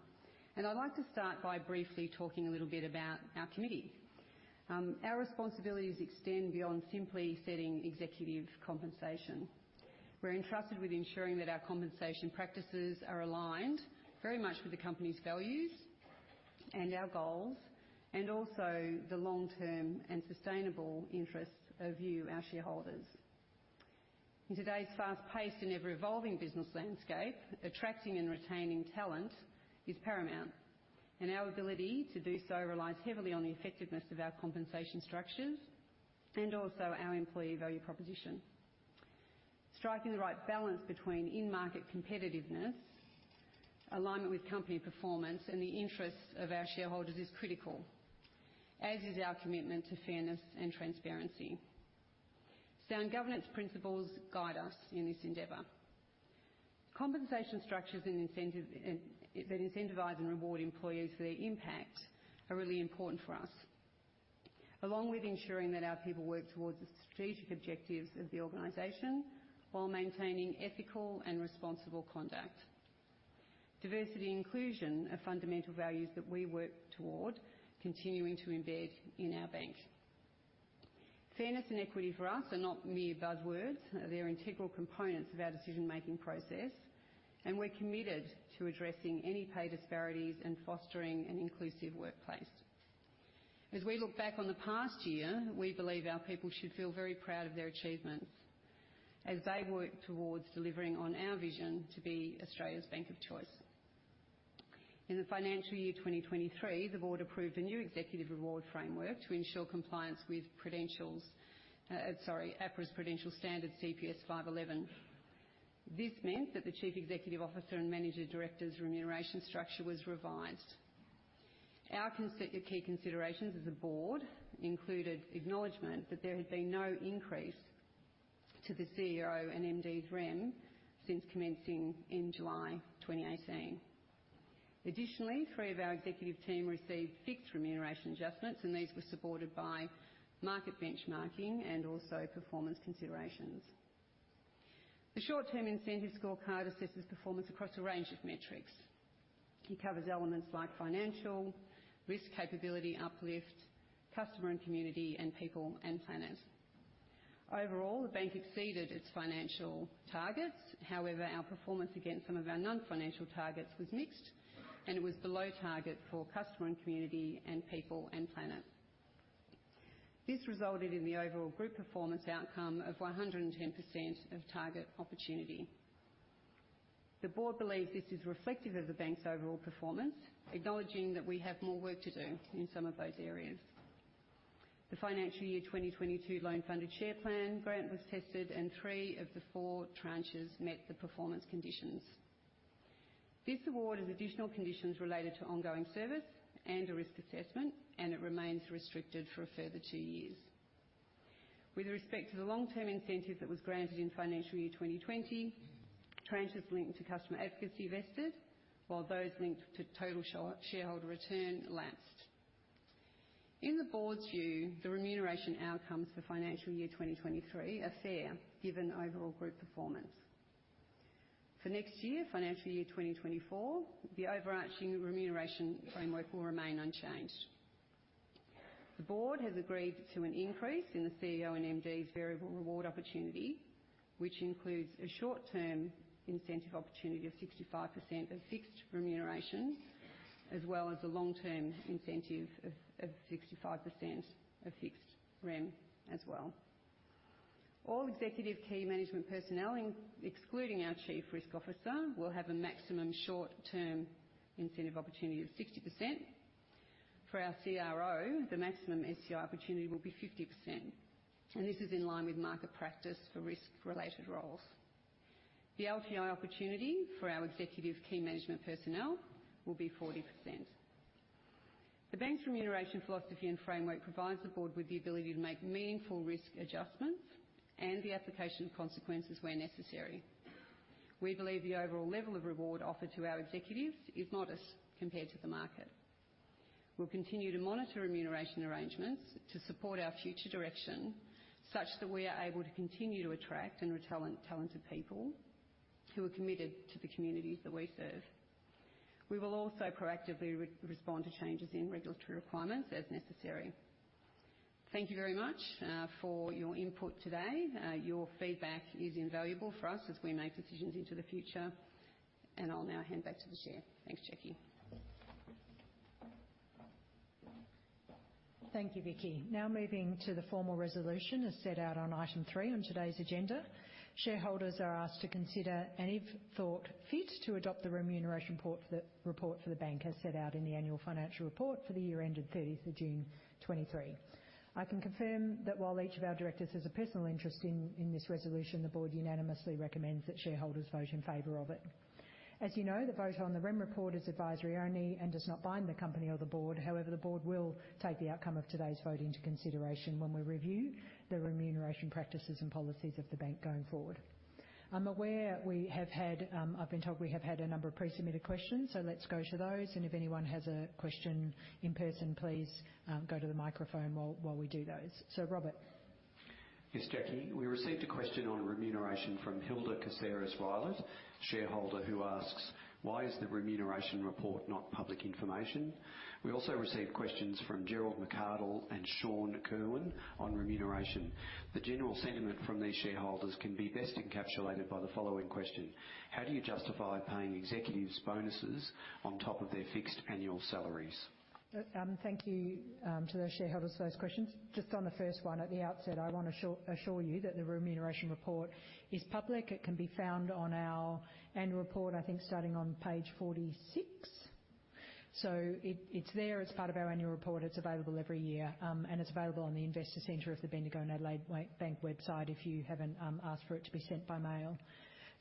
I'd like to start by briefly talking a little bit about our committee. Our responsibilities extend beyond simply setting executive compensation. We're entrusted with ensuring that our compensation practices are aligned very much with the company's values and our goals, and also the long-term and sustainable interests of you, our shareholders. In today's fast-paced and ever-evolving business landscape, attracting and retaining talent is paramount, and our ability to do so relies heavily on the effectiveness of our compensation structures and also our employee value proposition. Striking the right balance between in-market competitiveness, alignment with company performance, and the interests of our shareholders is critical, as is our commitment to fairness and transparency. Sound governance principles guide us in this endeavor. Compensation structures and incentives that incentivize and reward employees for their impact are really important for us, along with ensuring that our people work towards the strategic objectives of the organization while maintaining ethical and responsible conduct. Diversity and inclusion are fundamental values that we work toward continuing to embed in our bank. Fairness and equity for us are not mere buzzwords; they're integral components of our decision-making process, and we're committed to addressing any pay disparities and fostering an inclusive workplace. As we look back on the past year, we believe our people should feel very proud of their achievements as they work towards delivering on our vision to be Australia's bank of choice. In the financial year 2023, the board approved a new executive reward framework to ensure compliance with APRA's Prudential Standard CPS 511. This meant that the chief executive officer and managing director's remuneration structure was revised. Our key considerations as a board included acknowledgment that there had been no increase to the CEO and MD's REM since commencing in July 2018. Additionally, three of our executive team received fixed remuneration adjustments, and these were supported by market benchmarking and also performance considerations. The short-term incentive scorecard assesses performance across a range of metrics. It covers elements like financial, Risk Capability Uplift, Customer and Community, and People and Planet.... Overall, the bank exceeded its financial targets. However, our performance against some of our non-financial targets was mixed, and it was below target for Customer and Community, and People and Planet. This resulted in the overall group performance outcome of 110% of target opportunity. The board believes this is reflective of the bank's overall performance, acknowledging that we have more work to do in some of those areas. The financial year 2022 Loan Funded Share Plan grant was tested, and three of the four tranches met the performance conditions. This award has additional conditions related to ongoing service and a risk assessment, and it remains restricted for a further two years. With respect to the long-term incentive that was granted in financial year 2020, tranches linked to customer advocacy vested, while those linked to total shareholder return lapsed. In the board's view, the remuneration outcomes for financial year 2023 are fair, given the overall group performance. For next year, financial year 2024, the overarching remuneration framework will remain unchanged. The board has agreed to an increase in the CEO and MD's variable reward opportunity, which includes a short-term incentive opportunity of 65% of fixed remuneration, as well as a long-term incentive of 65% of fixed REM as well. All executive key management personnel, excluding our chief risk officer, will have a maximum short-term incentive opportunity of 60%. For our CRO, the maximum STI opportunity will be 50%, and this is in line with market practice for risk-related roles. The LTI opportunity for our executive key management personnel will be 40%. The bank's remuneration philosophy and framework provides the board with the ability to make meaningful risk adjustments and the application of consequences where necessary. We believe the overall level of reward offered to our executives is modest compared to the market. We'll continue to monitor remuneration arrangements to support our future direction, such that we are able to continue to attract and retalent, talented people who are committed to the communities that we serve. We will also proactively respond to changes in regulatory requirements as necessary. Thank you very much for your input today. Your feedback is invaluable for us as we make decisions into the future, and I'll now hand back to the chair. Thanks, Jacqui.
Thank you, Vicki. Now moving to the formal resolution as set out on item 3 on today's agenda. Shareholders are asked to consider and if thought fit, to adopt the Remuneration Report for the bank, as set out in the annual financial report for the year ended thirtieth of June 2023. I can confirm that while each of our directors has a personal interest in, in this resolution, the board unanimously recommends that shareholders vote in favor of it. As you know, the vote on the REM report is advisory only and does not bind the company or the board. However, the board will take the outcome of today's vote into consideration when we review the remuneration practices and policies of the bank going forward. I'm aware we have had, I've been told we have had a number of pre-submitted questions, so let's go to those, and if anyone has a question in person, please, go to the microphone while we do those. So, Robert?
Yes, Jacqui. We received a question on remuneration from Hilda Caceres-Violet, shareholder, who asks: "Why is the remuneration report not public information?" We also received questions from Gerald McArdle and Sean Kerwin on remuneration. The general sentiment from these shareholders can be best encapsulated by the following question: "How do you justify paying executives bonuses on top of their fixed annual salaries?
Thank you to the shareholders for those questions. Just on the first one, at the outset, I want to assure, assure you that the remuneration report is public. It can be found on our annual report, I think, starting on page 46. So it, it's there as part of our annual report. It's available every year, and it's available on the Investor Center of the Bendigo and Adelaide Bank website, if you haven't asked for it to be sent by mail.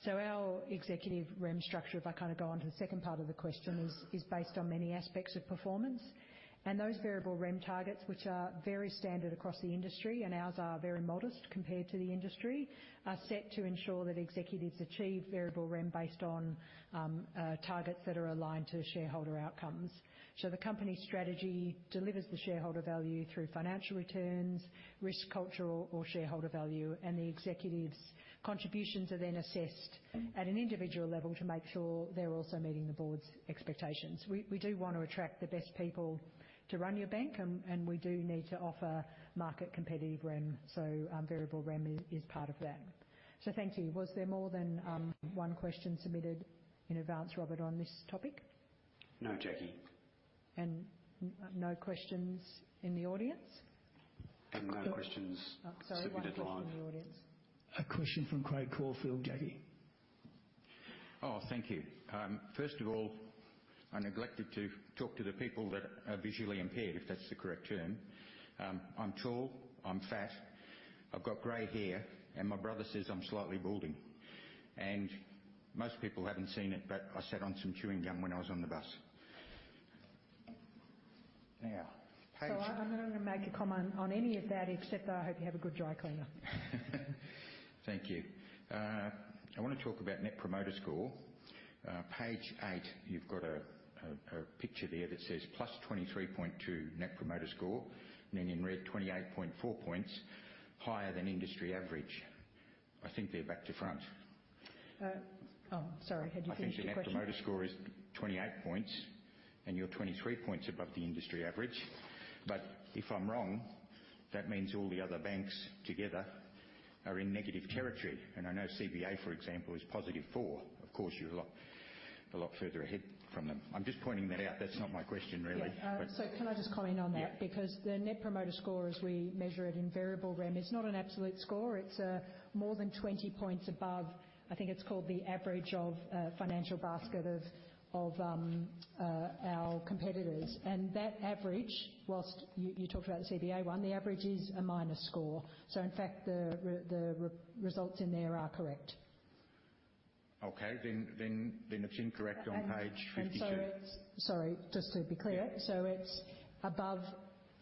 So our executive REM structure, if I kind of go on to the second part of the question, is based on many aspects of performance, and those variable REM targets, which are very standard across the industry, and ours are very modest compared to the industry, are set to ensure that executives achieve variable REM based on targets that are aligned to shareholder outcomes. So the company's strategy delivers the shareholder value through financial returns, risk culture, or shareholder value, and the executives' contributions are then assessed at an individual level to make sure they're also meeting the board's expectations. We do want to attract the best people to run your bank, and we do need to offer market competitive REM, so variable REM is part of that. So thank you. Was there more than one question submitted in advance, Robert, on this topic?
No, Jacqui.
No questions in the audience?
Have no questions—
Sorry, one question in the audience.
A question from Craig Caulfield, Jacqui.
Oh, thank you. First of all, I neglected to talk to the people that are visually impaired, if that's the correct term. I'm tall, I'm fat, I've got gray hair, and my brother says I'm slightly balding. Most people haven't seen it, but I sat on some chewing gum when I was on the bus. Now, page-
I'm not going to make a comment on any of that, except I hope you have a good dry cleaner.
Thank you. I want to talk about Net Promoter Score. Page eight, you've got a picture there that says, "Plus 23.2 Net Promoter Score," then in red, "28.4 points higher than industry average."... I think they're back to front.
Oh, sorry, had you finished your question?
I think the Net Promoter Score is 28 points, and you're 23 points above the industry average. But if I'm wrong, that means all the other banks together are in negative territory, and I know CBA, for example, is positive 4. Of course, you're a lot, a lot further ahead from them. I'm just pointing that out. That's not my question, really.
Yeah, so can I just comment on that?
Yeah.
Because the Net Promoter Score, as we measure it in Variable REM, is not an absolute score. It's more than 20 points above, I think it's called the average of our competitors. And that average, whilst you talked about the CBA one, the average is a minus score. So in fact, the re-- the results in there are correct.
Okay, then it's incorrect on page 52.
And so it's... Sorry, just to be clear.
Yeah.
It's above,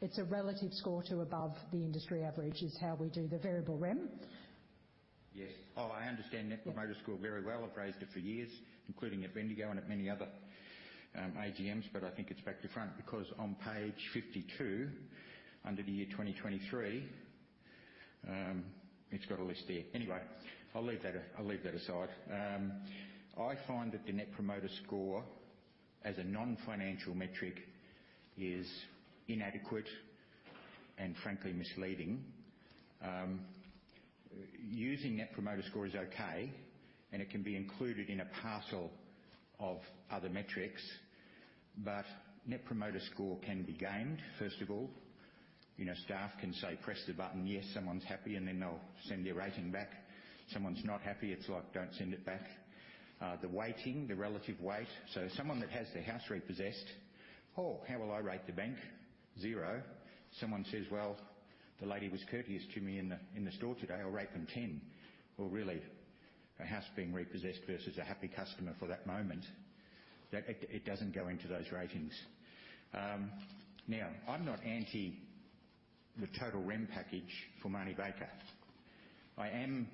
it's a relative score to above the industry average, is how we do the Variable REM.
Yes. Oh, I understand Net Promoter Score very well. I've raised it for years, including at Bendigo and at many other, AGMs, but I think it's back to front, because on page 52, under the year 2023, it's got a list there. Anyway, I'll leave that, I'll leave that aside. I find that the Net Promoter Score, as a non-financial metric, is inadequate and frankly, misleading. Using Net Promoter Score is okay, and it can be included in a parcel of other metrics, but Net Promoter Score can be gamed, first of all. You know, staff can say, "Press the button." Yes, someone's happy, and then they'll send their rating back. Someone's not happy, it's like, "Don't send it back." The weighting, the relative weight, so someone that has their house repossessed, "Oh, how will I rate the bank? Zero." Someone says, "Well, the lady was courteous to me in the store today. I'll rate them ten." Well, really, a house being repossessed versus a happy customer for that moment, that it doesn't go into those ratings. Now, I'm not anti the total REM package for Marnie Baker. I am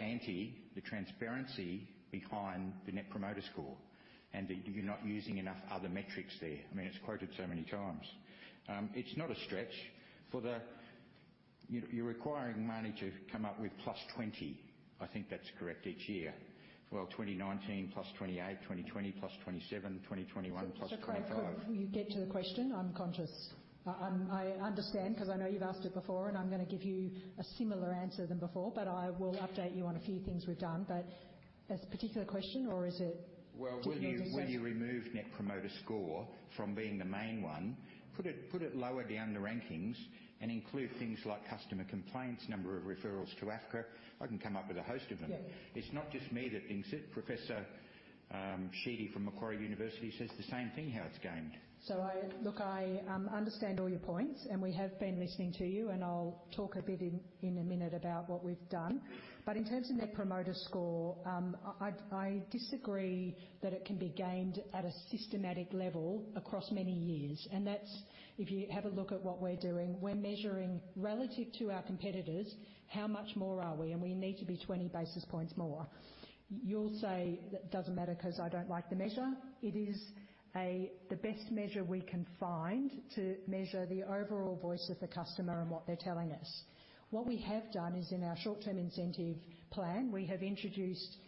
anti the transparency behind the Net Promoter Score, and that you're not using enough other metrics there. I mean, it's quoted so many times. It's not a stretch for the... You're requiring Marnie to come up with +20, I think that's correct, each year. Well, 2019, +28. 2020, +27. 2021, +25.
So Craig, could you get to the question? I'm conscious... I understand, 'cause I know you've asked it before, and I'm gonna give you a similar answer than before, but I will update you on a few things we've done. But as particular question, or is it-
Well, will you-
General discussion?
Will you remove Net Promoter Score from being the main one? Put it, put it lower down the rankings and include things like customer complaints, number of referrals to AFCA. I can come up with a host of them.
Yeah.
It's not just me that thinks it. Professor Sheedy from Macquarie University says the same thing, how it's gamed.
Look, I understand all your points, and we have been listening to you, and I'll talk a bit in a minute about what we've done. But in terms of Net Promoter Score, I disagree that it can be gamed at a systematic level across many years, and that's if you have a look at what we're doing, we're measuring relative to our competitors, how much more are we? And we need to be 20 basis points more. You'll say, "That doesn't matter, 'cause I don't like the measure." It is the best measure we can find to measure the overall voice of the customer and what they're telling us. What we have done is in our short-term incentive plan, we have introduced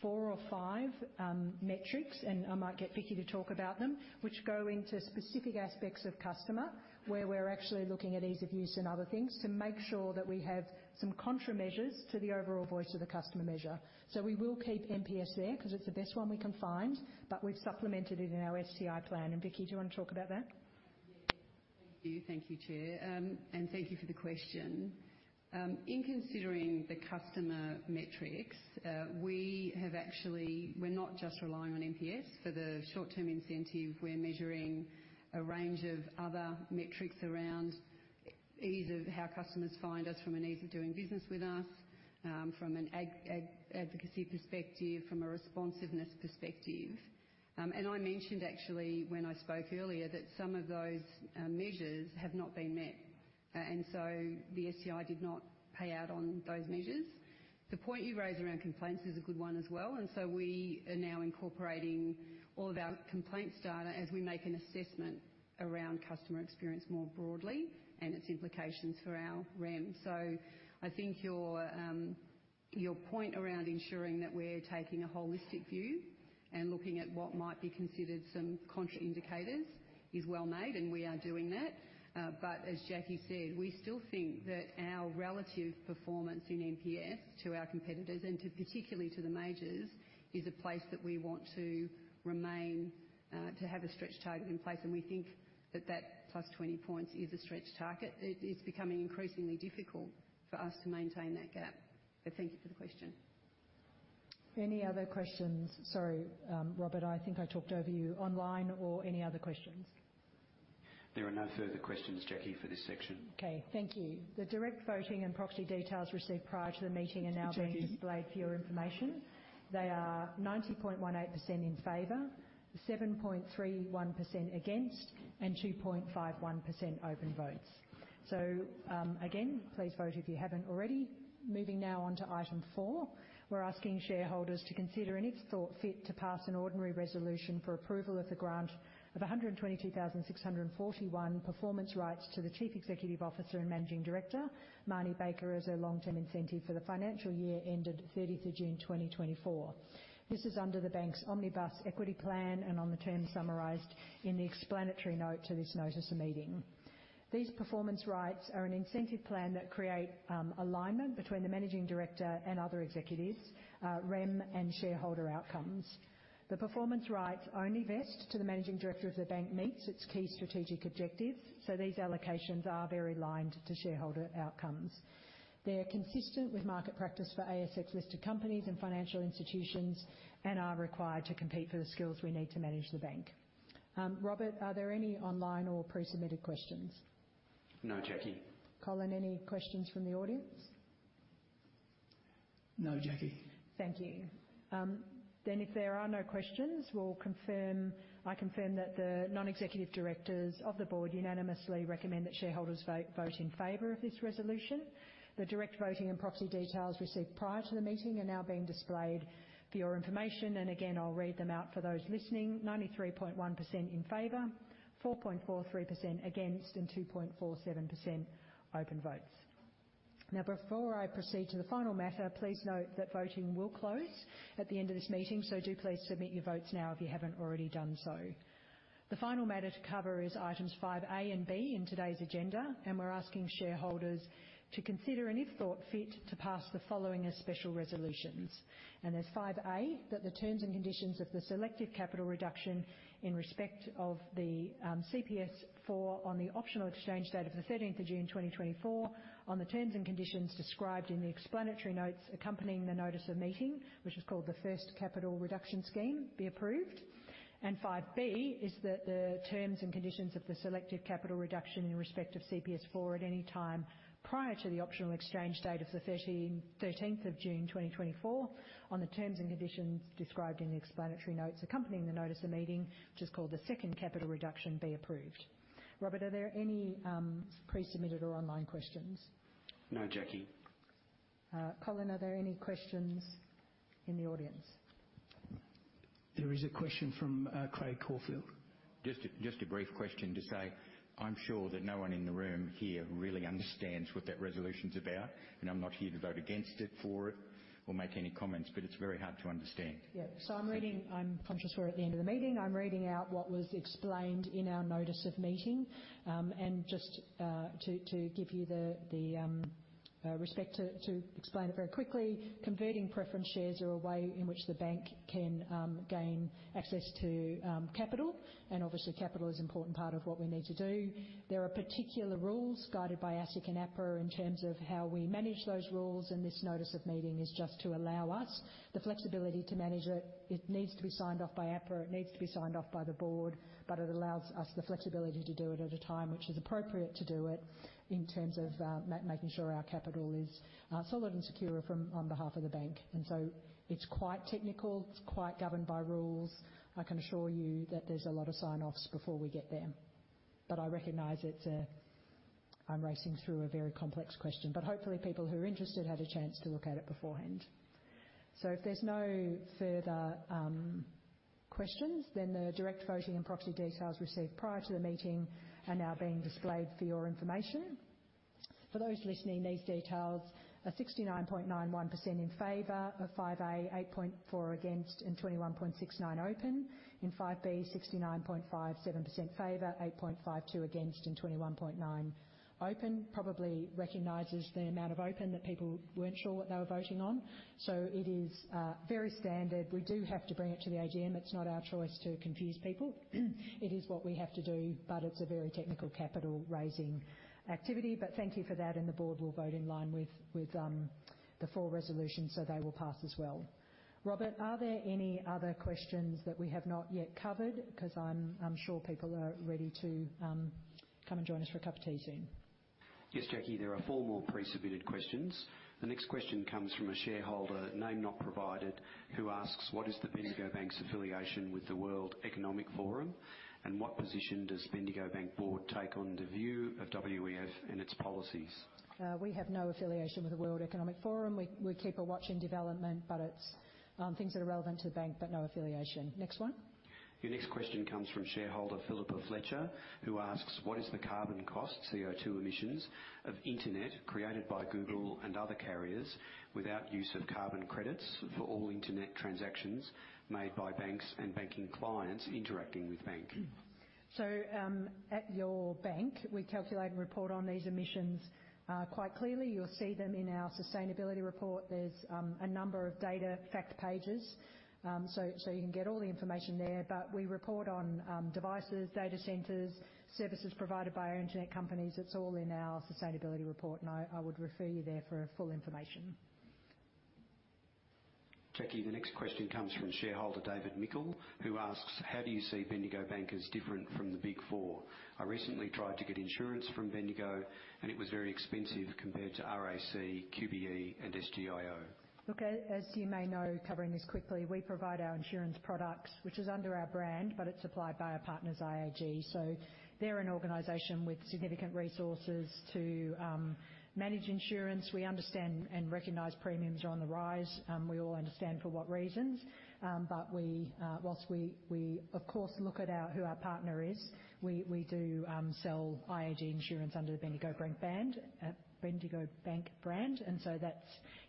four or five metrics, and I might get Vicki to talk about them, which go into specific aspects of customer, where we're actually looking at ease of use and other things to make sure that we have some countermeasures to the overall voice of the customer measure. So we will keep NPS there 'cause it's the best one we can find, but we've supplemented it in our STI plan. And Vicki, do you want to talk about that?
Yeah. Thank you. Thank you, Chair. And thank you for the question. In considering the customer metrics, we have actually—we're not just relying on NPS. For the short-term incentive, we're measuring a range of other metrics around ease of how customers find us, from an ease of doing business with us, from an advocacy perspective, from a responsiveness perspective. And I mentioned actually when I spoke earlier, that some of those measures have not been met, and so the STI did not pay out on those measures. The point you raised around complaints is a good one as well, and so we are now incorporating all of our complaints data as we make an assessment around customer experience more broadly and its implications for our REM. So I think your, your point around ensuring that we're taking a holistic view and looking at what might be considered some contra indicators is well made, and we are doing that. But as Jackie said, we still think that our relative performance in NPS to our competitors and to particularly to the majors, is a place that we want to remain, to have a stretch target in place. And we think that that plus 20 points is a stretch target. It, it's becoming increasingly difficult for us to maintain that gap. But thank you for the question.
Any other questions? Sorry, Robert, I think I talked over you. Online or any other questions?
There are no further questions, Jacqui, for this section.
Okay, thank you. The direct voting and proxy details received prior to the meeting are now-
Jackie-
-being displayed for your information. They are 90.18% in favor, 7.31% against, and 2.51% open votes. So, again, please vote if you haven't already. Moving now on to item four.... We're asking shareholders to consider, and if thought fit, to pass an ordinary resolution for approval of the grant of 122,641 performance rights to the Chief Executive Officer and Managing Director, Marnie Baker, as her long-term incentive for the financial year ended 30 June 2024. This is under the bank's Omnibus Equity Plan and on the terms summarized in the explanatory note to this Notice of Meeting. These performance rights are an incentive plan that create alignment between the managing director and other executives, REM and shareholder outcomes. The performance rights only vest to the Managing Director if the bank meets its key strategic objectives, so these allocations are very aligned to shareholder outcomes. They're consistent with market practice for ASX-listed companies and financial institutions and are required to compete for the skills we need to manage the bank. Robert, are there any online or pre-submitted questions?
No, Jacqui.
Colin, any questions from the audience?
No, Jacqui.
Thank you. Then, if there are no questions, we'll confirm—I confirm that the non-executive directors of the board unanimously recommend that shareholders vote, vote in favor of this resolution. The direct voting and proxy details received prior to the meeting are now being displayed for your information, and again, I'll read them out for those listening. 93.1% in favor, 4.43% against, and 2.47% open votes. Now, before I proceed to the final matter, please note that voting will close at the end of this meeting, so do please submit your votes now, if you haven't already done so. The final matter to cover is items 5A and 5B in today's agenda, and we're asking shareholders to consider, and if thought fit, to pass the following as special resolutions. And there's 5A, that the terms and conditions of the selective capital reduction in respect of the CPS4 on the optional exchange date of the 13th of June, 2024, on the terms and conditions described in the explanatory notes accompanying the Notice of Meeting, which is called the First Capital Reduction Scheme, be approved. And 5B is that the terms and conditions of the selective capital reduction in respect of CPS4 at any time prior to the optional exchange date of the 13th of June, 2024, on the terms and conditions described in the explanatory notes accompanying the Notice of Meeting, which is called the Second Capital Reduction, be approved. Robert, are there any pre-submitted or online questions?
No, Jacqui.
Colin, are there any questions in the audience?
There is a question from Craig Caulfield.
Just a brief question to say, I'm sure that no one in the room here really understands what that resolution's about, and I'm not here to vote against it, for it, or make any comments, but it's very hard to understand.
Yeah. So I'm reading...
Thank you.
I'm conscious we're at the end of the meeting. I'm reading out what was explained in our Notice of Meeting. And just to give you the respect to explain it very quickly, converting preference shares are a way in which the bank can gain access to capital, and obviously, capital is an important part of what we need to do. There are particular rules guided by ASIC and APRA in terms of how we manage those rules, and this Notice of Meeting is just to allow us the flexibility to manage it. It needs to be signed off by APRA. It needs to be signed off by the board, but it allows us the flexibility to do it at a time which is appropriate to do it, in terms of, making sure our capital is, solid and secure from on behalf of the bank. And so it's quite technical. It's quite governed by rules. I can assure you that there's a lot of sign-offs before we get there, but I recognize it's a... I'm racing through a very complex question, but hopefully, people who are interested had a chance to look at it beforehand. So if there's no further, questions, then the direct voting and proxy details received prior to the meeting are now being displayed for your information. For those listening, these details are 69.91% in favor of 5A, 8.4% against, and 21.69% open. In 5B, 69.57% favor, 8.52% against, and 21.9% open. Probably recognizes the amount of open that people weren't sure what they were voting on. So it is, very standard. We do have to bring it to the AGM. It's not our choice to confuse people. It is what we have to do, but it's a very technical capital-raising activity. But thank you for that, and the board will vote in line with, with, the four resolutions, so they will pass as well. Robert, are there any other questions that we have not yet covered? 'Cause I'm, I'm sure people are ready to, come and join us for a cup of tea soon.
Yes, Jacqui, there are four more pre-submitted questions. The next question comes from a shareholder, name not provided, who asks: "What is the Bendigo Bank's affiliation with the World Economic Forum, and what position does Bendigo Bank Board take on the view of WEF and its policies?
We have no affiliation with the World Economic Forum. We keep a watch in development, but it's things that are relevant to the bank, but no affiliation. Next one.
Your next question comes from shareholder Philippa Fletcher, who asks: "What is the carbon cost, CO2 emissions, of internet created by Google and other carriers without use of carbon credits for all internet transactions made by banks and banking clients interacting with bank?
So, at your bank, we calculate and report on these emissions, quite clearly. You'll see them in our sustainability report. There's a number of data fact pages. So you can get all the information there, but we report on devices, data centers, services provided by our internet companies. It's all in our sustainability report, and I would refer you there for full information....
Jackie, the next question comes from shareholder David Mickle, who asks: How do you see Bendigo Bank as different from the Big Four? I recently tried to get insurance from Bendigo, and it was very expensive compared to RAC, QBE, and SGIO.
Look, as you may know, covering this quickly, we provide our insurance products, which is under our brand, but it's supplied by our partners, IAG. So they're an organization with significant resources to manage insurance. We understand and recognize premiums are on the rise, we all understand for what reasons. But we, whilst we, of course, look at our, who our partner is, we do sell IAG insurance under the Bendigo Bank brand, Bendigo Bank brand. And so that's,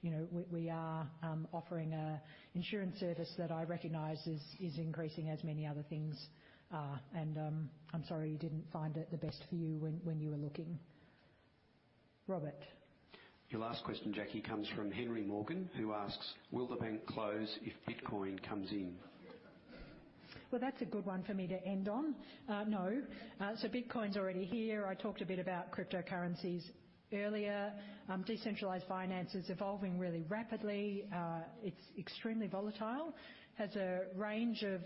you know, we are offering a insurance service that I recognize is increasing as many other things are. And I'm sorry you didn't find it the best for you when you were looking. Robert?
Your last question, Jacqui, comes from Henry Morgan, who asks: Will the bank close if Bitcoin comes in?
Well, that's a good one for me to end on. No. So Bitcoin's already here. I talked a bit about cryptocurrencies earlier. Decentralized finance is evolving really rapidly. It's extremely volatile, has a range of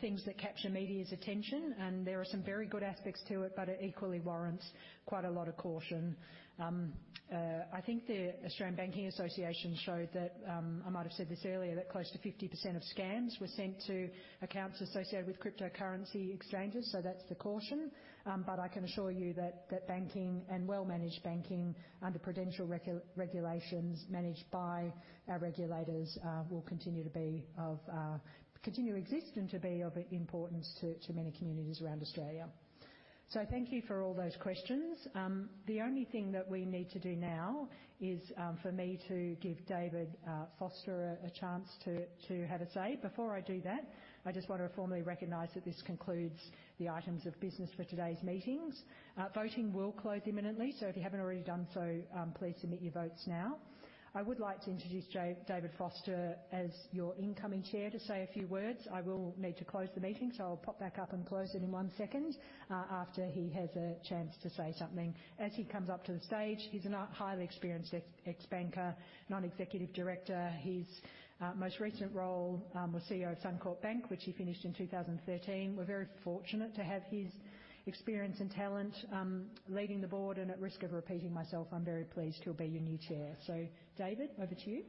things that capture media's attention, and there are some very good aspects to it, but it equally warrants quite a lot of caution. I think the Australian Banking Association showed that, I might have said this earlier, that close to 50% of scams were sent to accounts associated with cryptocurrency exchanges, so that's the caution. But I can assure you that banking and well-managed banking under prudential regulations, managed by our regulators, will continue to be of, continue to exist and to be of importance to many communities around Australia. So thank you for all those questions. The only thing that we need to do now is for me to give David Foster a chance to have a say. Before I do that, I just want to formally recognize that this concludes the items of business for today's meetings. Voting will close imminently, so if you haven't already done so, please submit your votes now. I would like to introduce David Foster, as your incoming chair, to say a few words. I will need to close the meeting, so I'll pop back up and close it in one second, after he has a chance to say something. As he comes up to the stage, he's a highly experienced ex-banker, non-executive director. His most recent role was CEO of Suncorp Bank, which he finished in 2013. We're very fortunate to have his experience and talent, leading the board, and at risk of repeating myself, I'm very pleased he'll be your new chair. So David, over to you.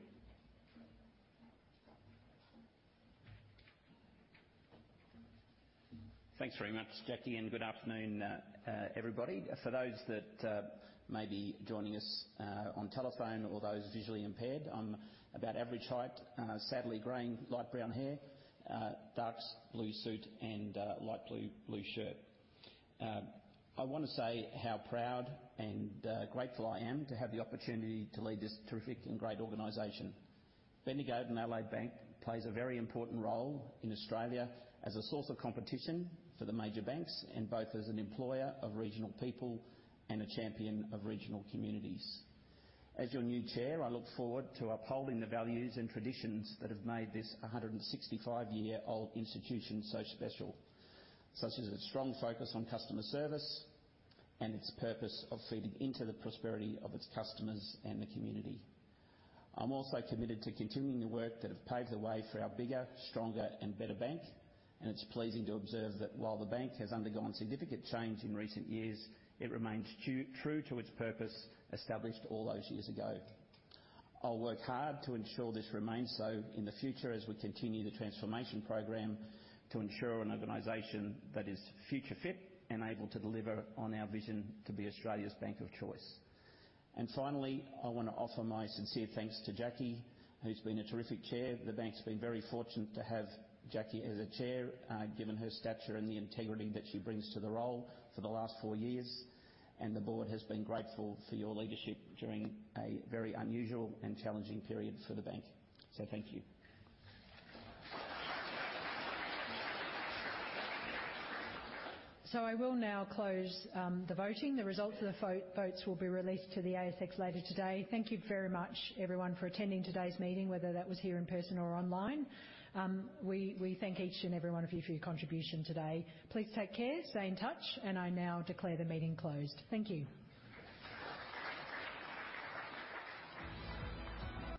Thanks very much, Jackie, and good afternoon, everybody. For those that may be joining us on telephone or those visually impaired, I'm about average height, sadly graying, light brown hair, dark blue suit, and a light blue, blue shirt. I want to say how proud and grateful I am to have the opportunity to lead this terrific and great organization. Bendigo and Adelaide Bank plays a very important role in Australia as a source of competition for the major banks and both as an employer of regional people and a champion of regional communities. As your new chair, I look forward to upholding the values and traditions that have made this a 165-year-old institution so special, such as its strong focus on customer service and its purpose of feeding into the prosperity of its customers and the community. I'm also committed to continuing the work that has paved the way for our bigger, stronger, and better bank, and it's pleasing to observe that while the bank has undergone significant change in recent years, it remains true to its purpose, established all those years ago. I'll work hard to ensure this remains so in the future as we continue the transformation program to ensure an organization that is future fit and able to deliver on our vision to be Australia's bank of choice. Finally, I want to offer my sincere thanks to Jackie, who's been a terrific chair. The bank's been very fortunate to have Jackie as a chair, given her stature and the integrity that she brings to the role for the last four years, and the board has been grateful for your leadership during a very unusual and challenging period for the bank. Thank you.
I will now close the voting. The results of the votes will be released to the ASX later today. Thank you very much, everyone, for attending today's meeting, whether that was here in person or online. We thank each and every one of you for your contribution today. Please take care, stay in touch, and I now declare the meeting closed. Thank you.